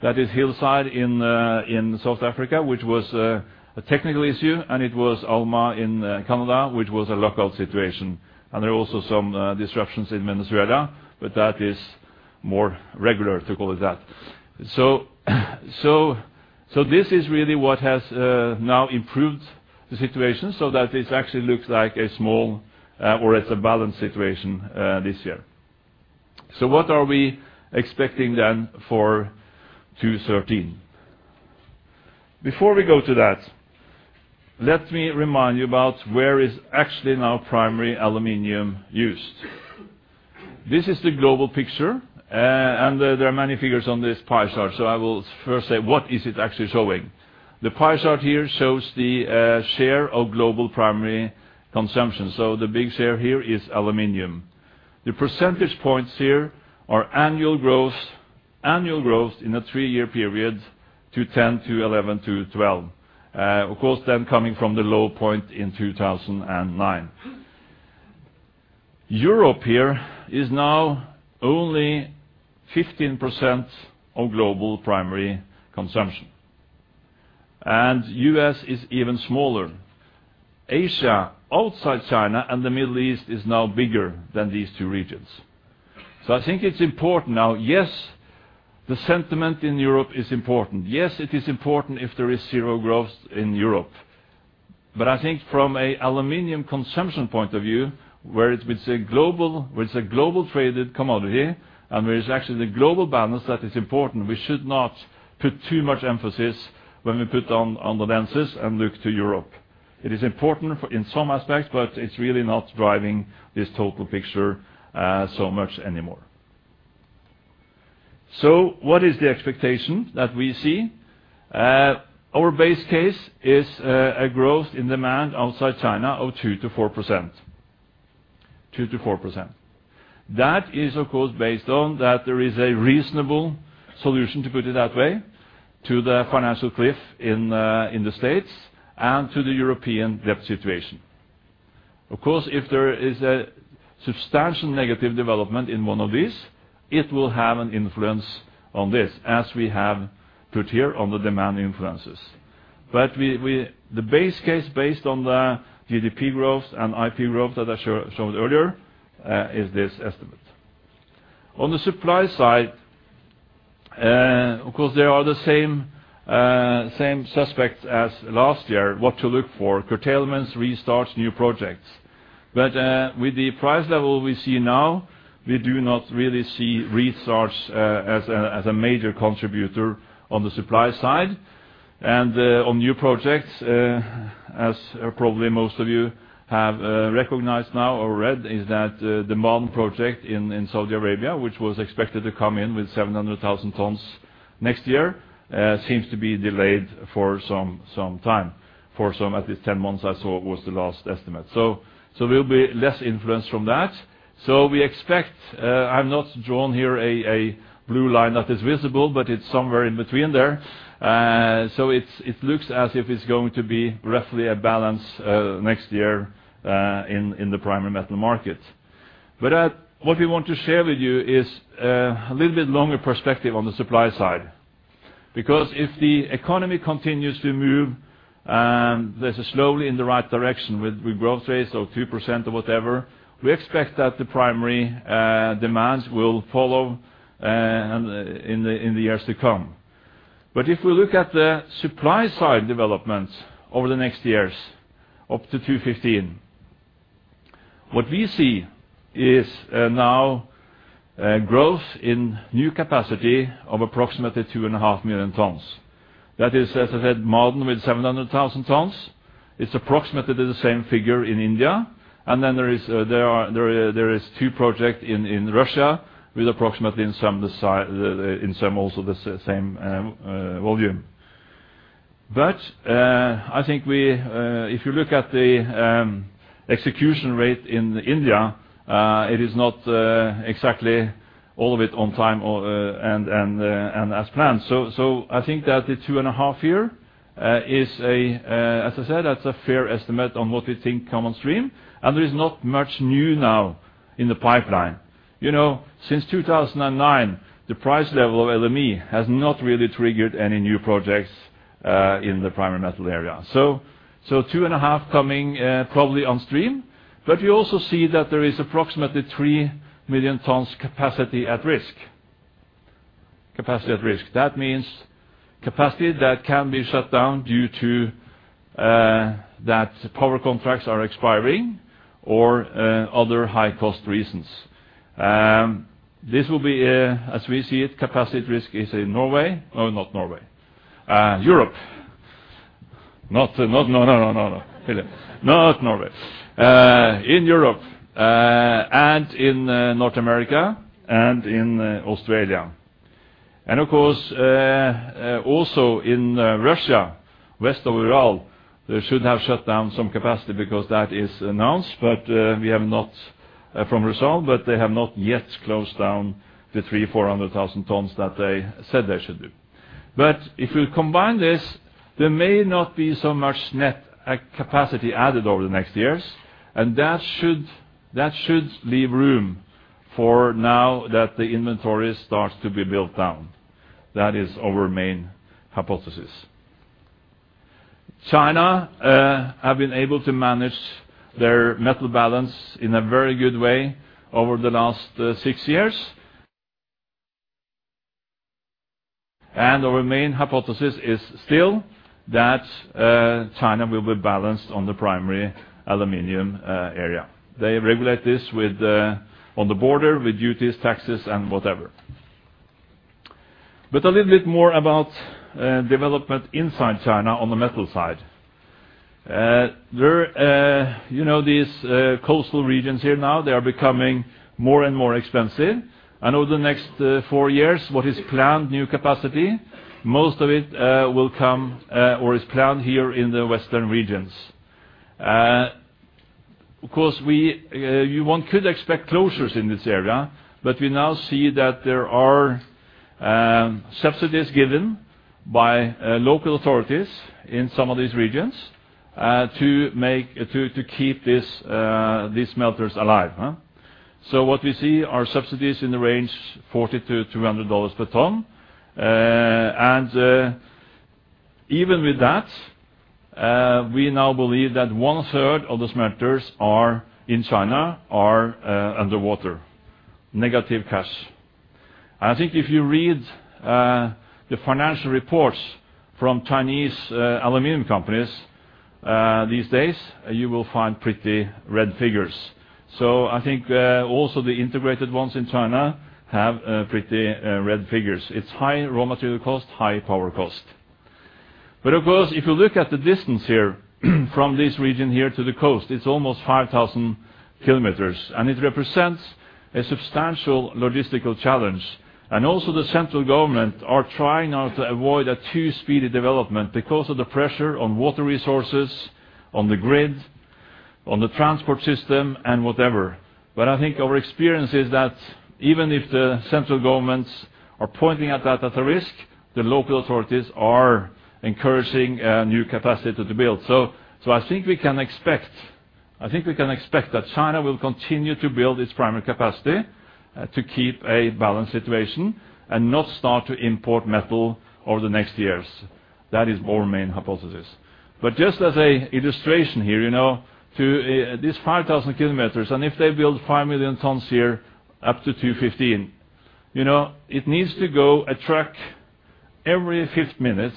That is Hillside in South Africa, which was a technical issue, and it was Alma in Canada, which was a lockout situation. There are also some disruptions in Venezuela, but that is more regular, to call it that. This is really what has now improved the situation so that this actually looks like a small, or it's a balanced situation, this year. What are we expecting then for 2013? Before we go to that, let me remind you about where is actually now primary aluminum used. This is the global picture, and there are many figures on this pie chart, so I will first say what is it actually showing. The pie chart here shows the share of global primary consumption. The big share here is aluminum. The percentage points here are annual growth in a three-year period to 2010, to 2011, to 2012. Of course, then coming from the low point in 2009. Europe here is now only 15% of global primary consumption, and U.S. is even smaller. Asia, outside China, and the Middle East is now bigger than these two regions. I think it's important now, yes, the sentiment in Europe is important. Yes, it is important if there is zero growth in Europe. I think from a aluminum consumption point of view, where it's a global traded commodity, and where it's actually the global balance that is important, we should not put too much emphasis when we put on the lenses and look to Europe. It is important for in some aspects, but it's really not driving this total picture, so much anymore. What is the expectation that we see? Our base case is a growth in demand outside China of 2%-4%. 2%-4%. That is, of course, based on that there is a reasonable solution, to put it that way, to the fiscal cliff in the States and to the European debt situation. Of course, if there is a substantial negative development in one of these, it will have an influence on this, as we have put here on the demand influences. The base case based on the GDP growth and IP growth that I showed earlier is this estimate. On the supply side, of course, there are the same suspects as last year, what to look for, curtailments, restarts, new projects. With the price level we see now, we do not really see restarts as a major contributor on the supply side. On new projects, as probably most of you have recognized now or read is that, the Ma'aden project in Saudi Arabia, which was expected to come in with 700,000 tons next year, seems to be delayed for some time. For some, at least 10 months, I saw was the last estimate. There'll be less influence from that. We expect, I've not drawn here a blue line that is visible, but it's somewhere in between there. It looks as if it's going to be roughly a balance next year in the primary metal market. What we want to share with you is a little bit longer perspective on the supply side. Because if the economy continues to move, this is slowly in the right direction with growth rates of 2% or whatever, we expect that the primary demands will follow in the years to come. If we look at the supply side developments over the next years, up to 2015, what we see is now a growth in new capacity of approximately 2.5 million tons. That is, as I said, Ma'aden with 700,000 tons. It's approximately the same figure in India. Then there are two projects in Russia with approximately the same volume. I think if you look at the execution rate in India, it is not exactly all of it on time or and as planned. I think that the 2.5 here is, as I said, that's a fair estimate on what we think come on stream, and there is not much new now in the pipeline. You know, since 2009, the price level of LME has not really triggered any new projects in the Primary Metal area. Two and a half coming probably on stream. You also see that there is approximately 3 million tons capacity at risk. Capacity at risk. That means capacity that can be shut down due to that power contracts are expiring or other high cost reasons. This will be, as we see it, capacity at risk is in Norway. Not Norway. Europe. Philip. Not Norway. In Europe, and in North America, and in Australia. Of course, also in Russia, west of Ural, they should have shut down some capacity because that is announced, but they have not yet closed down the 300,000-400,000 tons that they said they should do. If you combine this, there may not be so much net capacity added over the next years, and that should leave room for now that the inventory starts to be built down. That is our main hypothesis. China have been able to manage their metal balance in a very good way over the last six years. Our main hypothesis is still that China will be balanced on the primary aluminum area. They regulate this on the border with duties, taxes and whatever. A little bit more about development inside China on the metal side. There, you know, these coastal regions here now, they are becoming more and more expensive. Over the next four years, what is planned new capacity, most of it, will come or is planned here in the western regions. Of course, one could expect closures in this area, but we now see that there are subsidies given by local authorities in some of these regions to keep these smelters alive. What we see are subsidies in the range $40-$200 per ton. Even with that, we now believe that one third of the smelters in China are underwater, negative cash. I think if you read the financial reports from Chinese aluminum companies these days, you will find pretty red figures. I think also the integrated ones in China have pretty red figures. It's high raw material cost, high power cost. Of course, if you look at the distance here from this region here to the coast, it's almost 5,000 km, and it represents a substantial logistical challenge. The central government are trying now to avoid a too speedy development because of the pressure on water resources, on the grid, on the transport system, and whatever. I think our experience is that even if the central governments are pointing at that as a risk, the local authorities are encouraging new capacity to build. I think we can expect that China will continue to build its primary capacity to keep a balanced situation and not start to import metal over the next years. That is our main hypothesis. Just as an illustration here, you know, to this 5,000 km, and if they build 5 million tons here up to 2015, you know, it needs to go a truck every five minutes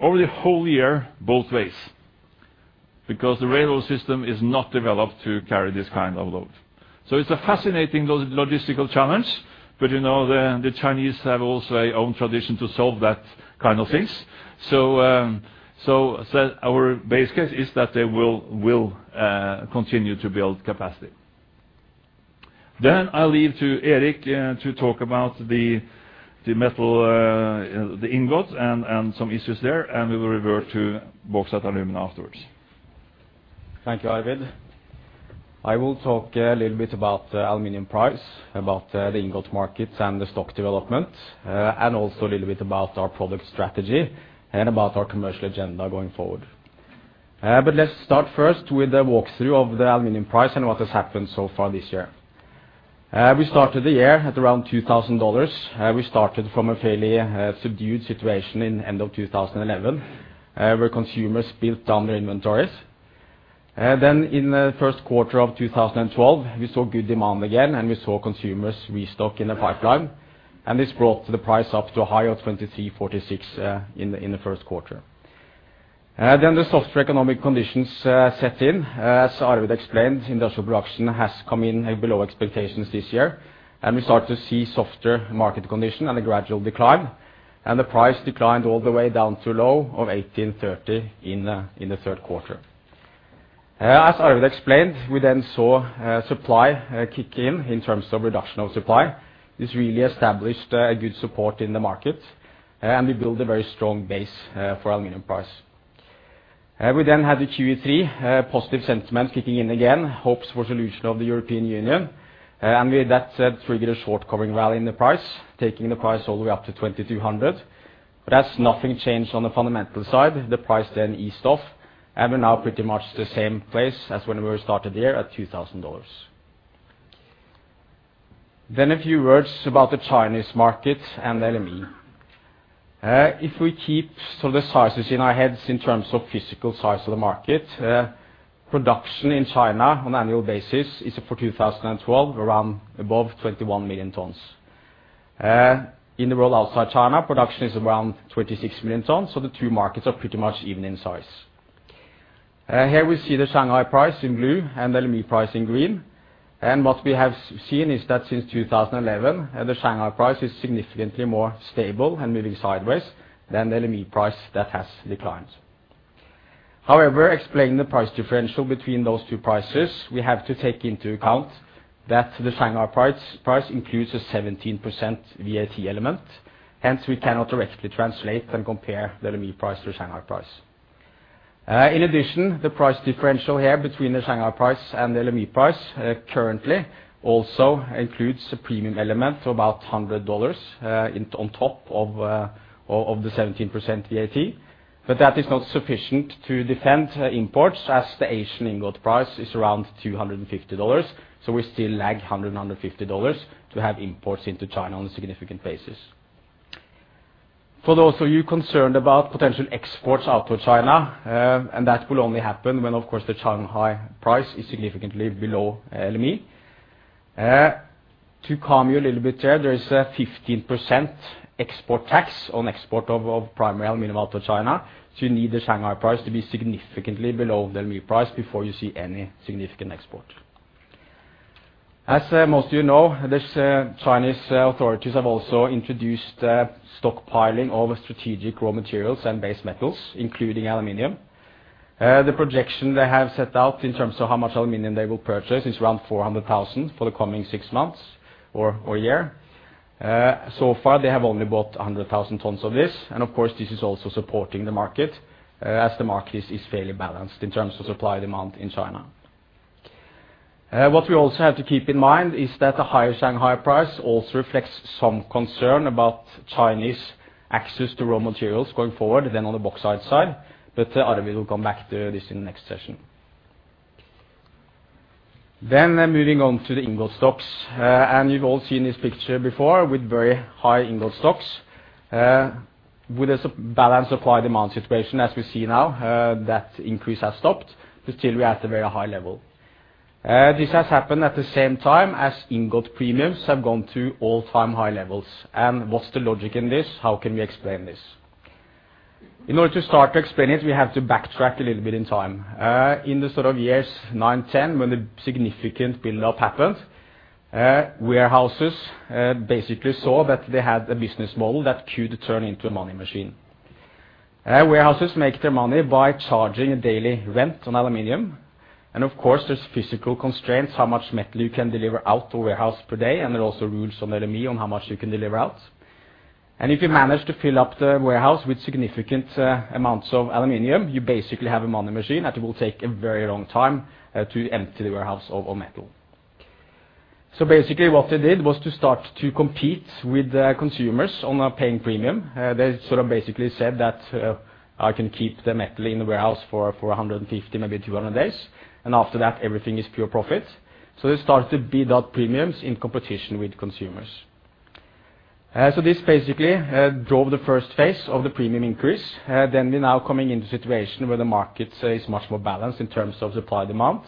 over the whole year, both ways, because the railroad system is not developed to carry this kind of load. It's a fascinating logistical challenge, but, you know, the Chinese have their own tradition to solve that kind of things. Our base case is that they will continue to build capacity. I'll leave to Erik to talk about the metal ingots and some issues there, and we will revert to Bauxite & Alumina afterwards. Thank you, Arvid. I will talk a little bit about the aluminum price, about the ingot markets and the stock development, and also a little bit about our product strategy and about our commercial agenda going forward. Let's start first with a walk-through of the aluminum price and what has happened so far this year. We started the year at around $2,000. We started from a fairly subdued situation in end of 2011, where consumers built down their inventories. In the first quarter of 2012, we saw good demand again, and we saw consumers restock in the pipeline, and this brought the price up to a high of $2,346 in the first quarter. The softer economic conditions set in. As Arvid explained, industrial production has come in below expectations this year, and we start to see softer market condition and a gradual decline, and the price declined all the way down to a low of $1,830 in the third quarter. As Arvid explained, we then saw supply kick in in terms of reduction of supply. This really established a good support in the market, and we built a very strong base for aluminum price. We then had the Q3 positive sentiment kicking in again, hopes for solution of the European Union, and that triggered a short covering rally in the price, taking the price all the way up to $2,200. As nothing changed on the fundamental side, the price then eased off, and we're now pretty much the same place as when we started the year at $2,000. A few words about the Chinese market and LME. If we keep sort of the sizes in our heads in terms of physical size of the market, production in China on annual basis is for 2012, around above 21 million tons. In the world outside China, production is around 26 million tons, so the two markets are pretty much even in size. Here we see the Shanghai price in blue and the LME price in green. What we have seen is that since 2011, the Shanghai price is significantly more stable and moving sideways than the LME price that has declined. However, explaining the price differential between those two prices, we have to take into account that the Shanghai price includes a 17% VAT element, hence we cannot directly translate and compare the LME price to the Shanghai price. In addition, the price differential here between the Shanghai price and the LME price currently also includes a premium element of about $100 on top of the 17% VAT, but that is not sufficient to defend imports, as the Asian ingot price is around $250, so we still lag $150 to have imports into China on a significant basis. For those of you concerned about potential exports out of China, and that will only happen when, of course, the Shanghai price is significantly below LME. To calm you a little bit there is a 15% export tax on export of primary aluminum out of China, so you need the Shanghai price to be significantly below the LME price before you see any significant export. As most of you know, the Chinese authorities have also introduced stockpiling of strategic raw materials and base metals, including aluminum. The projection they have set out in terms of how much aluminum they will purchase is around 400,000 for the coming six months or year. So far they have only bought 100,000 tons of this. Of course, this is also supporting the market, as the market is fairly balanced in terms of supply and demand in China. What we also have to keep in mind is that the higher Shanghai price also reflects some concern about Chinese access to raw materials going forward, then on the bauxite side. Arvid will come back to this in the next session. Moving on to the ingot stocks. You've all seen this picture before with very high ingot stocks. With a supply/demand balance situation as we see now, that increase has stopped, but still we're at a very high level. This has happened at the same time as ingot premiums have gone to all-time high levels. What's the logic in this? How can we explain this? In order to start to explain it, we have to backtrack a little bit in time. In the sort of years 2009, 2010, when the significant build-up happened, warehouses basically saw that they had a business model that could turn into a money machine. Warehouses make their money by charging a daily rent on aluminum. Of course, there's physical constraints, how much metal you can deliver out to a warehouse per day. There are also rules on LME on how much you can deliver out. If you manage to fill up the warehouse with significant amounts of aluminum, you basically have a money machine that will take a very long time to empty the warehouse of metal. Basically, what they did was to start to compete with the consumers by paying a premium. They sort of basically said that I can keep the metal in the warehouse for 150, maybe 200 days. After that, everything is pure profit. They start to bid out premiums in competition with consumers. This basically drove the first phase of the premium increase. We're now coming into a situation where the market is much more balanced in terms of supply and demand.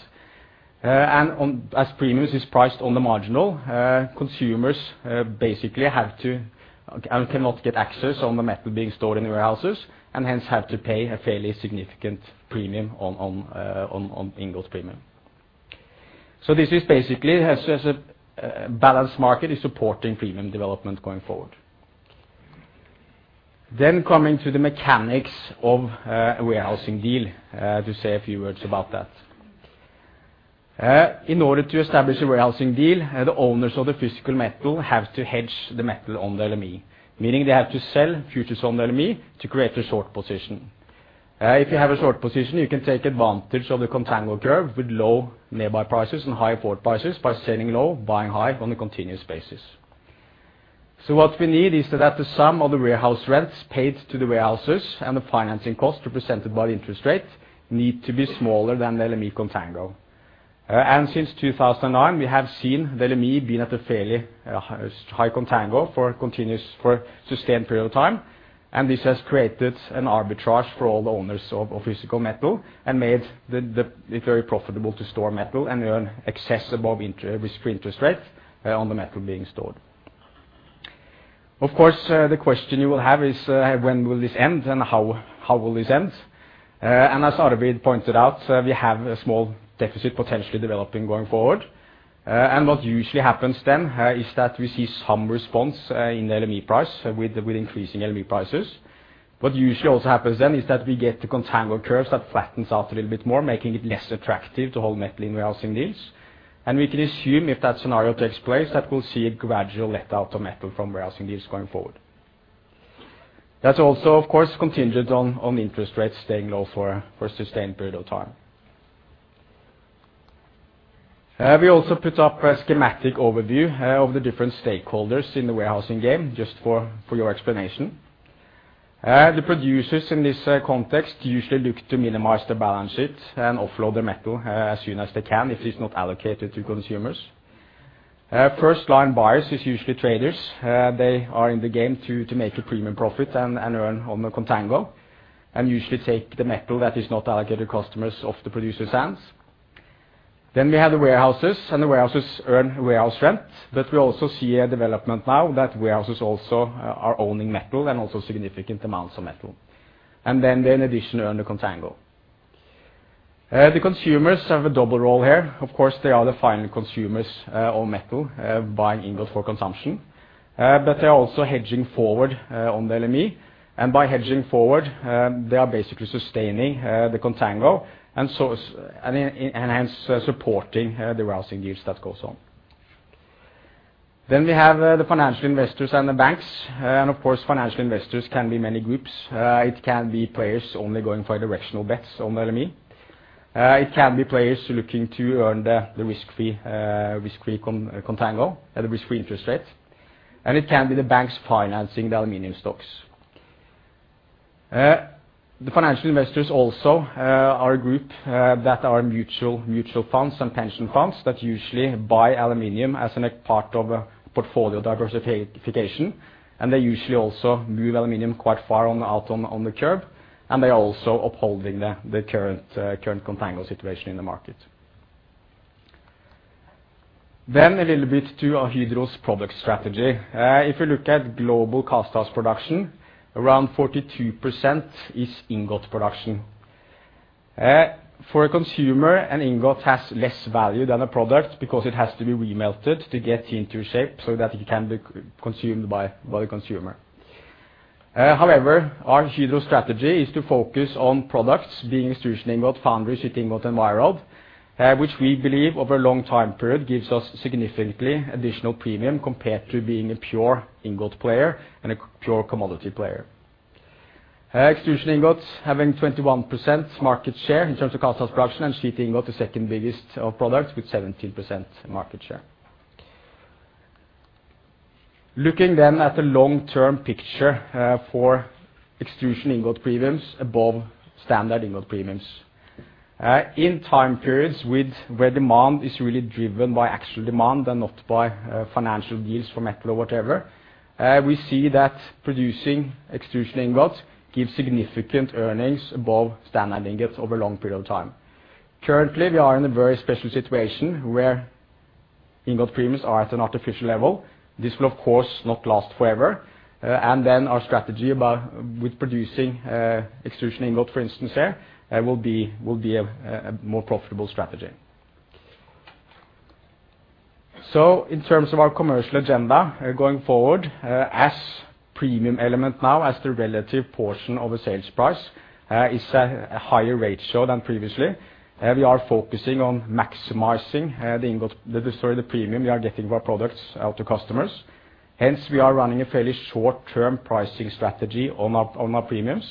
As premium is priced on the marginal consumers, basically have to and cannot get access to the metal being stored in warehouses, and hence have to pay a fairly significant premium on ingot premium. This is basically has a balanced market is supporting premium development going forward. Coming to the mechanics of a warehousing deal, to say a few words about that. In order to establish a warehousing deal, the owners of the physical metal have to hedge the metal on the LME, meaning they have to sell futures on the LME to create a short position. If you have a short position, you can take advantage of the contango curve with low nearby prices and high forward prices by selling low, buying high on a continuous basis. What we need is that the sum of the warehouse rents paid to the warehouses and the financing cost represented by interest rate need to be smaller than the LME contango. Since 2009, we have seen the LME being at a fairly high contango for a sustained period of time. This has created an arbitrage for all the owners of physical metal and made the it very profitable to store metal and earn excess above risk-free interest rates on the metal being stored. Of course, the question you will have is, when will this end and how will this end? As Arvid pointed out, we have a small deficit potentially developing going forward. What usually happens then is that we see some response in the LME price with increasing LME prices. What usually also happens then is that we get the contango curves that flattens out a little bit more, making it less attractive to hold metal in warehousing deals. We can assume if that scenario takes place, that we'll see a gradual let-out of metal from warehousing deals going forward. That's also of course contingent on interest rates staying low for a sustained period of time. We also put up a schematic overview of the different stakeholders in the warehousing game, just for your explanation. The producers in this context usually look to minimize their balance sheet and offload their metal as soon as they can if it's not allocated to consumers. First line buyers is usually traders. They are in the game to make a premium profit and earn on the contango, and usually take the metal that is not allocated customers of the producer's hands. We have the warehouses, and the warehouses earn warehouse rent. We also see a development now that warehouses also are owning metal and also significant amounts of metal. They in addition earn the contango. The consumers have a double role here. Of course, they are the final consumers of metal, buying ingot for consumption. They are also hedging forward on the LME. By hedging forward, they are basically sustaining the contango and so, and enhancing supporting the warehousing deals that goes on. We have the financial investors and the banks. Of course, financial investors can be many groups. It can be players only going for directional bets on the LME. It can be players looking to earn the risk-free contango at a risk-free interest rate. It can be the banks financing the aluminum stocks. The financial investors also are a group that are mutual funds and pension funds that usually buy aluminum as a part of a portfolio diversification. They usually also move aluminum quite far out on the curve. They are also upholding the current contango situation in the market. A little bit to our Hydro's product strategy. If you look at global casthouse production, around 42% is ingot production. For a consumer, an ingot has less value than a product because it has to be remelted to get into shape so that it can be consumed by the consumer. However, our Hydro strategy is to focus on products being extrusion ingot, foundry, sheet ingot, and wire rod, which we believe over a long time period gives us significantly additional premium compared to being a pure ingot player and a pure commodity player. Extrusion ingots having 21% market share in terms of cast house production and sheet ingot, the second biggest of products with 17% market share. Looking at the long-term picture for extrusion ingot premiums above standard ingot premiums. In time periods where demand is really driven by actual demand and not by financial deals for metal or whatever, we see that producing extrusion ingot gives significant earnings above standard ingots over a long period of time. Currently, we are in a very special situation where ingot premiums are at an artificial level. This will, of course, not last forever, and then our strategy about with producing extrusion ingot, for instance here, will be a more profitable strategy. In terms of our commercial agenda, going forward, as the premium now is a higher portion of the sales price than previously, we are focusing on maximizing the premium we are getting for our products out to customers. Hence, we are running a fairly short-term pricing strategy on our premiums.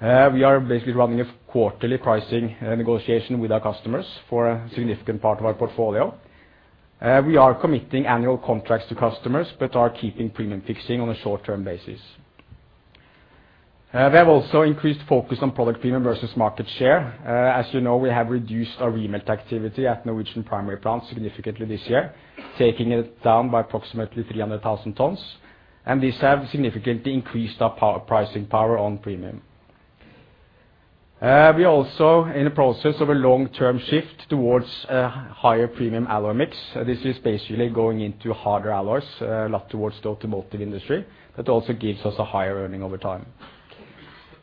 We are basically running a quarterly pricing negotiation with our customers for a significant part of our portfolio. We are committing annual contracts to customers, but are keeping premium fixing on a short-term basis. We have also increased focus on product premium versus market share. As you know, we have reduced our remelt activity at Norwegian primary plants significantly this year, taking it down by approximately 300,000 tons, and this have significantly increased our pricing power on premium. We are also in the process of a long-term shift towards a higher premium alloy mix. This is basically going into harder alloys, a lot towards the automotive industry. That also gives us a higher earning over time.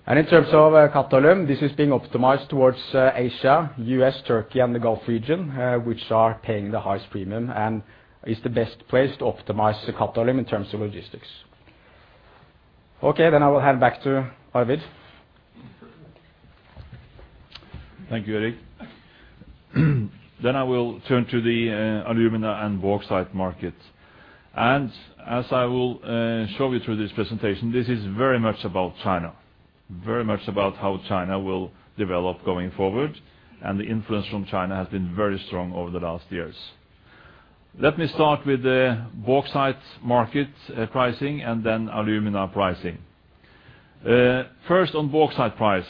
In terms of Qatalum, this is being optimized towards Asia, U.S., Turkey, and the Gulf region, which are paying the highest premium and is the best place to optimize the Qatalum in terms of logistics. Okay, I will hand back to Arvid Moss. Thank you, Erik. I will turn to the alumina and bauxite market. As I will show you through this presentation, this is very much about China, very much about how China will develop going forward, and the influence from China has been very strong over the last years. Let me start with the bauxite market pricing and then alumina pricing. First on bauxite price,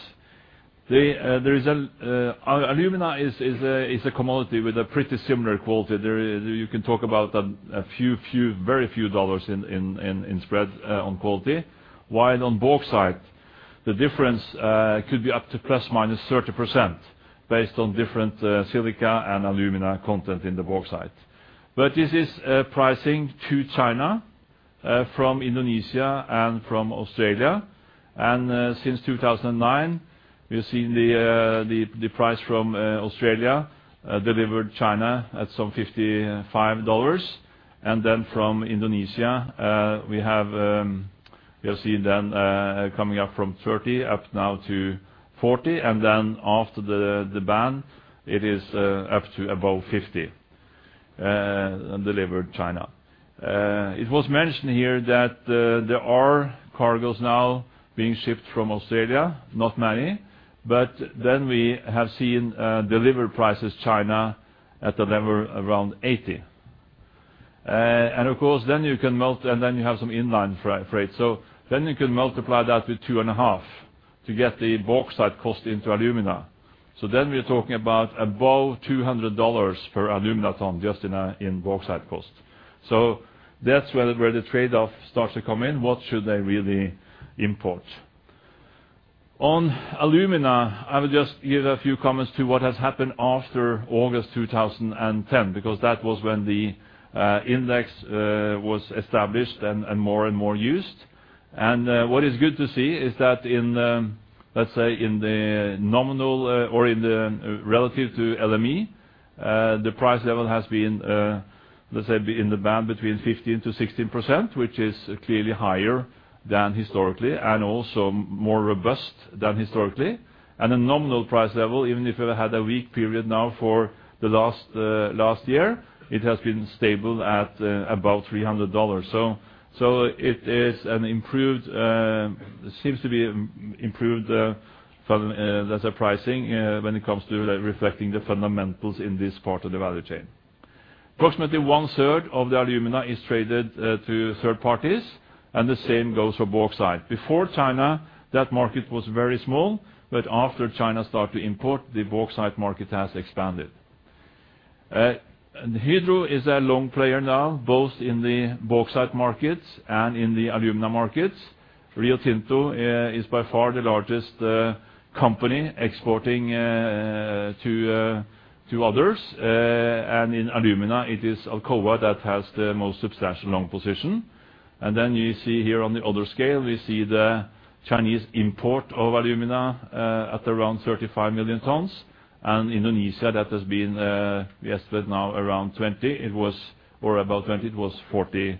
alumina is a commodity with a pretty similar quality. You can talk about a few dollars in spread on quality. While on bauxite, the difference could be up to ±30% based on different silica and alumina content in the bauxite. This is pricing to China from Indonesia and from Australia. Since 2009, we've seen the price from Australia delivered China at some $55. Then from Indonesia, we have seen coming up from $30 up now to $40. After the ban, it is up to above $50 delivered China. It was mentioned here that there are cargoes now being shipped from Australia, not many. We have seen delivered prices China at a level around $80. Of course, then you have some inland freight. You can multiply that with 2.5 to get the bauxite cost into alumina. We're talking about above $200 per alumina ton just in bauxite cost. That's where the trade-off starts to come in. What should they really import? On alumina, I will just give a few comments to what has happened after August 2010, because that was when the index was established and more and more used. What is good to see is that in, let's say, the nominal, or in the relative to LME, the price level has been, let's say, in the band between 15%-16%, which is clearly higher than historically and also more robust than historically. At a nominal price level, even if it had a weak period now for the last year, it has been stable at, about $300. It is an improved, seems to be improved fundamentals-based pricing when it comes to reflecting the fundamentals in this part of the value chain. Approximately one third of the alumina is traded to third parties, and the same goes for bauxite. Before China, that market was very small, but after China start to import, the bauxite market has expanded. Hydro is a long player now, both in the bauxite markets and in the alumina markets. Rio Tinto is by far the largest company exporting to others. In alumina, it is Alcoa that has the most substantial long position. Then you see here on the other scale, we see the Chinese import of alumina at around 35 million tons. Indonesia that has been, we estimate now around 20. It was or about 20, it was 40,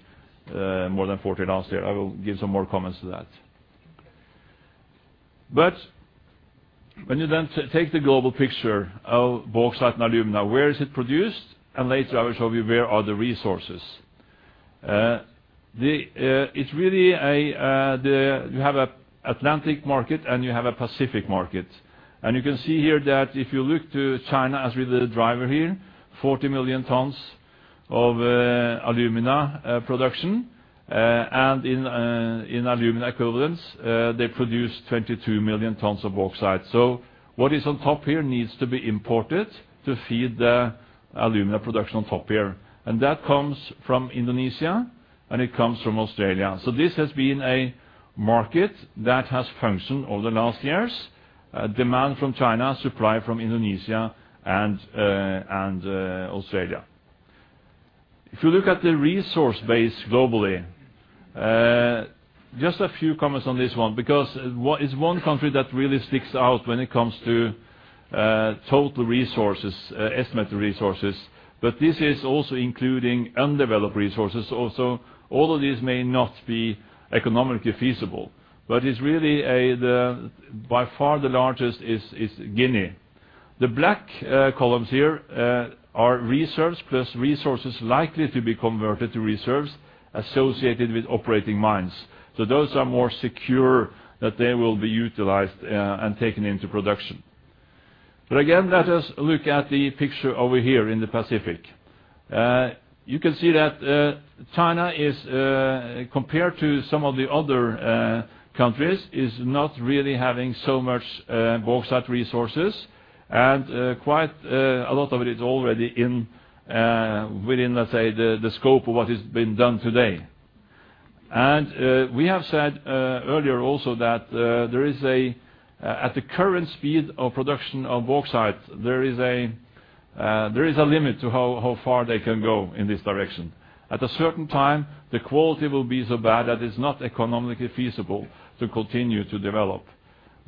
more than 40 last year. I will give some more comments to that. When you then take the global picture of Bauxite & Alumina, where is it produced? Later I will show you where are the resources. It's really a, you have an Atlantic market and you have a Pacific market. You can see here that if you look to China as really the driver here, 40 million tons of alumina production. In alumina equivalents, they produce 22 million tons of bauxite. What is on top here needs to be imported to feed the alumina production on top here, and that comes from Indonesia, and it comes from Australia. This has been a market that has functioned over the last years. Demand from China, supply from Indonesia and Australia. If you look at the resource base globally, just a few comments on this one, because what is one country that really sticks out when it comes to total resources, estimated resources, but this is also including undeveloped resources. Although these may not be economically feasible, it's really by far the largest is Guinea. The black columns here are reserves plus resources likely to be converted to reserves associated with operating mines. So those are more secure that they will be utilized and taken into production. Again, let us look at the picture over here in the Pacific. You can see that China, compared to some of the other countries, is not really having so much bauxite resources. Quite a lot of it is already within, let's say, the scope of what has been done today. We have said earlier also that there is a limit to how far they can go in this direction at the current speed of production of bauxite. At a certain time, the quality will be so bad that it's not economically feasible to continue to develop.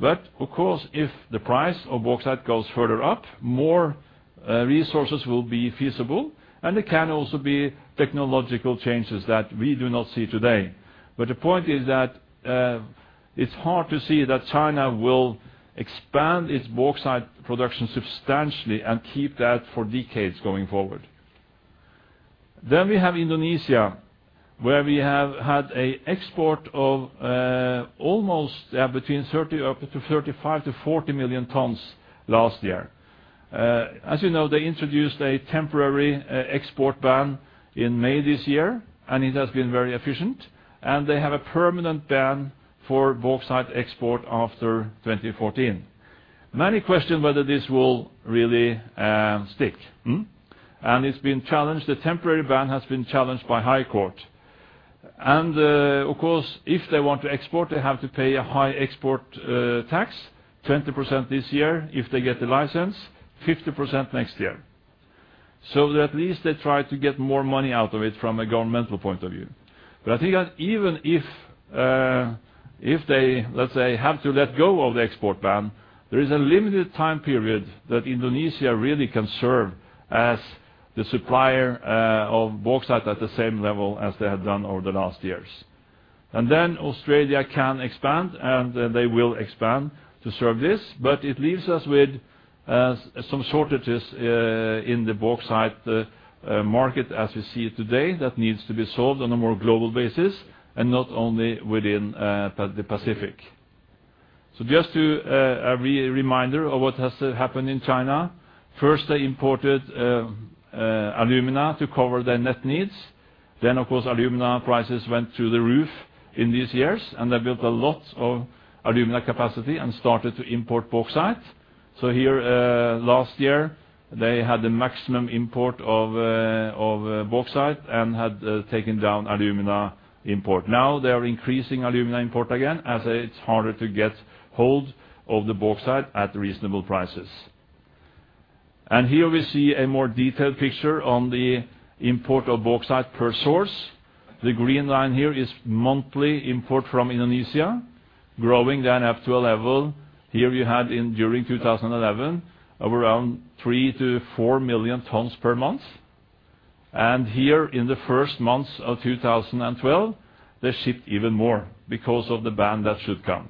Of course, if the price of bauxite goes further up, more resources will be feasible, and there can also be technological changes that we do not see today. The point is that it's hard to see that China will expand its bauxite production substantially and keep that for decades going forward. We have Indonesia, where we have had an export of almost between 30 million up to 35 million to 40 million tons last year. As you know, they introduced a temporary export ban in May this year, and it has been very efficient, and they have a permanent ban for bauxite export after 2014. Many question whether this will really stick. It's been challenged. The temporary ban has been challenged by High Court. Of course, if they want to export, they have to pay a high export tax, 20% this year if they get the license, 50% next year. At least they try to get more money out of it from a governmental point of view. I think that even if they, let's say, have to let go of the export ban, there is a limited time period that Indonesia really can serve as the supplier of bauxite at the same level as they have done over the last years. Then Australia can expand, and they will expand to serve this, but it leaves us with some shortages in the bauxite market as we see it today that needs to be solved on a more global basis and not only within the Pacific. Just a reminder of what has happened in China, first, they imported alumina to cover their net needs. Then, of course, alumina prices went through the roof in these years, and they built a lot of alumina capacity and started to import bauxite. Here, last year, they had the maximum import of of bauxite and had taken down alumina import. Now they are increasing alumina import again as it's harder to get hold of the bauxite at reasonable prices. Here we see a more detailed picture on the import of bauxite per source. The green line here is monthly import from Indonesia, growing then up to a level here we had in during 2011 of around 3 million-4 million tons per month. Here in the first months of 2012, they shipped even more because of the ban that should come.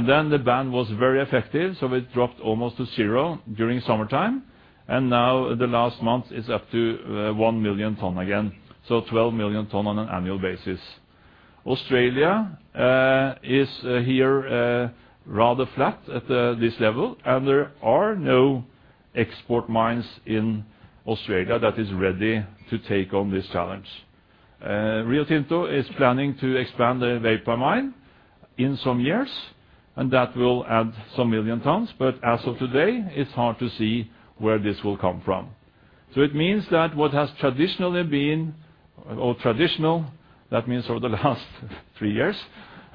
Then the ban was very effective, so it dropped almost to zero during summertime, and now the last month is up to 1 million ton again. 12 million ton on an annual basis. Australia is here rather flat at this level, and there are no export mines in Australia that is ready to take on this challenge. Rio Tinto is planning to expand the Weipa mine in some years, and that will add some million tons. As of today, it's hard to see where this will come from. It means that what has traditionally been, that means over the last three years,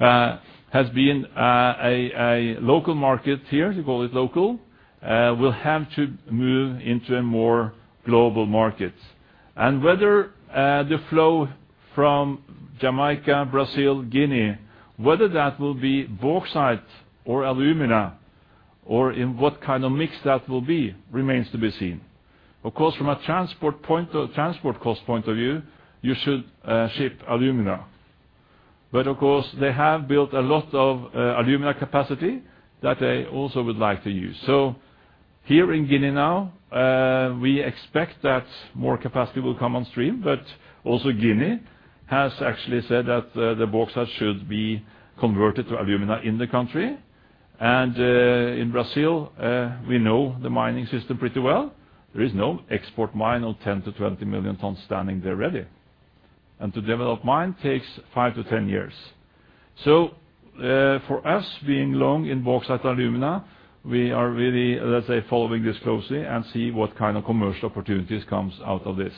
has been a local market here, to call it local, will have to move into a more global market. Whether the flow from Jamaica, Brazil, Guinea, whether that will be bauxite or alumina or in what kind of mix that will be remains to be seen. Of course, from a transport cost point of view, you should ship alumina. Of course, they have built a lot of alumina capacity that they also would like to use. Here in Guinea now, we expect that more capacity will come on stream, but also Guinea has actually said that the bauxite should be converted to alumina in the country. In Brazil, we know the mining system pretty well. There is no export mine on 10 million-20 million tons standing there ready. To develop mine takes five to 10 years. For us being long in Bauxite & Alumina, we are really, let's say, following this closely and see what kind of commercial opportunities comes out of this.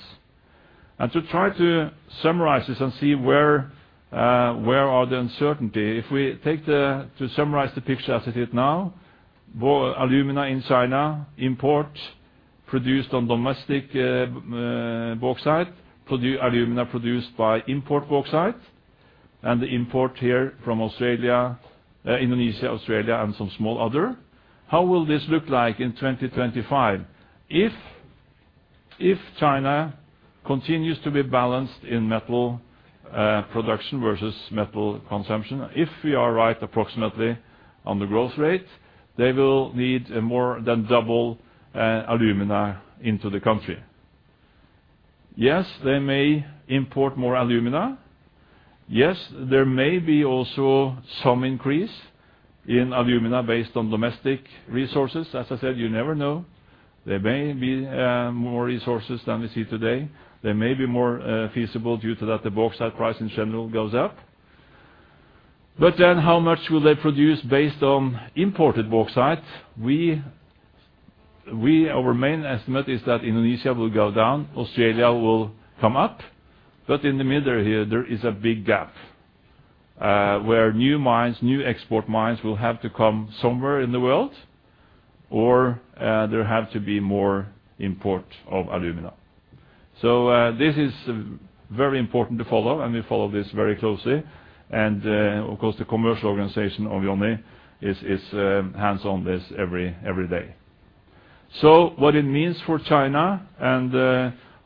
To try to summarize this and see where the uncertainty, to summarize the picture as it is now, alumina in China import produced on domestic, alumina produced by import bauxite and the import here from Australia, Indonesia, Australia and some small other. How will this look like in 2025? If China continues to be balanced in metal production versus metal consumption, if we are right approximately on the growth rate, they will need more than double alumina into the country. Yes, they may import more alumina. Yes, there may be also some increase in alumina based on domestic resources. As I said, you never know. There may be more resources than we see today. There may be more feasible due to that the bauxite price in general goes up. How much will they produce based on imported bauxite? Our main estimate is that Indonesia will go down, Australia will come up. In the middle here, there is a big gap, where new mines, new export mines will have to come somewhere in the world or, there have to be more import of alumina. This is very important to follow, and we follow this very closely. Of course, the commercial organization of you and me is hands on this every day. What it means for China,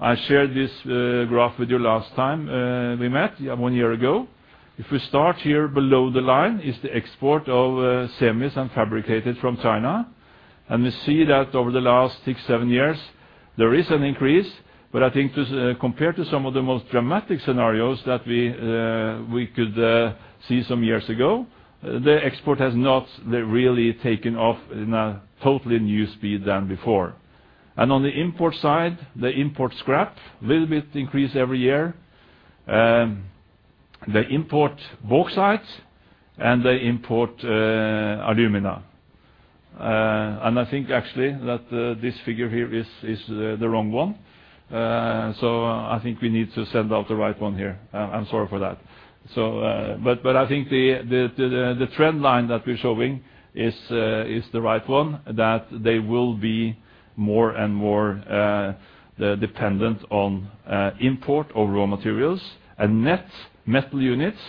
I shared this graph with you last time we met one year ago. If we start here below the line is the export of semis and fabricated from China. We see that over the last six, seven years, there is an increase. I think this, compared to some of the most dramatic scenarios that we could see some years ago, the export has not really taken off in a totally new speed than before. On the import side, they import scrap, a little bit increase every year. They import bauxite and they import alumina. I think actually that this figure here is the wrong one. So I think we need to send out the right one here. I'm sorry for that. I think the trend line that we're showing is the right one, that they will be more and more dependent on import of raw materials. Net metal units,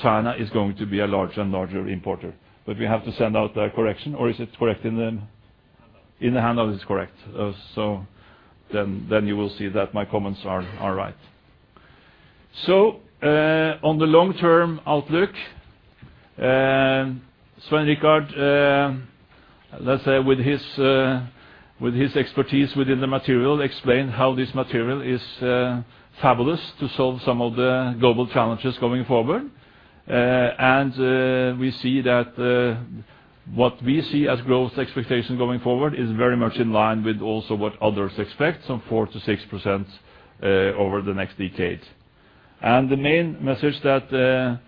China is going to be a larger and larger importer. We have to send out the correction, or is it correct in the. Handle. In the handout is correct. You will see that my comments are right. On the long-term outlook, Svein Richard, let's say with his expertise within the material, explained how this material is fabulous to solve some of the global challenges going forward. We see that what we see as growth expectation going forward is very much in line with also what others expect, some 4%-6% over the next decade. The main message that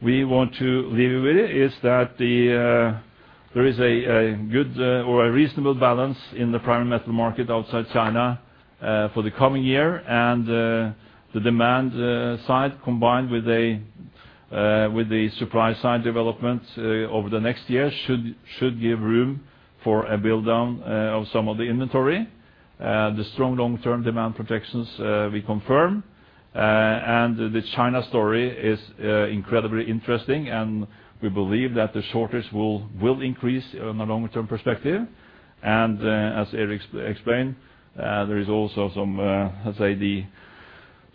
we want to leave you with is that there is a good or a reasonable balance in the Primary Metal market outside China for the coming year. The demand side combined with the supply side development over the next year should give room for a build-down of some of the inventory. The strong long-term demand projections we confirm. The China story is incredibly interesting, and we believe that the shortage will increase on a longer-term perspective. As Erik explained, there is also some, let's say,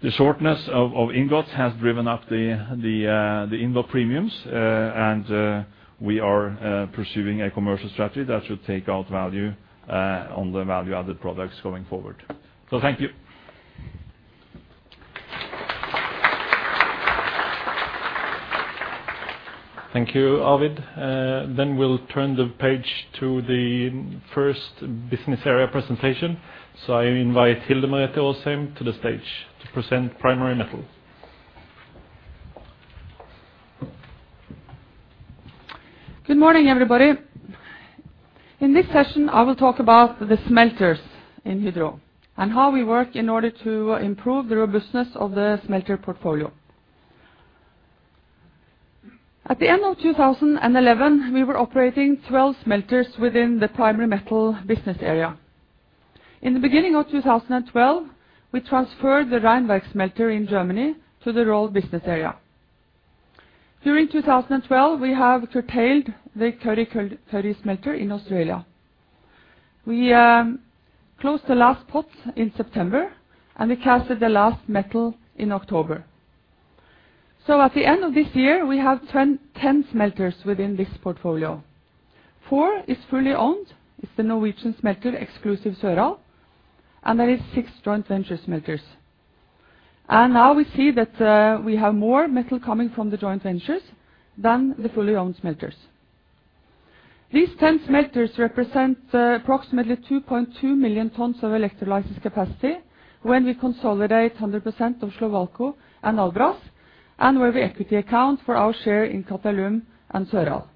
the shortness of ingots has driven up the ingot premiums. We are pursuing a commercial strategy that should take out value on the value-added products going forward. Thank you. Thank you, Arvid. We'll turn the page to the first business area presentation. I invite Hilde Merete Aasheim to the stage to present Primary Metal. Good morning, everybody. In this session, I will talk about the smelters in Hydro and how we work in order to improve the robustness of the smelter portfolio. At the end of 2011, we were operating 12 smelters within the Primary Metal business area. In the beginning of 2012, we transferred the Rheinwerk smelter in Germany to the Rolled Products business area. During 2012, we have curtailed the Kurri Kurri smelter in Australia. We closed the last pots in September, and we casted the last metal in October. At the end of this year, we have 10 smelters within this portfolio. Four is fully owned. It's the Norwegian smelter exclusive Søral, and there is six joint ventures smelters. Now we see that we have more metal coming from the joint ventures than the fully-owned smelters. These ten smelters represent approximately 2.2 million tons of electrolysis capacity when we consolidate 100% of Slovalco and Albras, and where we equity account for our share in Qatalum and Søral.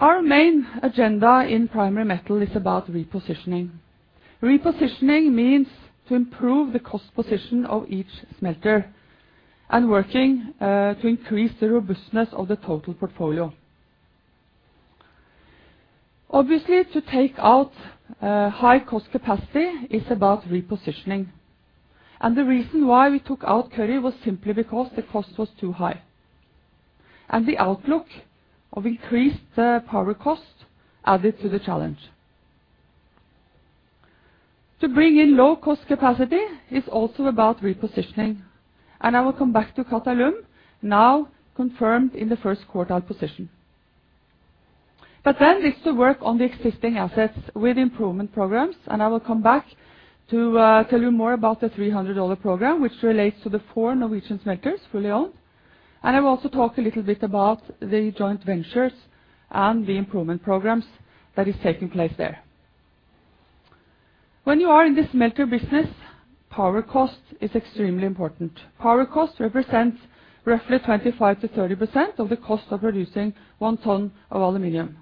Our main agenda in Primary Metal is about repositioning. Repositioning means to improve the cost position of each smelter and working to increase the robustness of the total portfolio. Obviously, to take out high-cost capacity is about repositioning, and the reason why we took out Kurri was simply because the cost was too high, and the outlook of increased power cost added to the challenge. To bring in low-cost capacity is also about repositioning, and I will come back to Qatalum now confirmed in the first quartile position. It's to work on the existing assets with improvement programs, and I will come back to tell you more about the $300 program which relates to the four Norwegian smelters fully owned. I will also talk a little bit about the joint ventures and the improvement programs that is taking place there. When you are in the smelter business, power cost is extremely important. Power cost represents roughly 25%-30% of the cost of producing 1 ton of aluminum.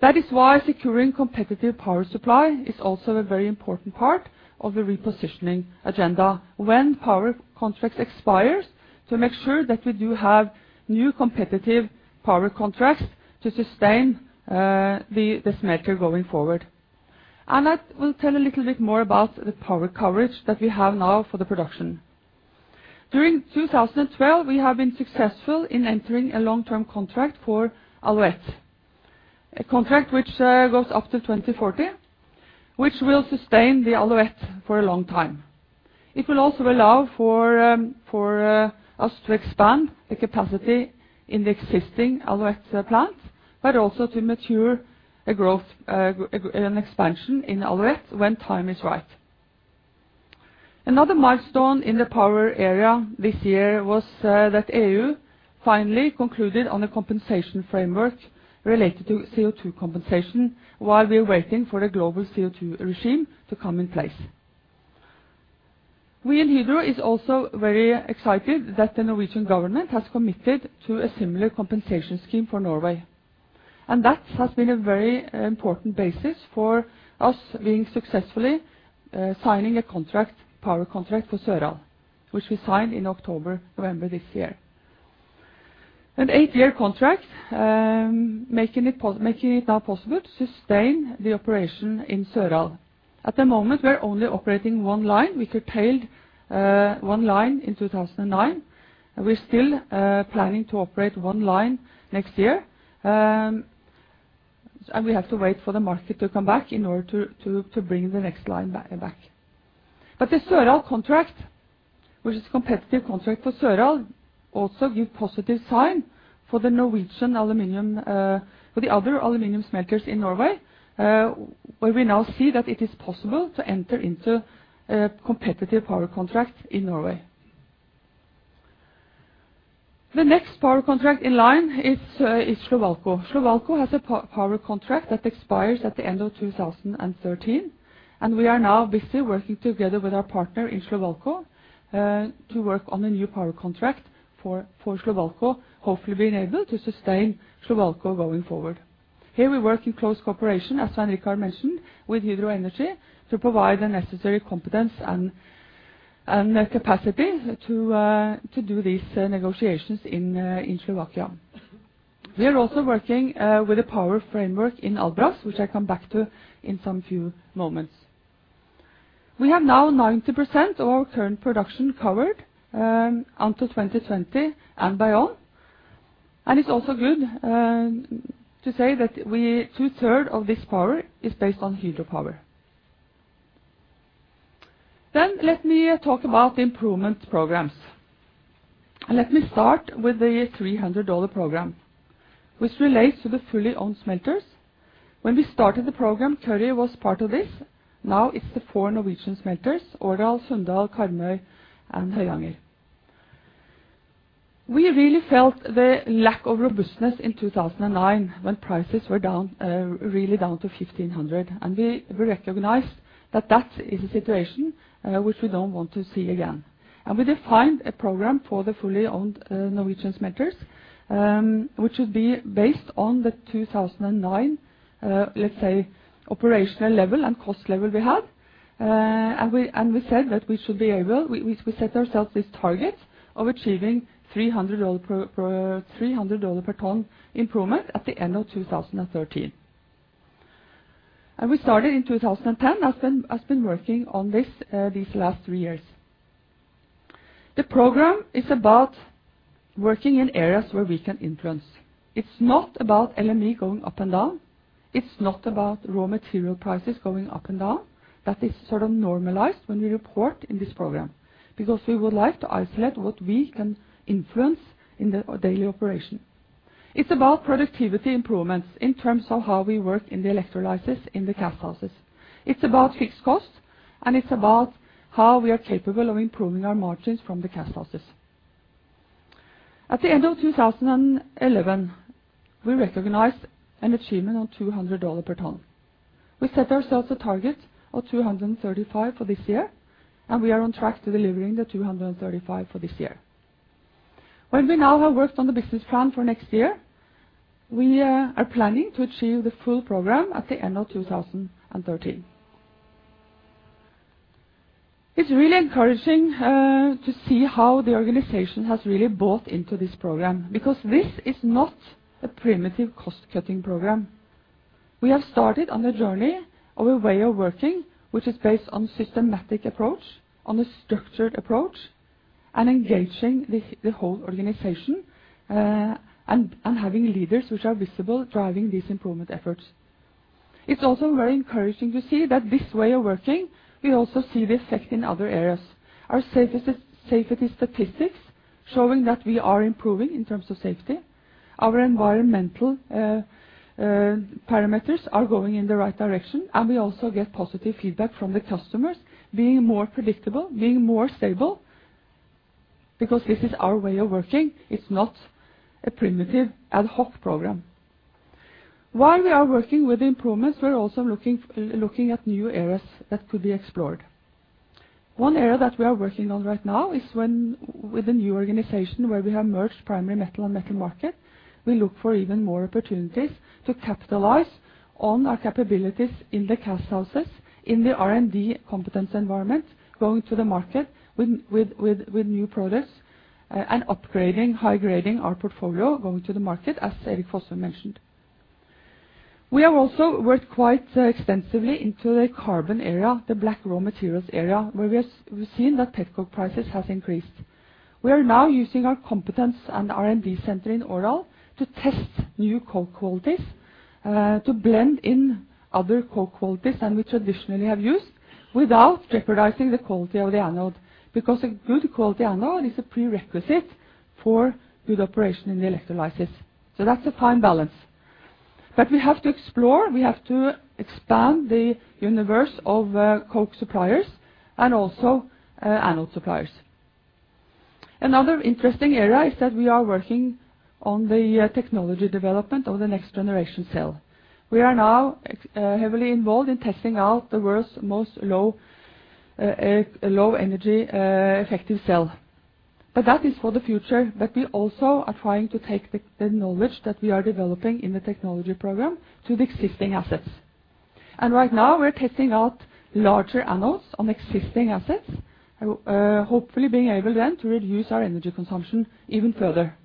That is why securing competitive power supply is also a very important part of the repositioning agenda when power contracts expires to make sure that we do have new competitive power contracts to sustain the smelter going forward. I will tell a little bit more about the power coverage that we have now for the production. During 2012, we have been successful in entering a long-term contract for Alouette. A contract which goes up to 2040, which will sustain the Alouette for a long time. It will also allow for us to expand the capacity in the existing Alouette plant, but also an expansion in Alouette when time is right. Another milestone in the power area this year was that EU finally concluded on a compensation framework related to CO2 compensation while we're waiting for a global CO2 regime to come in place. We in Hydro is also very excited that the Norwegian government has committed to a similar compensation scheme for Norway, and that has been a very important basis for us being successfully signing a contract, power contract for Søral, which we signed in October, November this year. An eight-year contract, making it now possible to sustain the operation in Søral. At the moment, we are only operating one line. We curtailed one line in 2009. We're still planning to operate one line next year. We have to wait for the market to come back in order to bring the next line back. The Søral contract, which is competitive contract for Søral, also give positive sign for the Norwegian aluminum, for the other aluminum smelters in Norway, where we now see that it is possible to enter into a competitive power contract in Norway. The next power contract in line is Slovalco. Slovalco has a power contract that expires at the end of 2013, and we are now busy working together with our partner in Slovalco, to work on a new power contract for Slovalco, hopefully being able to sustain Slovalco going forward. Here, we work in close cooperation, as Svein Richard mentioned, with Hydro Energy to provide the necessary competence and capacity to do these negotiations in Slovakia. We are also working with a power framework in Albras, which I come back to in some few moments. We have now 90% of our current production covered onto 2020 and beyond. It's also good to say 2/3 of this power is based on hydropower. Let me talk about the improvement programs. Let me start with the $300 program, which relates to the fully-owned smelters. When we started the program, Kurri was part of this. Now it's the four Norwegian smelters, Årdal, Sunndal, Karmøy, and Høyanger. We really felt the lack of robustness in 2009 when prices were down, really down to $1,500, and we recognized that is a situation which we don't want to see again. We defined a program for the fully-owned Norwegian smelters, which would be based on the 2009, let's say, operational level and cost level we had. We said that we set ourselves this target of achieving $300 per ton improvement at the end of 2013. We started in 2010 and have been working on this these last three years. The program is about working in areas where we can influence. It's not about LME going up and down. It's not about raw material prices going up and down. That is sort of normalized when we report in this program, because we would like to isolate what we can influence in the daily operation. It's about productivity improvements in terms of how we work in the electrolysis, in the cast houses. It's about fixed costs, and it's about how we are capable of improving our margins from the cast houses. At the end of 2011, we recognized an achievement of $200 per ton. We set ourselves a target of $235 for this year, and we are on track to delivering the $235 for this year. When we now have worked on the business plan for next year, we are planning to achieve the full program at the end of 2013. It's really encouraging to see how the organization has really bought into this program, because this is not a primitive cost-cutting program. We have started on a journey of a way of working, which is based on systematic approach, on a structured approach, and engaging the whole organization, and having leaders which are visible driving these improvement efforts. It's also very encouraging to see that this way of working, we also see this effect in other areas. Our safety statistics showing that we are improving in terms of safety. Our environmental parameters are going in the right direction, and we also get positive feedback from the customers being more predictable, being more stable, because this is our way of working. It's not a primitive ad hoc program. While we are working with the improvements, we're also looking at new areas that could be explored. One area that we are working on right now is, with the new organization where we have merged Primary Metal and Metal Markets, we look for even more opportunities to capitalize on our capabilities in the cast houses, in the R&D competence environment, going to the market with new products, and upgrading, high-grading our portfolio, going to the market, as Erik Fossum mentioned. We have also worked quite extensively into the carbon area, the black raw materials area, where we have seen that petcoke prices has increased. We are now using our competence and R&D center in Årdal to test new coke qualities, to blend in other coke qualities than we traditionally have used without jeopardizing the quality of the anode. Because a good quality anode is a prerequisite for good operation in the electrolysis. That's a fine balance. We have to explore, we have to expand the universe of coke suppliers and also anode suppliers. Another interesting area is that we are working on the technology development of the next-generation cell. We are now heavily involved in testing out the world's most low energy effective cell. That is for the future, but we also are trying to take the knowledge that we are developing in the technology program to the existing assets. Right now, we're testing out larger anodes on existing assets, hopefully being able then to reduce our energy consumption even further.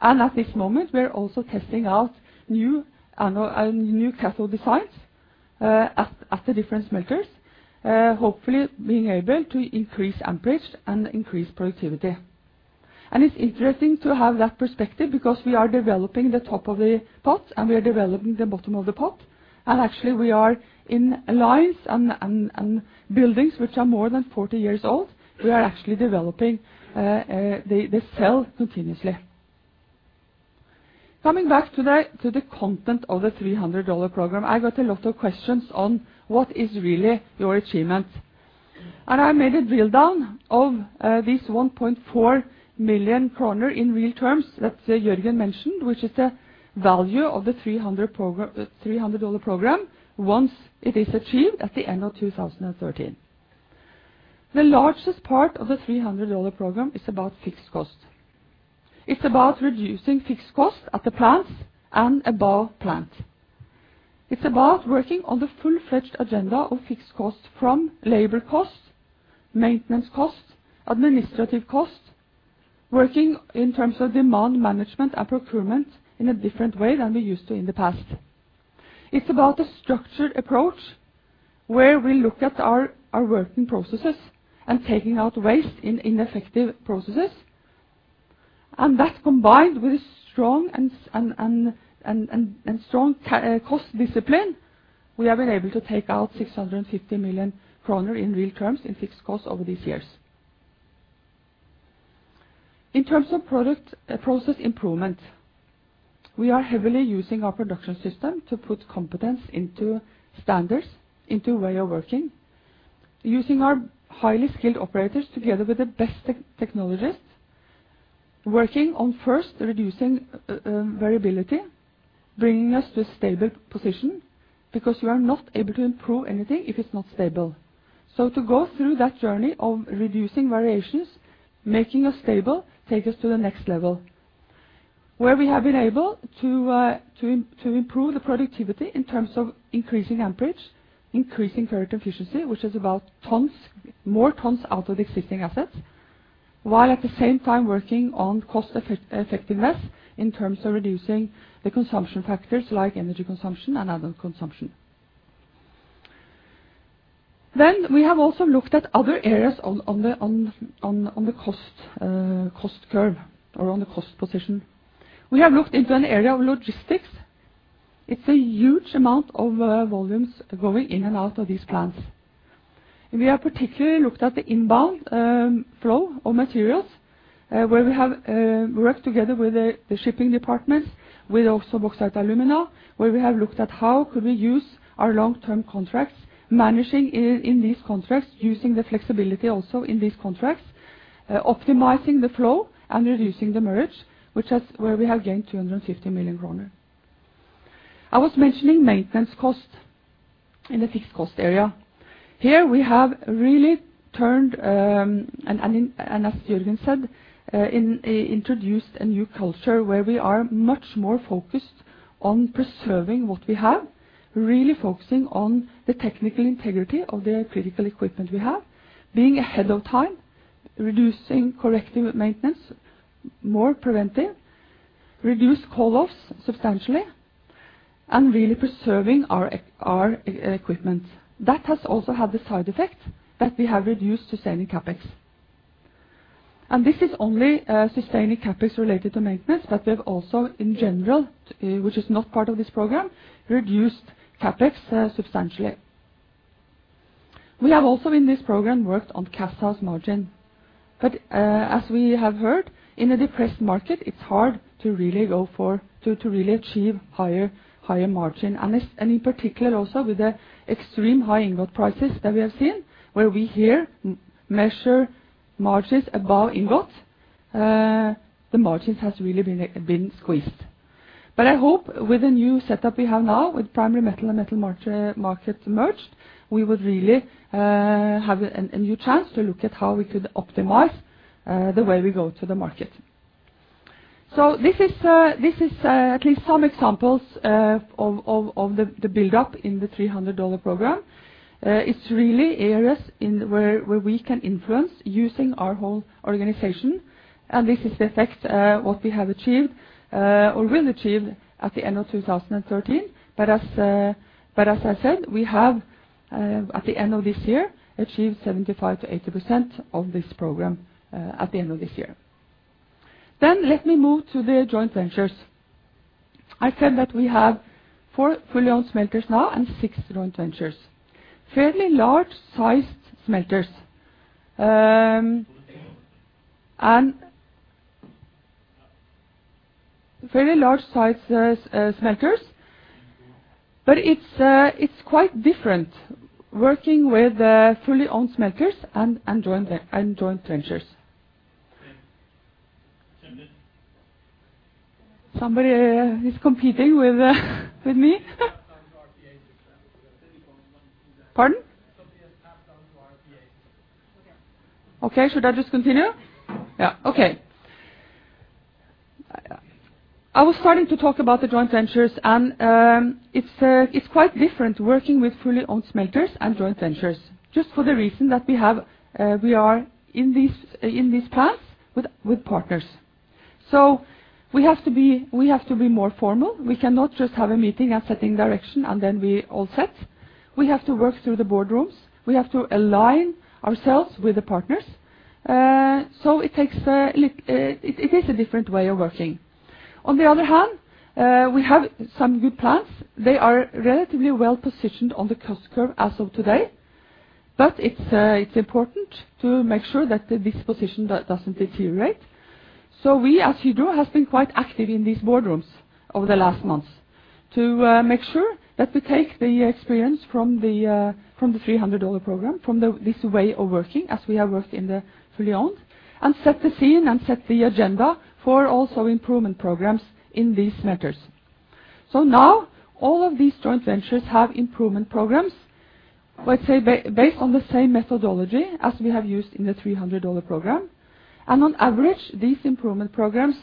At this moment, we're also testing out new anode and new cathode designs at the different smelters, hopefully being able to increase amperage and increase productivity. It's interesting to have that perspective because we are developing the top of the pot and we are developing the bottom of the pot. Actually we are in lines and buildings which are more than 40 years old. We are actually developing the cell continuously. Coming back to the content of the $300 program, I got a lot of questions on what is really your achievement. I made a drill down of this 1.4 billion kroner in real terms that Jørgen mentioned, which is the value of the $300 program once it is achieved at the end of 2013. The largest part of the $300 program is about fixed cost. It's about reducing fixed costs at the plants and above plant. It's about working on the full-fledged agenda of fixed costs from labor costs, maintenance costs, administrative costs, working in terms of demand management and procurement in a different way than we used to in the past. It's about a structured approach where we look at our working processes and taking out waste in ineffective processes. That combined with strong cost discipline, we have been able to take out 650 million kroner in real terms in fixed costs over these years. In terms of product, process improvement, we are heavily using our production system to put competence into standards, into way of working, using our highly skilled operators together with the best technologists, working on first reducing variability, bringing us to a stable position, because you are not able to improve anything if it's not stable. To go through that journey of reducing variations, making us stable, take us to the next level. Where we have been able to improve the productivity in terms of increasing amperage, increasing current efficiency, which is about more tons out of the existing assets. While at the same time working on cost effectiveness in terms of reducing the consumption factors like energy consumption and other consumption. We have also looked at other areas on the cost curve or on the cost position. We have looked into an area of logistics. It's a huge amount of volumes going in and out of these plants. We have particularly looked at the inbound flow of materials, where we have worked together with the shipping departments, with also Bauxite & Alumina, where we have looked at how could we use our long-term contracts, managing in these contracts, using the flexibility also in these contracts, optimizing the flow and reducing the demurrage, which is where we have gained 250 million kroner. I was mentioning maintenance costs in the fixed cost area. Here we have really turned and as Jørgen said, introduced a new culture where we are much more focused on preserving what we have, really focusing on the technical integrity of the critical equipment we have, being ahead of time, reducing corrective maintenance, more preventive, reduce call-offs substantially, and really preserving our equipment. That has also had the side effect that we have reduced sustaining CapEx. This is only sustaining CapEx related to maintenance, but we have also in general, which is not part of this program, reduced CapEx substantially. We have also in this program worked on casthouse margin. As we have heard, in a depressed market, it's hard to really go for to really achieve higher margin. In particular also with the extreme high ingot prices that we have seen, where we here measure margins above ingot, the margins has really been squeezed. I hope with the new setup we have now with Primary Metal and Metal Markets merged, we would really have a new chance to look at how we could optimize the way we go to the market. This is at least some examples of the build-up in the $300 program. It's really areas in where we can influence using our whole organization, and this is the effect what we have achieved or will achieve at the end of 2013. As I said, we have at the end of this year achieved 75%-80% of this program at the end of this year. Let me move to the joint ventures. I said that we have four fully-owned smelters now and six joint ventures, fairly large-sized smelters. Fairly large-sized smelters, but it's quite different working with fully-owned smelters and joint ventures. Somebody is competing with me. Pardon? Somebody has tapped onto our PA system. Okay. Okay. Should I just continue? Yeah. Okay. I was starting to talk about the joint ventures, and it's quite different working with fully-owned smelters and joint ventures just for the reason that we have, we are in these plants with partners. We have to be more formal. We cannot just have a meeting and setting direction, and then we're all set. We have to work through the boardrooms. We have to align ourselves with the partners. It is a different way of working. On the other hand, we have some good plants. They are relatively well-positioned on the cost curve as of today, but it's important to make sure that this position doesn't deteriorate. We, as you know, have been quite active in these boardrooms over the last months to make sure that we take the experience from the $300 program, this way of working as we have worked in the fully owned, and set the scene and set the agenda for also improvement programs in these smelters. Now all of these joint ventures have improvement programs, let's say, based on the same methodology as we have used in the $300 program. On average, these improvement programs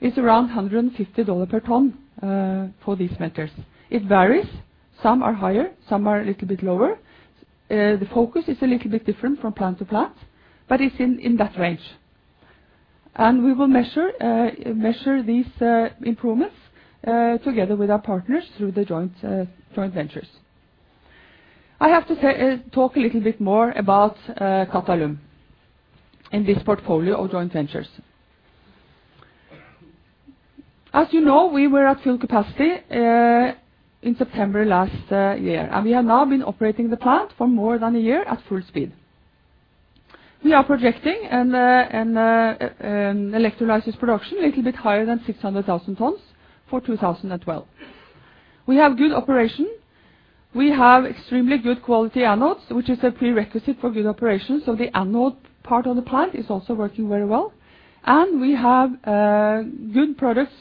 is around $150 per ton for these smelters. It varies. Some are higher, some are a little bit lower. The focus is a little bit different from plant to plant, but it's in that range. We will measure these improvements together with our partners through the joint ventures. I have to say, talk a little bit more about Qatalum in this portfolio of joint ventures. As you know, we were at full capacity in September last year. We have now been operating the plant for more than a year at full speed. We are projecting an electrolysis production a little bit higher than 600,000 tons for 2012. We have good operation. We have extremely good quality anodes, which is a prerequisite for good operation. The anode part of the plant is also working very well. We have good products,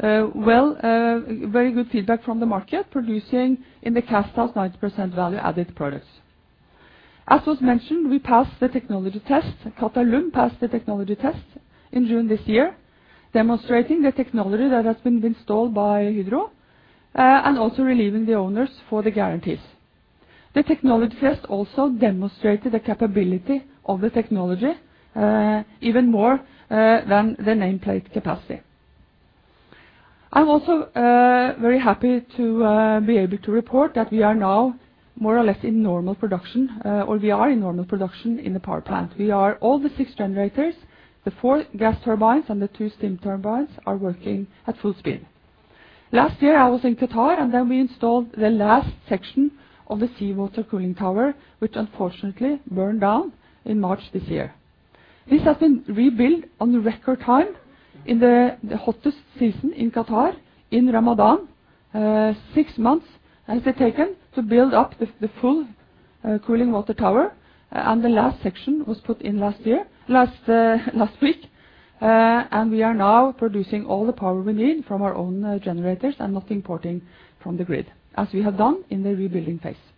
well, very good feedback from the market, producing in the casthouse 90% value added products. As was mentioned, we passed the technology test. Qatalum passed the technology test in June this year, demonstrating the technology that has been installed by Hydro, and also relieving the owners for the guarantees. The technology test also demonstrated the capability of the technology, even more than the nameplate capacity. I'm also very happy to be able to report that we are now more or less in normal production, or we are in normal production in the power plant. We have all six generators. The four gas turbines and the two steam turbines are working at full speed. Last year, I was in Qatar, and then we installed the last section of the seawater cooling tower, which unfortunately burned down in March this year. This has been rebuilt in record time in the hottest season in Qatar, in Ramadan. Six months has it taken to build up the full cooling water tower, and the last section was put in last week. We are now producing all the power we need from our own generators and not importing from the grid, as we have done in the rebuilding phase.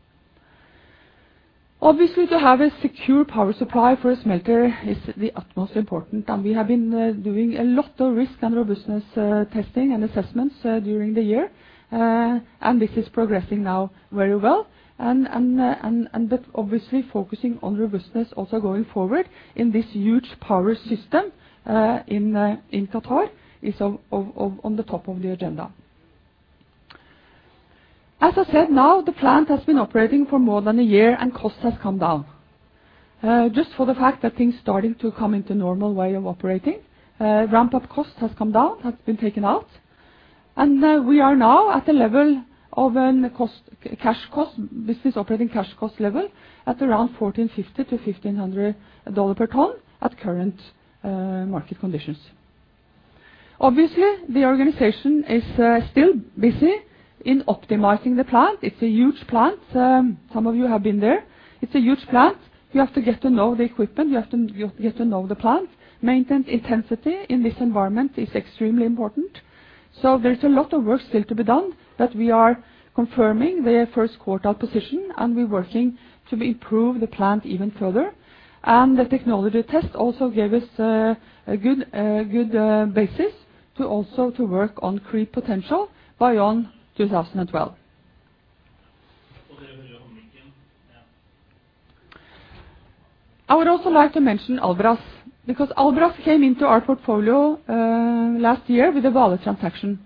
Obviously, to have a secure power supply for a smelter is the utmost important, and we have been doing a lot of risk and robustness testing and assessments during the year. This is progressing now very well and that obviously focusing on robustness also going forward in this huge power system in Qatar is on the top of the agenda. As I said, now the plant has been operating for more than a year and cost has come down. Just for the fact that things starting to come into normal way of operating, ramp-up cost has come down, has been taken out. We are now at a level of a cash cost, business operating cash cost level at around $1,450-$1,500 per ton at current market conditions. Obviously, the organization is still busy in optimizing the plant. It's a huge plant. Some of you have been there. It's a huge plant. You have to get to know the equipment. You have to get to know the plant. Maintenance intensity in this environment is extremely important. There's a lot of work still to be done, but we are confirming the first quarter position, and we're working to improve the plant even further. The technology test also gave us a good basis to work on creep potential by 2012. I would also like to mention Albras, because Albras came into our portfolio last year with the Vale transaction.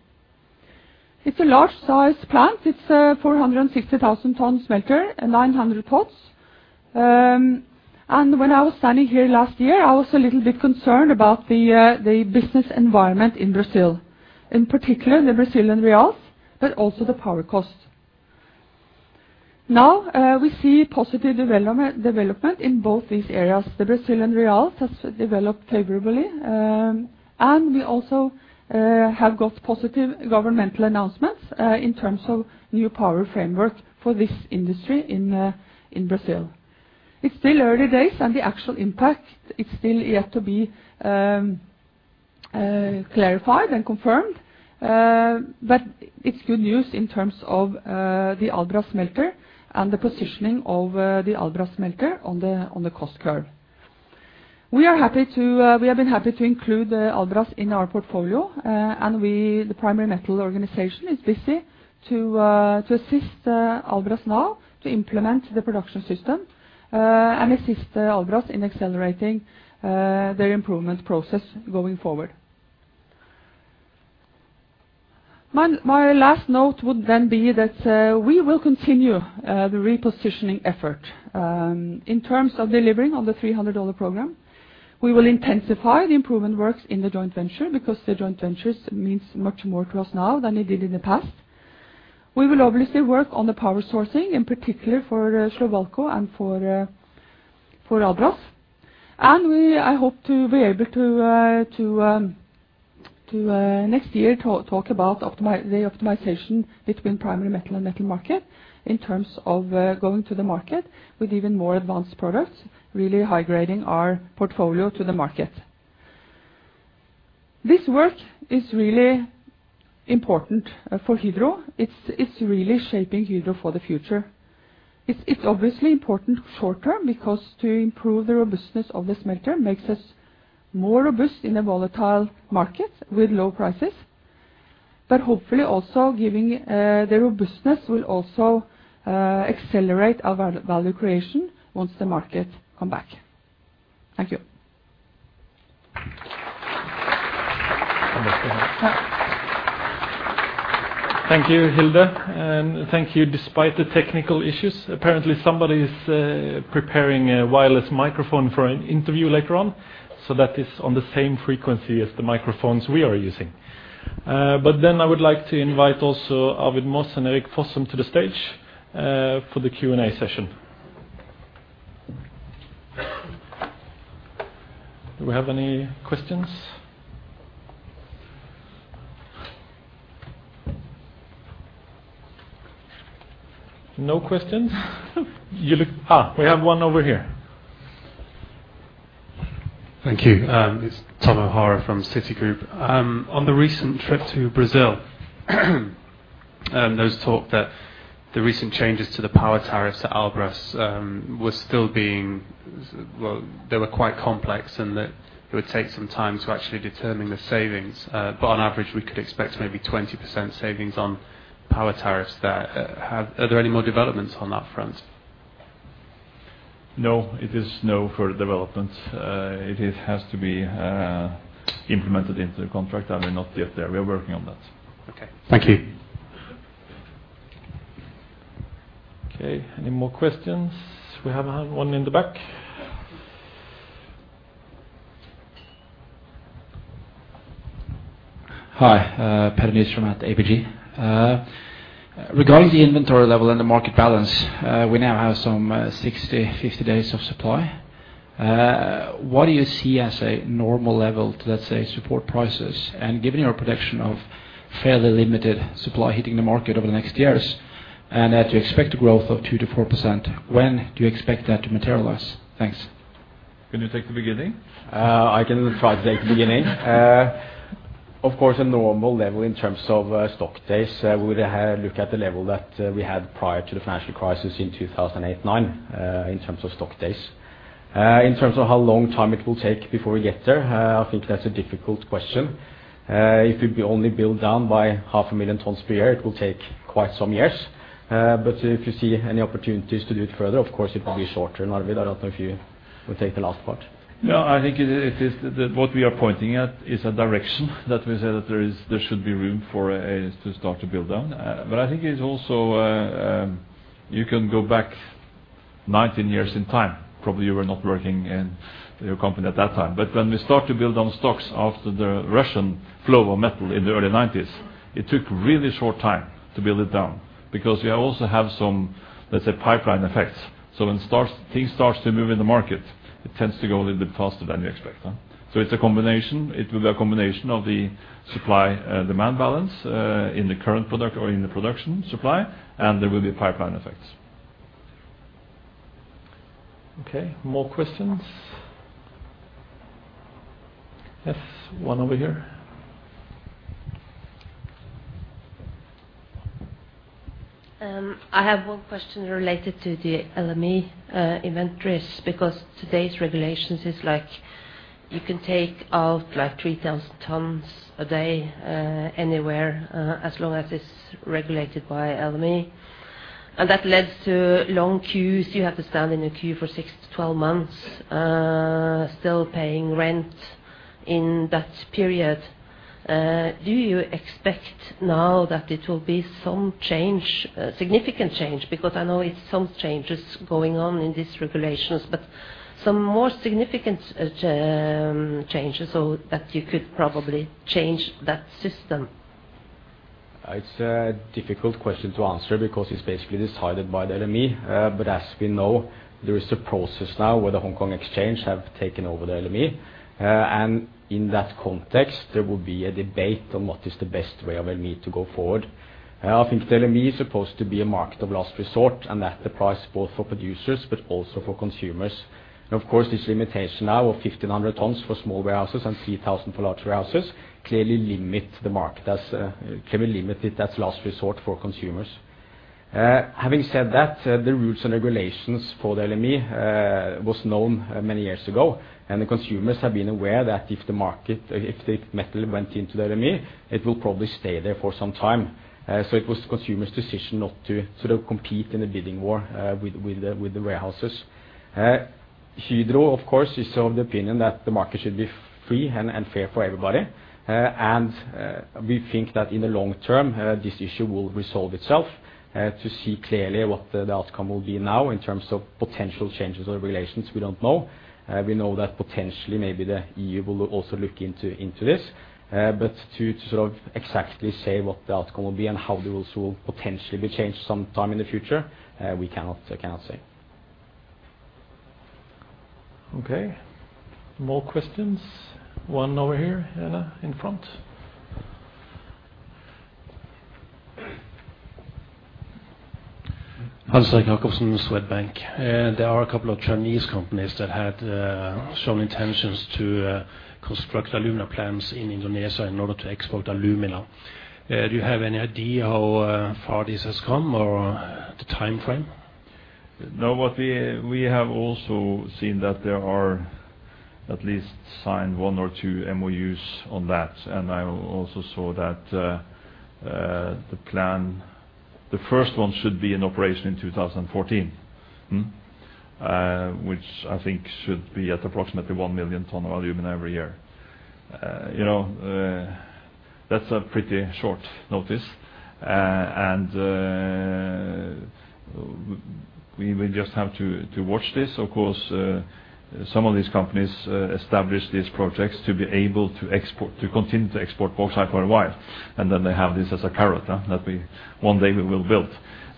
It's a large size plant. It's a 460,000-ton smelter and 900 pots. When I was standing here last year, I was a little bit concerned about the business environment in Brazil, in particular the Brazilian reais, but also the power cost. Now, we see positive development in both these areas. The Brazilian reais has developed favorably, and we also have got positive governmental announcements in terms of new power framework for this industry in Brazil. It's still early days, and the actual impact is still yet to be clarified and confirmed. It's good news in terms of the Albras smelter and the positioning of the Albras smelter on the cost curve. We have been happy to include Albras in our portfolio, and we, the Primary Metal organization, is busy to assist Albras now to implement the production system, and assist Albras in accelerating their improvement process going forward. My last note would then be that we will continue the repositioning effort in terms of delivering on the $300 program. We will intensify the improvement works in the joint venture because the joint ventures means much more to us now than it did in the past. We will obviously work on the power sourcing, in particular for Slovalco and for Albras. I hope to be able to next year talk about the optimization between Primary Metal and Metal Markets in terms of going to the market with even more advanced products, really high-grading our portfolio to the market. This work is really important for Hydro. It's really shaping Hydro for the future. It's obviously important short term because to improve the robustness of the smelter makes us more robust in a volatile market with low prices. Hopefully also, the robustness will also accelerate our value creation once the market come back. Thank you. Thank you, Hilde, and thank you despite the technical issues. Apparently, somebody is preparing a wireless microphone for an interview later on. That is on the same frequency as the microphones we are using. But then I would like to invite also Arvid Moss and Erik Fossum to the stage for the Q&A session. Do we have any questions? No questions? We have one over here. Thank you. It's Tom O'Hara from Citigroup. On the recent trip to Brazil, there was talk that the recent changes to the power tariffs at Albras were quite complex and that it would take some time to actually determine the savings. But on average, we could expect maybe 20% savings on power tariffs there. Are there any more developments on that front? No, it is no further development. It has to be implemented into the contract, and we're not yet there. We are working on that. Okay. Thank you. Okay, any more questions? We have one in the back. Hi. Petter Nystrøm at ABG Sundal Collier. Regarding the inventory level and the market balance, we now have some 60-50 days of supply. What do you see as a normal level to, let's say, support prices? Given your prediction of fairly limited supply hitting the market over the next years, and that you expect a growth of 2%-4%, when do you expect that to materialize? Thanks. Can you take the beginning? I can try to take the beginning. Of course, a normal level in terms of stock days, we would look at the level that we had prior to the financial crisis in 2008-2009, in terms of stock days. In terms of how long time it will take before we get there, I think that's a difficult question. If it'll be only build down by 500,000 tons per year, it will take quite some years. If you see any opportunities to do it further, of course it will be shorter. Arvid, I don't know if you will take the last part. No, I think it is. What we are pointing at is a direction that we say there should be room to start to build down. But I think it's also, you can go back 19 years in time. Probably you were not working in your company at that time. When we start to build on stocks after the Russian flow of metal in the early 1990s, it took really short time to build it down because we also have some, let's say, pipeline effects. When it starts, things starts to move in the market, it tends to go a little bit faster than you expect. It's a combination. It will be a combination of the supply and demand balance, in the current product or in the production supply, and there will be pipeline effects. Okay, more questions? Yes, one over here. I have one question related to the LME inventories, because today's regulations is like, you can take out like 3,000 tons a day, anywhere, as long as it's regulated by LME. That leads to long queues. You have to stand in a queue for six to 12 months, still paying rent in that period. Do you expect now that it will be some change, a significant change? Because I know it's some changes going on in these regulations, but some more significant changes so that you could probably change that system. It's a difficult question to answer because it's basically decided by the LME. But as we know, there is a process now where the Hong Kong Exchange have taken over the LME. In that context, there will be a debate on what is the best way of LME to go forward. I think the LME is supposed to be a market of last resort, and that applies both for producers but also for consumers. Of course, this limitation now of 1,500 tons for small warehouses and 3,000 for larger houses clearly limits the market as last resort for consumers. Having said that, the rules and regulations for the LME was known many years ago, and the consumers have been aware that if the metal went into the LME, it will probably stay there for some time. So it was the consumer's decision not to sort of compete in a bidding war with the warehouses. Hydro, of course, is of the opinion that the market should be free and fair for everybody. We think that in the long term this issue will resolve itself. To see clearly what the outcome will be now in terms of potential changes or regulations, we don't know. We know that potentially maybe the EU will also look into this. To sort of exactly say what the outcome will be and how the rules will potentially be changed sometime in the future, we cannot say. Okay, more questions. One over here, yeah, in front. Hans-Erik Jacobsen, Swedbank. There are a couple of Chinese companies that had shown intentions to construct alumina plants in Indonesia in order to export alumina. Do you have any idea how far this has come or the timeframe? No. What we have also seen that there are at least one or two MOUs signed on that. I also saw that the first one should be in operation in 2014. Which I think should be at approximately 1 million tons of aluminum every year. You know, that's a pretty short notice. We just have to watch this. Of course, some of these companies established these projects to be able to export, to continue to export bauxite for a while. Then they have this as a carrot that one day we will build.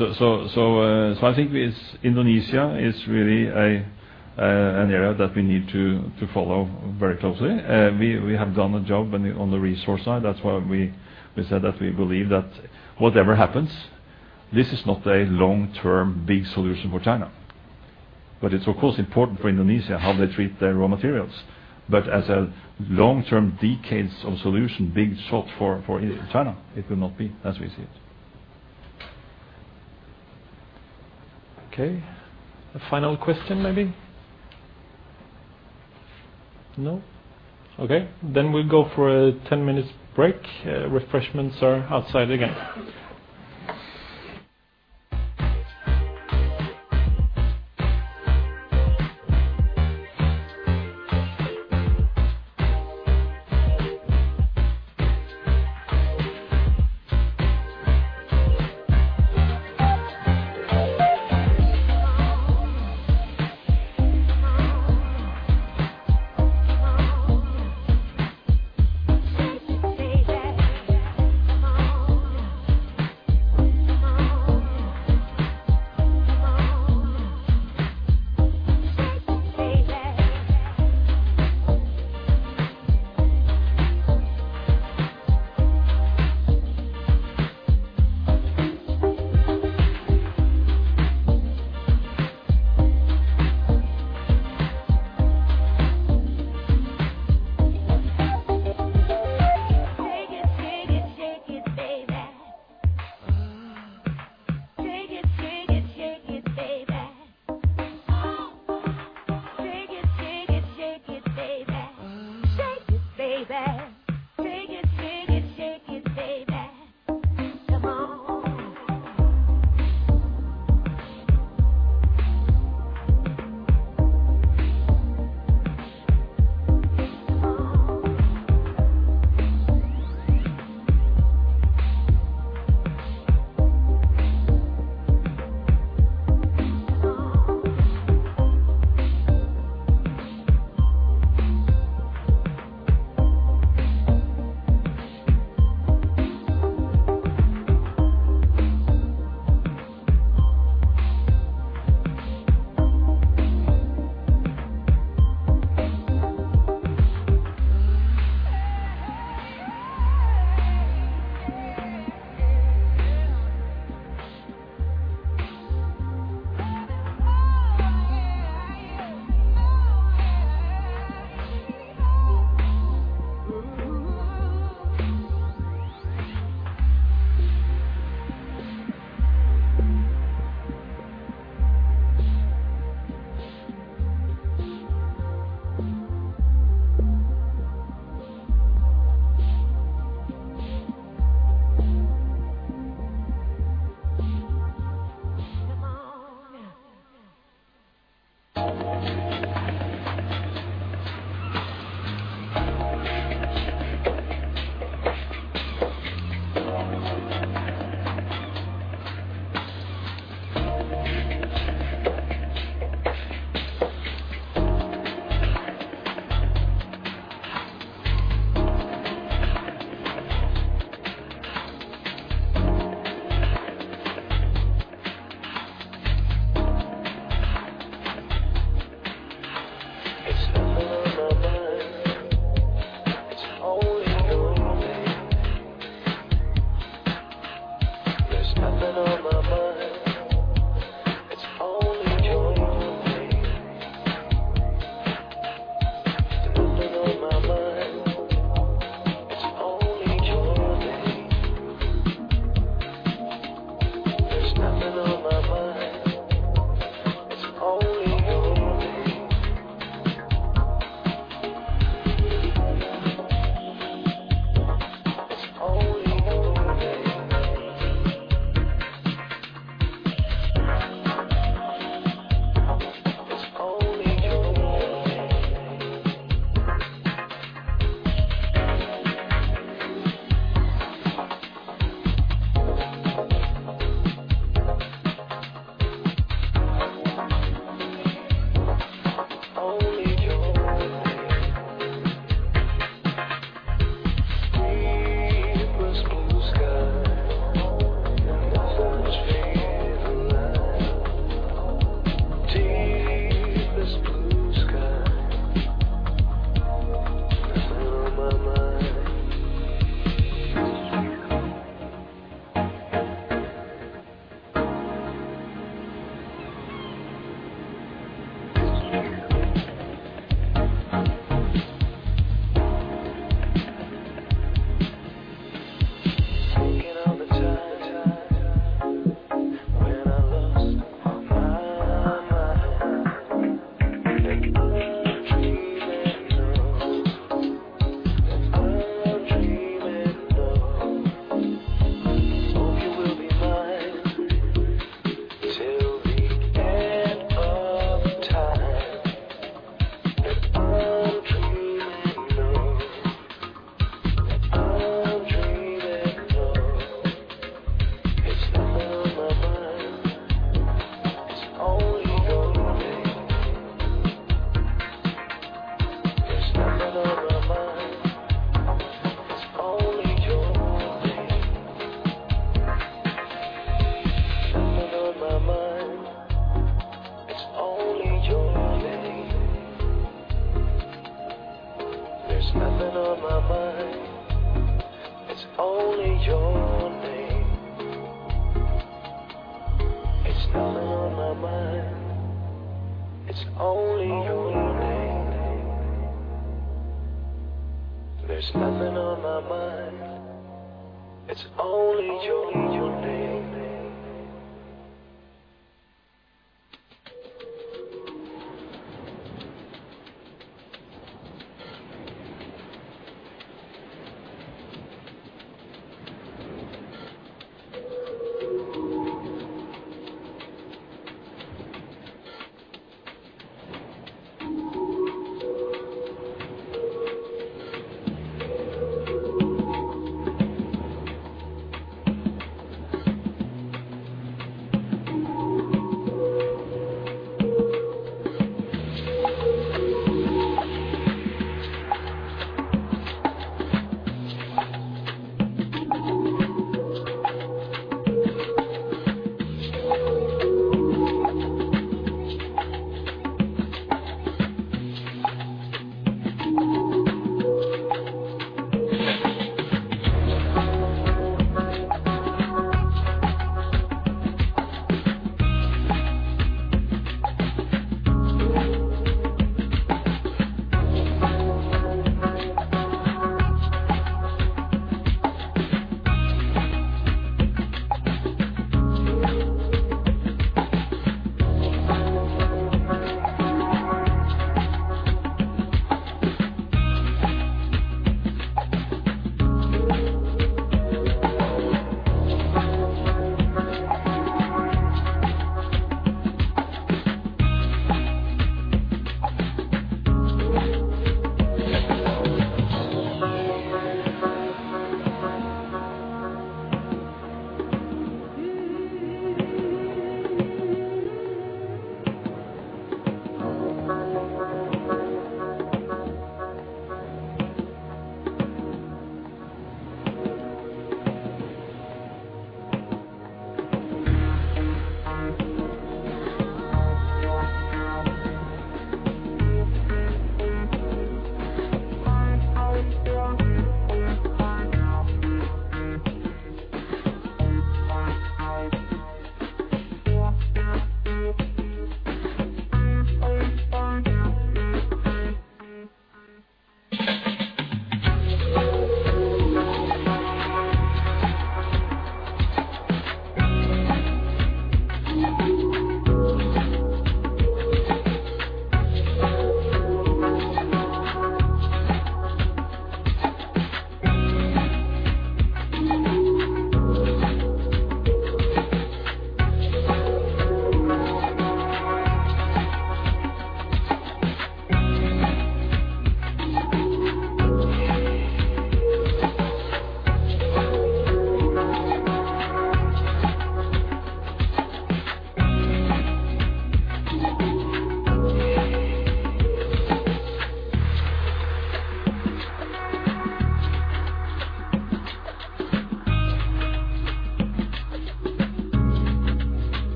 I think Indonesia is really an area that we need to follow very closely. We have done a job on the resource side. That's why we said that we believe that whatever happens. This is not a long-term big solution for China. It's of course important for Indonesia, how they treat their raw materials. As a long-term, decades-long solution, big solution for China, it will not be as we see it. Okay. A final question maybe? No. Okay, then we'll go for a 10-minute break. Refreshments are outside again.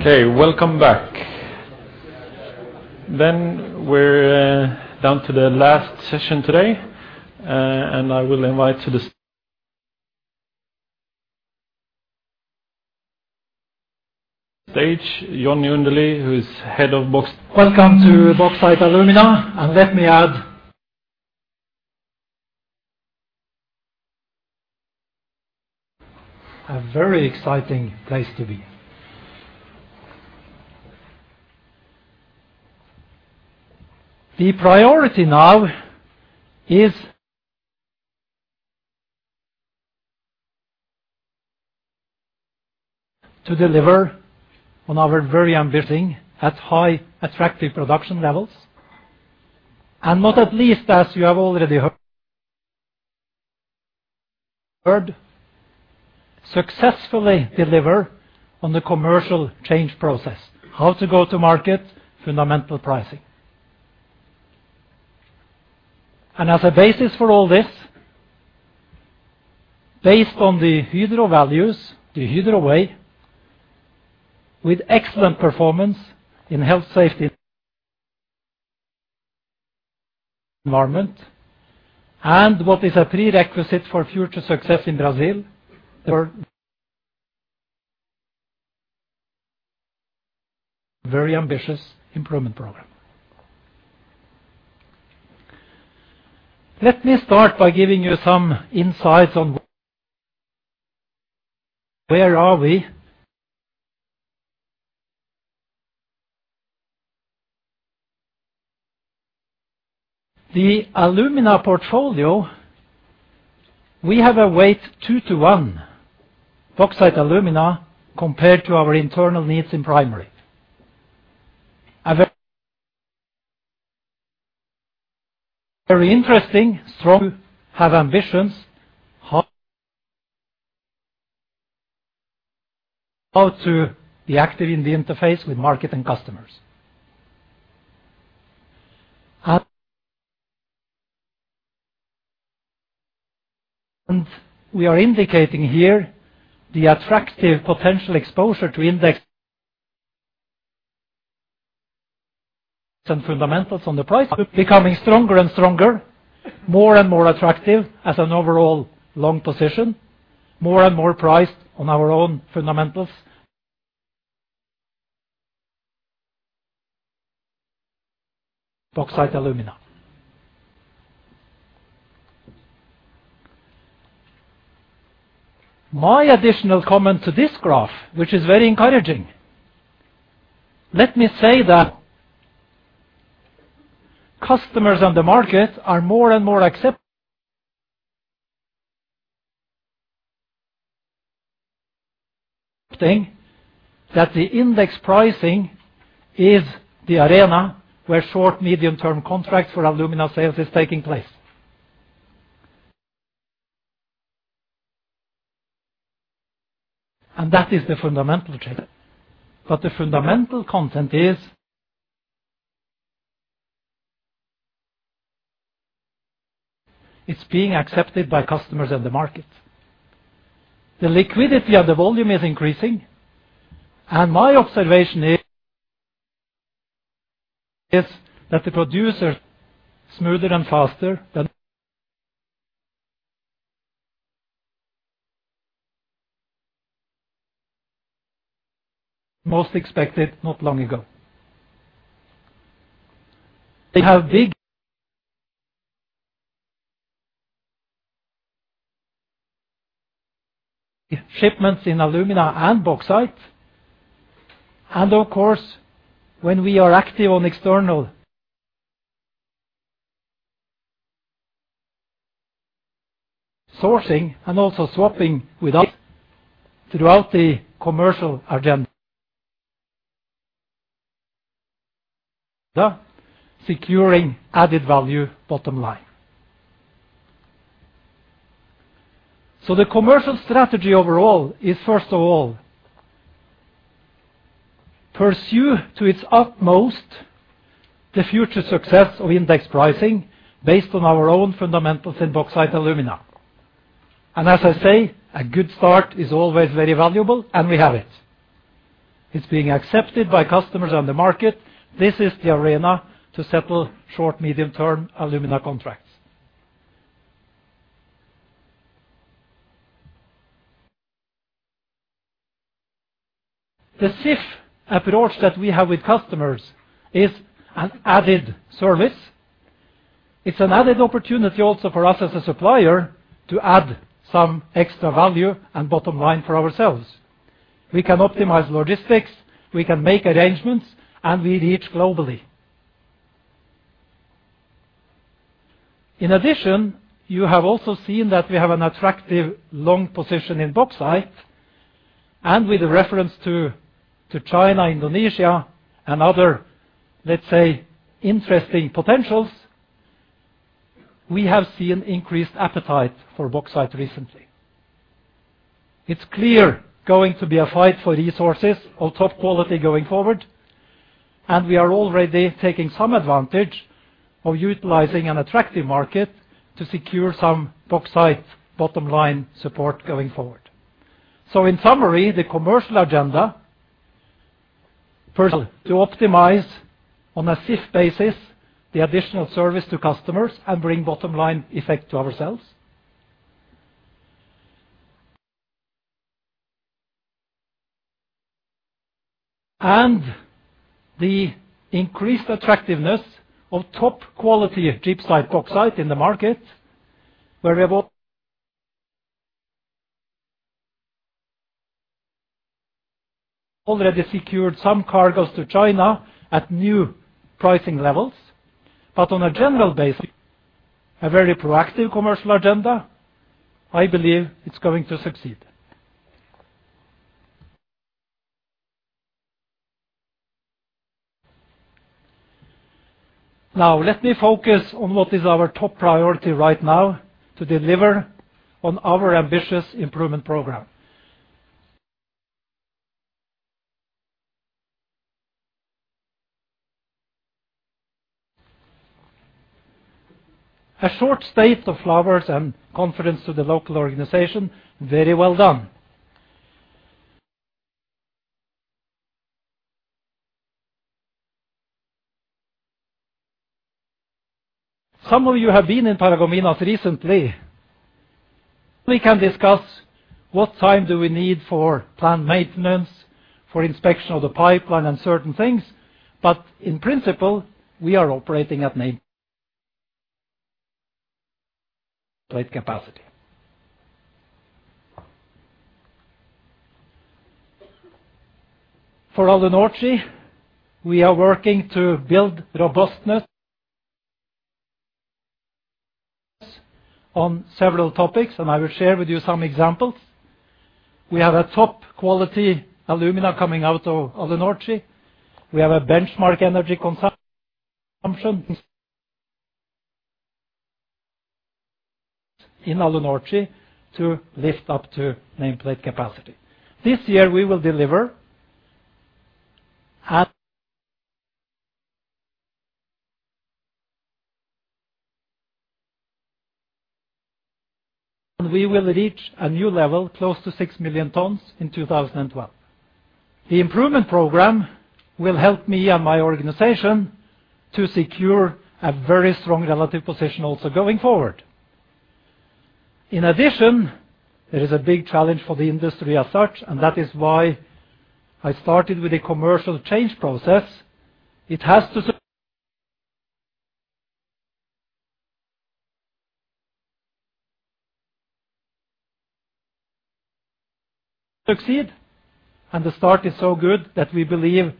Okay, welcome back. We're down to the last session today, and I will invite to the stage Johnny Undeli, who is Head of Bauxite. Welcome to Bauxite & Alumina, and let me add a very exciting place to be. The priority now is to deliver on our very ambitious at high attractive production levels, and not least as you have already heard, successfully deliver on the commercial change process, how to go to market, fundamental pricing. As a basis for all this, based on the Hydro values, the Hydro way, with excellent performance in health, safety environment, and what is a prerequisite for future success in Brazil, very ambitious improvement program. Let me start by giving you some insights on where we are. The alumina portfolio, we have a two-to-one weight. Bauxite & Alumina compared to our internal needs in Primary. A very interesting, strong. We have ambitions how to be active in the interface with market and customers. We are indicating here the attractive potential exposure to index and fundamentals on the price. Becoming stronger and stronger, more and more attractive as an overall long position, more and more priced on our own fundamentals. Bauxite & Alumina. My additional comment to this graph, which is very encouraging, let me say that customers on the market are more and more accepting that the index pricing is the arena where short, medium-term contracts for alumina sales is taking place. That is the fundamental change. The fundamental content is it's being accepted by customers in the market. The liquidity of the volume is increasing, and my observation is that the production smoother and faster than most expected not long ago. They have big shipments in alumina and bauxite. Of course, when we are active on external sourcing and also swapping with others throughout the commercial agenda, securing added value bottom line. The commercial strategy overall is, first of all, pursue to its utmost the future success of index pricing based on our own fundamentals in Bauxite & Alumina. As I say, a good start is always very valuable, and we have it. It's being accepted by customers on the market. This is the arena to settle short, medium-term alumina contracts. The CIF approach that we have with customers is an added service. It's an added opportunity also for us as a supplier to add some extra value and bottom line for ourselves. We can optimize logistics, we can make arrangements, and we reach globally. In addition, you have also seen that we have an attractive long position in bauxite. With reference to China, Indonesia and other, let's say, interesting potentials, we have seen increased appetite for bauxite recently. It's clear going to be a fight for resources of top quality going forward, and we are already taking some advantage of utilizing an attractive market to secure some bauxite bottom line support going forward. In summary, the commercial agenda, first of all, to optimize on a CIF basis the additional service to customers and bring bottom-line effect to ourselves. The increased attractiveness of top quality of gibbsite bauxite in the market, where we have already secured some cargoes to China at new pricing levels. On a general basis, a very proactive commercial agenda, I believe it's going to succeed. Now, let me focus on what is our top priority right now to deliver on our ambitious improvement program. A short round of applause and a vote of confidence to the local organization. Very well done. Some of you have been in Paragominas recently. We can discuss what time do we need for plant maintenance, for inspection of the pipeline and certain things, but in principle, we are operating at nameplate capacity. For Alunorte, we are working to build robustness on several topics, and I will share with you some examples. We have a top-quality alumina coming out of Alunorte. We have a benchmark energy consumption in Alunorte to lift up to nameplate capacity. This year, we will reach a new level close to 6 million tons in 2012. The improvement program will help me and my organization to secure a very strong relative position also going forward. In addition, there is a big challenge for the industry as such, and that is why I started with a commercial change process. It has to succeed, and the start is so good that we believe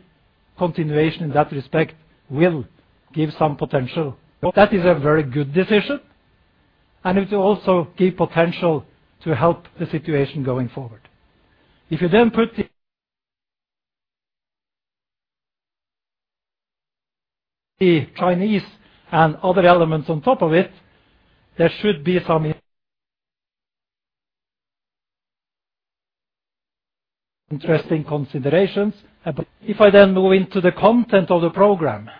continuation in that respect will give some potential. That is a very good decision, and it will also give potential to help the situation going forward. If you then put the Chinese and other elements on top of it, there should be some interesting considerations. If I then move into the content of the program.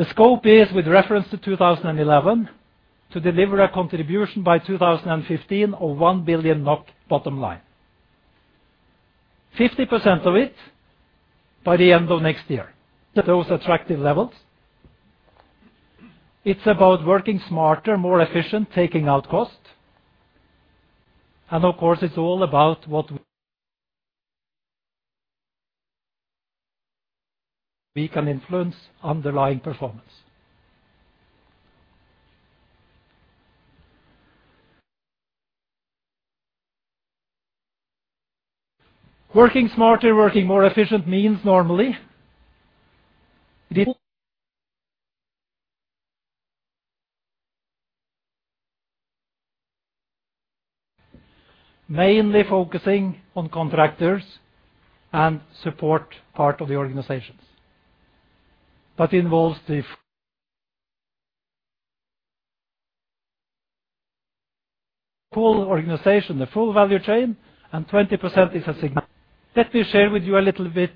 The scope is, with reference to 2011, to deliver a contribution by 2015 of 1 billion NOK bottom line. 50% of it by the end of next year. Those attractive levels. It's about working smarter, more efficient, taking out cost. Of course, it's all about what we can influence underlying performance. Working smarter, working more efficient means normally. Mainly focusing on contractors and support part of the organizations, but involves the whole organization, the full value chain, and 20% is a significant. Let me share with you a little bit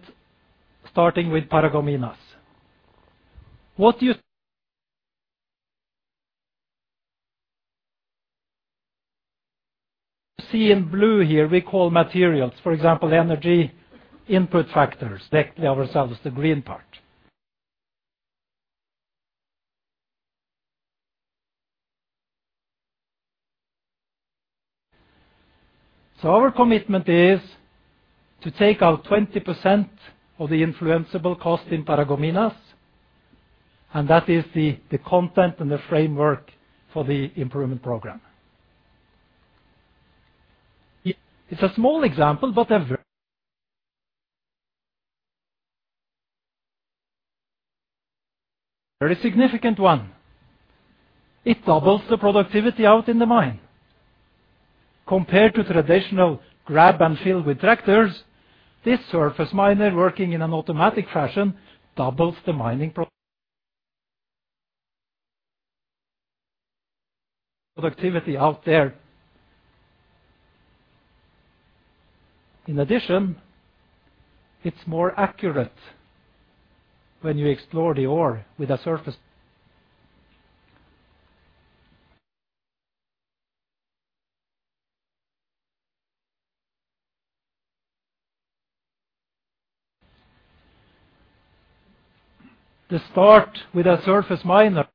starting with Paragominas. What you see in blue here we call materials, for example, energy input factors, directly ourselves, the green part. Our commitment is to take out 20% of the influenceable cost in Paragominas, and that is the content and the framework for the improvement program. It's a small example, but a very significant one. It doubles the productivity out in the mine. Compared to traditional grab and fill with tractors, this surface miner working in an automatic fashion doubles the mining productivity out there. In addition, it's more accurate when you explore the ore with a surface. To start with a surface miner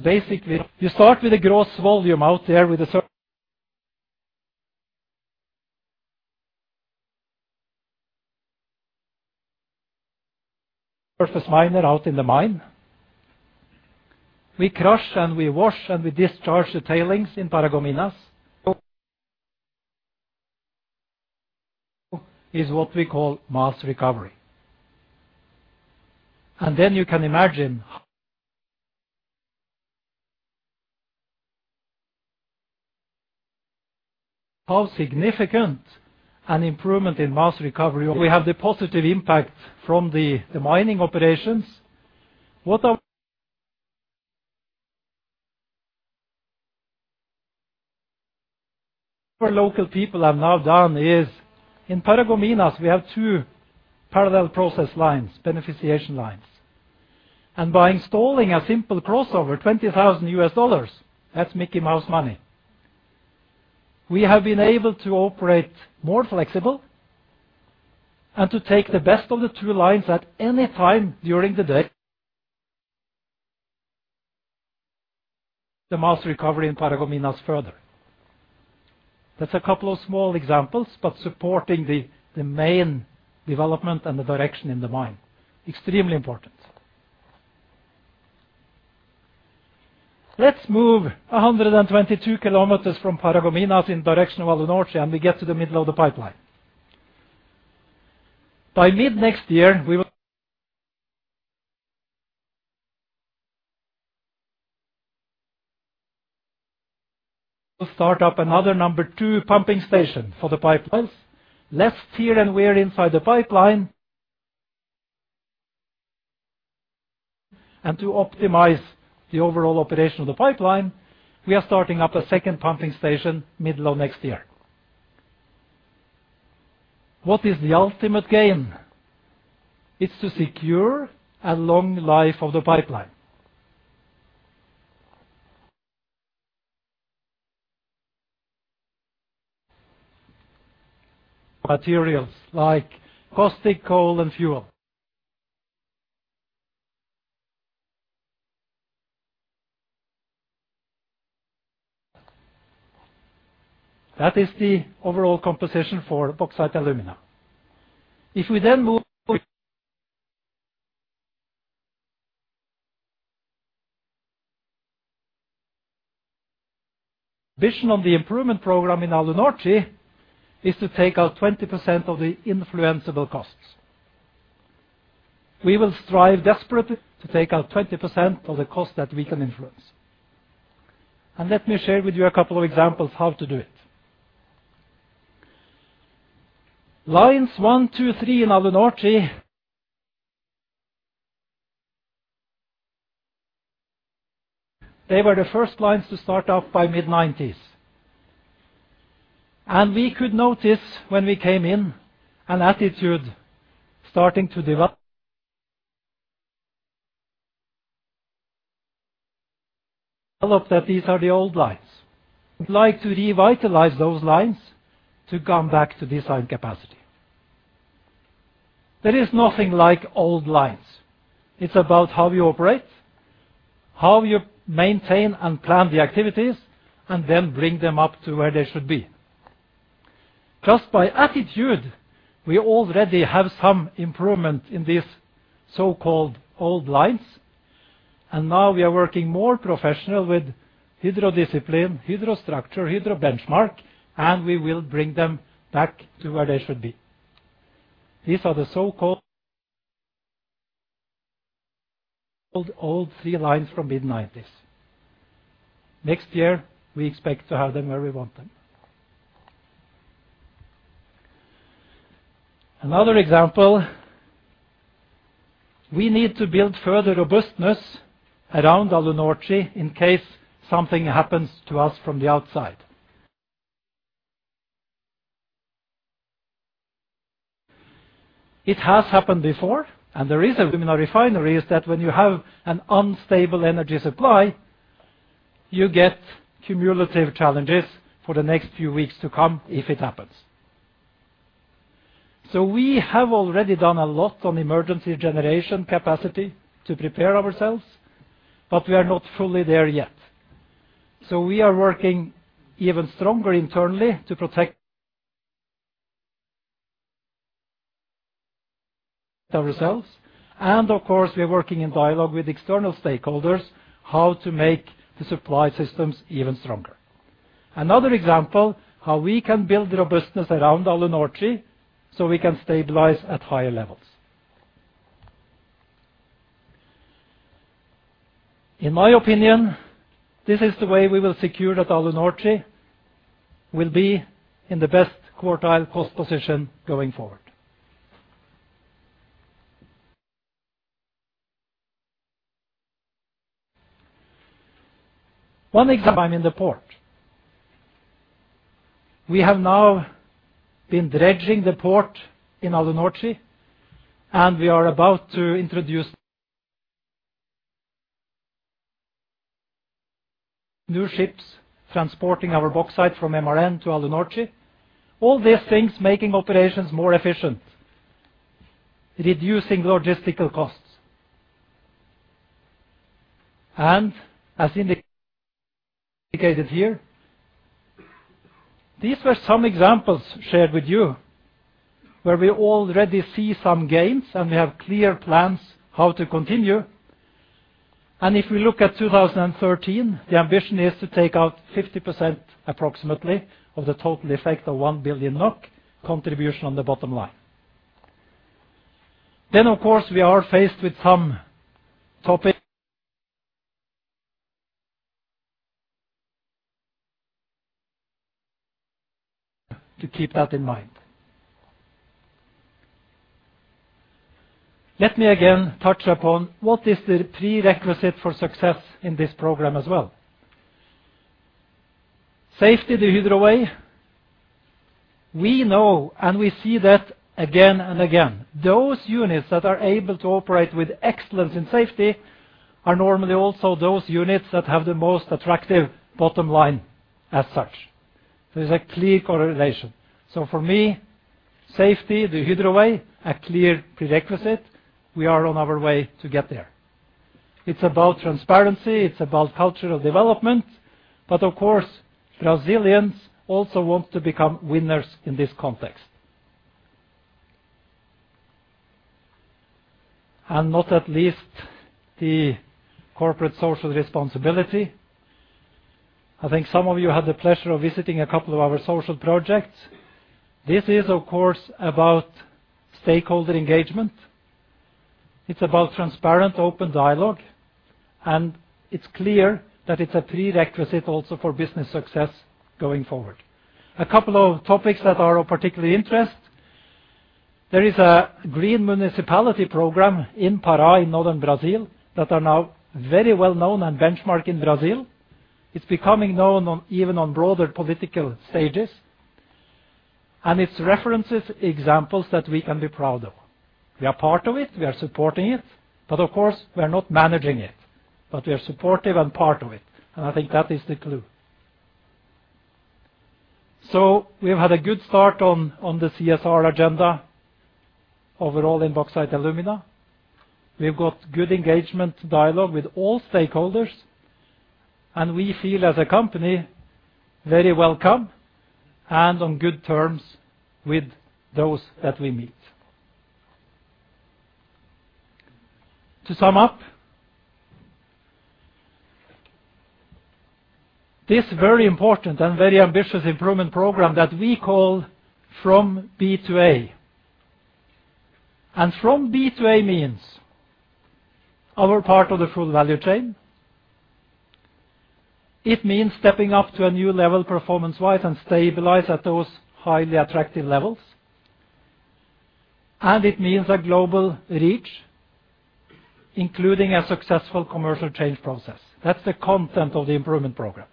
basically. You start with a gross volume out there with a surface miner out in the mine. We crush, and we wash, and we discharge the tailings in Paragominas. That is what we call mass recovery. Then you can imagine how significant an improvement in mass recovery. We have the positive impact from the mining operations. What our local people have now done is in Paragominas, we have two parallel process lines, beneficiation lines. By installing a simple crossover, $20,000, that's Mickey Mouse money, we have been able to operate more flexible and to take the best of the two lines at any time during the day. The mass recovery in Paragominas further. That's a couple of small examples, but supporting the main development and the direction in the mine. Extremely important. Let's move 122 km from Paragominas in the direction of Alunorte, and we get to the middle of the pipeline. By mid next year, we will start up another number two pumping station for the pipelines. Less tear and wear inside the pipeline. To optimize the overall operation of the pipeline, we are starting up a second pumping station middle of next year. What is the ultimate gain? It's to secure a long life of the pipeline. Materials like caustic, coal, and fuel. That is the overall composition for Bauxite & Alumina. If we then move. Vision on the improvement program in Alunorte is to take out 20% of the influenceable costs. We will strive desperately to take out 20% of the cost that we can influence. Let me share with you a couple of examples how to do it. Lines one, two, three in Alunorte, they were the first lines to start up by mid-1990s. We could notice when we came in an attitude starting to develop that these are the old lines. We'd like to revitalize those lines to come back to design capacity. There is nothing like old lines. It's about how you operate, how you maintain and plan the activities, and then bring them up to where they should be. Just by attitude, we already have some improvement in these so-called old lines. Now we are working more professional with Hydro discipline, Hydro structure, Hydro benchmark, and we will bring them back to where they should be. These are the so-called old three lines from mid-1990s. Next year, we expect to have them where we want them. Another example, we need to build further robustness around Alunorte in case something happens to us from the outside. It has happened before, and the reason in the refinery is that when you have an unstable energy supply, you get cumulative challenges for the next few weeks to come if it happens. We have already done a lot on emergency generation capacity to prepare ourselves, but we are not fully there yet. We are working even stronger internally to protect ourselves. Of course, we are working in dialogue with external stakeholders how to make the supply systems even stronger. Another example, how we can build robustness around Alunorte, so we can stabilize at higher levels. In my opinion, this is the way we will secure that Alunorte will be in the best quartile cost position going forward. One example in the port. We have now been dredging the port in Alunorte, and we are about to introduce new ships transporting our bauxite from MRN to Alunorte. All these things making operations more efficient, reducing logistical costs. As indicated here, these were some examples shared with you where we already see some gains, and we have clear plans how to continue. If we look at 2013, the ambition is to take out approximately 50% of the total effect of 1 billion NOK contribution on the bottom line. Of course, we are faced with some topic to keep that in mind. Let me again touch upon what is the prerequisite for success in this program as well. Safety, the Hydro way. We know, and we see that again and again. Those units that are able to operate with excellence in safety are normally also those units that have the most attractive bottom line as such. There's a clear correlation. For me, safety the Hydro way, a clear prerequisite. We are on our way to get there. It's about transparency. It's about cultural development. Of course, Brazilians also want to become winners in this context. Not at least the corporate social responsibility. I think some of you had the pleasure of visiting a couple of our social projects. This is, of course, about stakeholder engagement. It's about transparent, open dialogue. It's clear that it's a prerequisite also for business success going forward. A couple of topics that are of particular interest. There is a green municipality program in Pará in northern Brazil that are now very well known and benchmark in Brazil. It's becoming known on even broader political stages. It's references examples that we can be proud of. We are part of it. We are supporting it. Of course, we are not managing it, but we are supportive and part of it. I think that is the clue. We've had a good start on the CSR agenda overall in Bauxite & Alumina. We've got good engagement dialogue with all stakeholders, and we feel as a company very welcome and on good terms with those that we meet. To sum up, this very important and very ambitious improvement program that we call From B to A. From B to A means our part of the full value chain. It means stepping up to a new level performance-wise and stabilize at those highly attractive levels. It means a global reach, including a successful commercial change process. That's the content of the improvement program.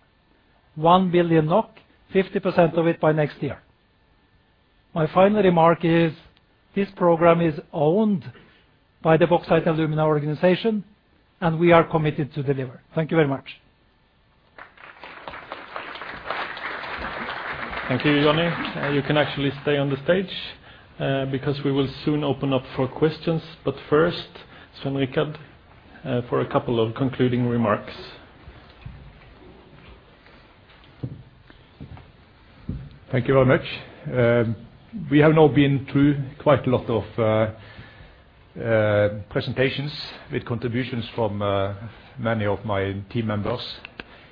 1 billion NOK, 50% of it by next year. My final remark is this program is owned by the Bauxite & Alumina organization, and we are committed to deliver. Thank you very much. Thank you, Johnny. You can actually stay on the stage, because we will soon open up for questions. First, Svein Richard, for a couple of concluding remarks. Thank you very much. We have now been through quite a lot of presentations with contributions from many of my team members.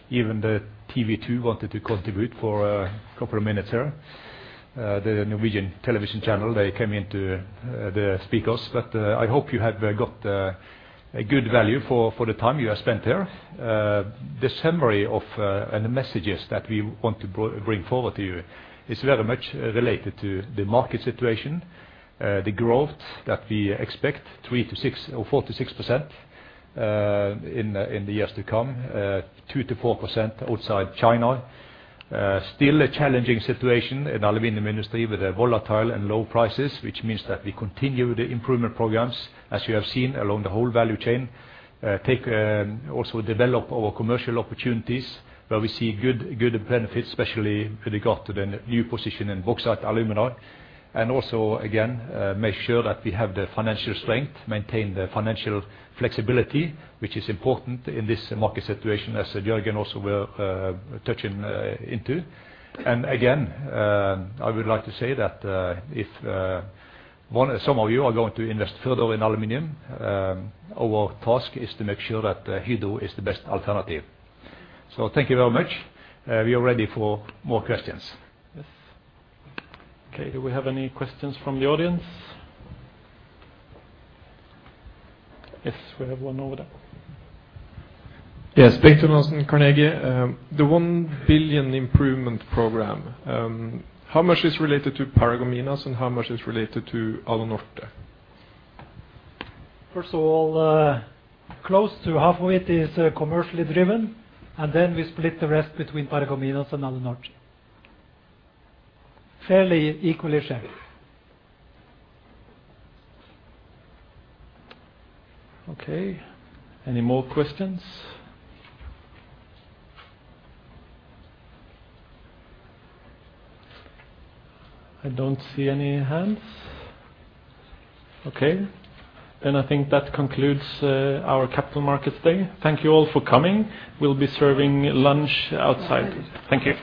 Even the TV 2 wanted to contribute for a couple of minutes here. The Norwegian television channel, they came in to the speakers. I hope you have got a good value for the time you have spent here. The summary and the messages that we want to bring forward to you is very much related to the market situation, the growth that we expect, 3%-6% or 4%-6%, in the years to come, 2%-4% outside China. Still a challenging situation in aluminum industry with the volatile and low prices, which means that we continue the improvement programs, as you have seen along the whole value chain. Also develop our commercial opportunities where we see good benefits, especially with regard to the new position in Bauxite & Alumina. Also make sure that we have the financial strength, maintain the financial flexibility, which is important in this market situation, as Jørgen also will touch on. I would like to say that if one or some of you are going to invest further in aluminum, our task is to make sure that Hydro is the best alternative. Thank you very much. We are ready for more questions. Yes. Okay. Do we have any questions from the audience? Yes, we have one over there. Yes, Peter Larsen, Carnegie. The 1 billion improvement program, how much is related to Paragominas and how much is related to Alunorte? First of all, close to halfway it is, commercially driven, and then we split the rest between Paragominas and Alunorte. Fairly equally shared. Okay. Any more questions? I don't see any hands. Okay. I think that concludes our Capital Markets Day. Thank you all for coming. We'll be serving lunch outside. Thank you.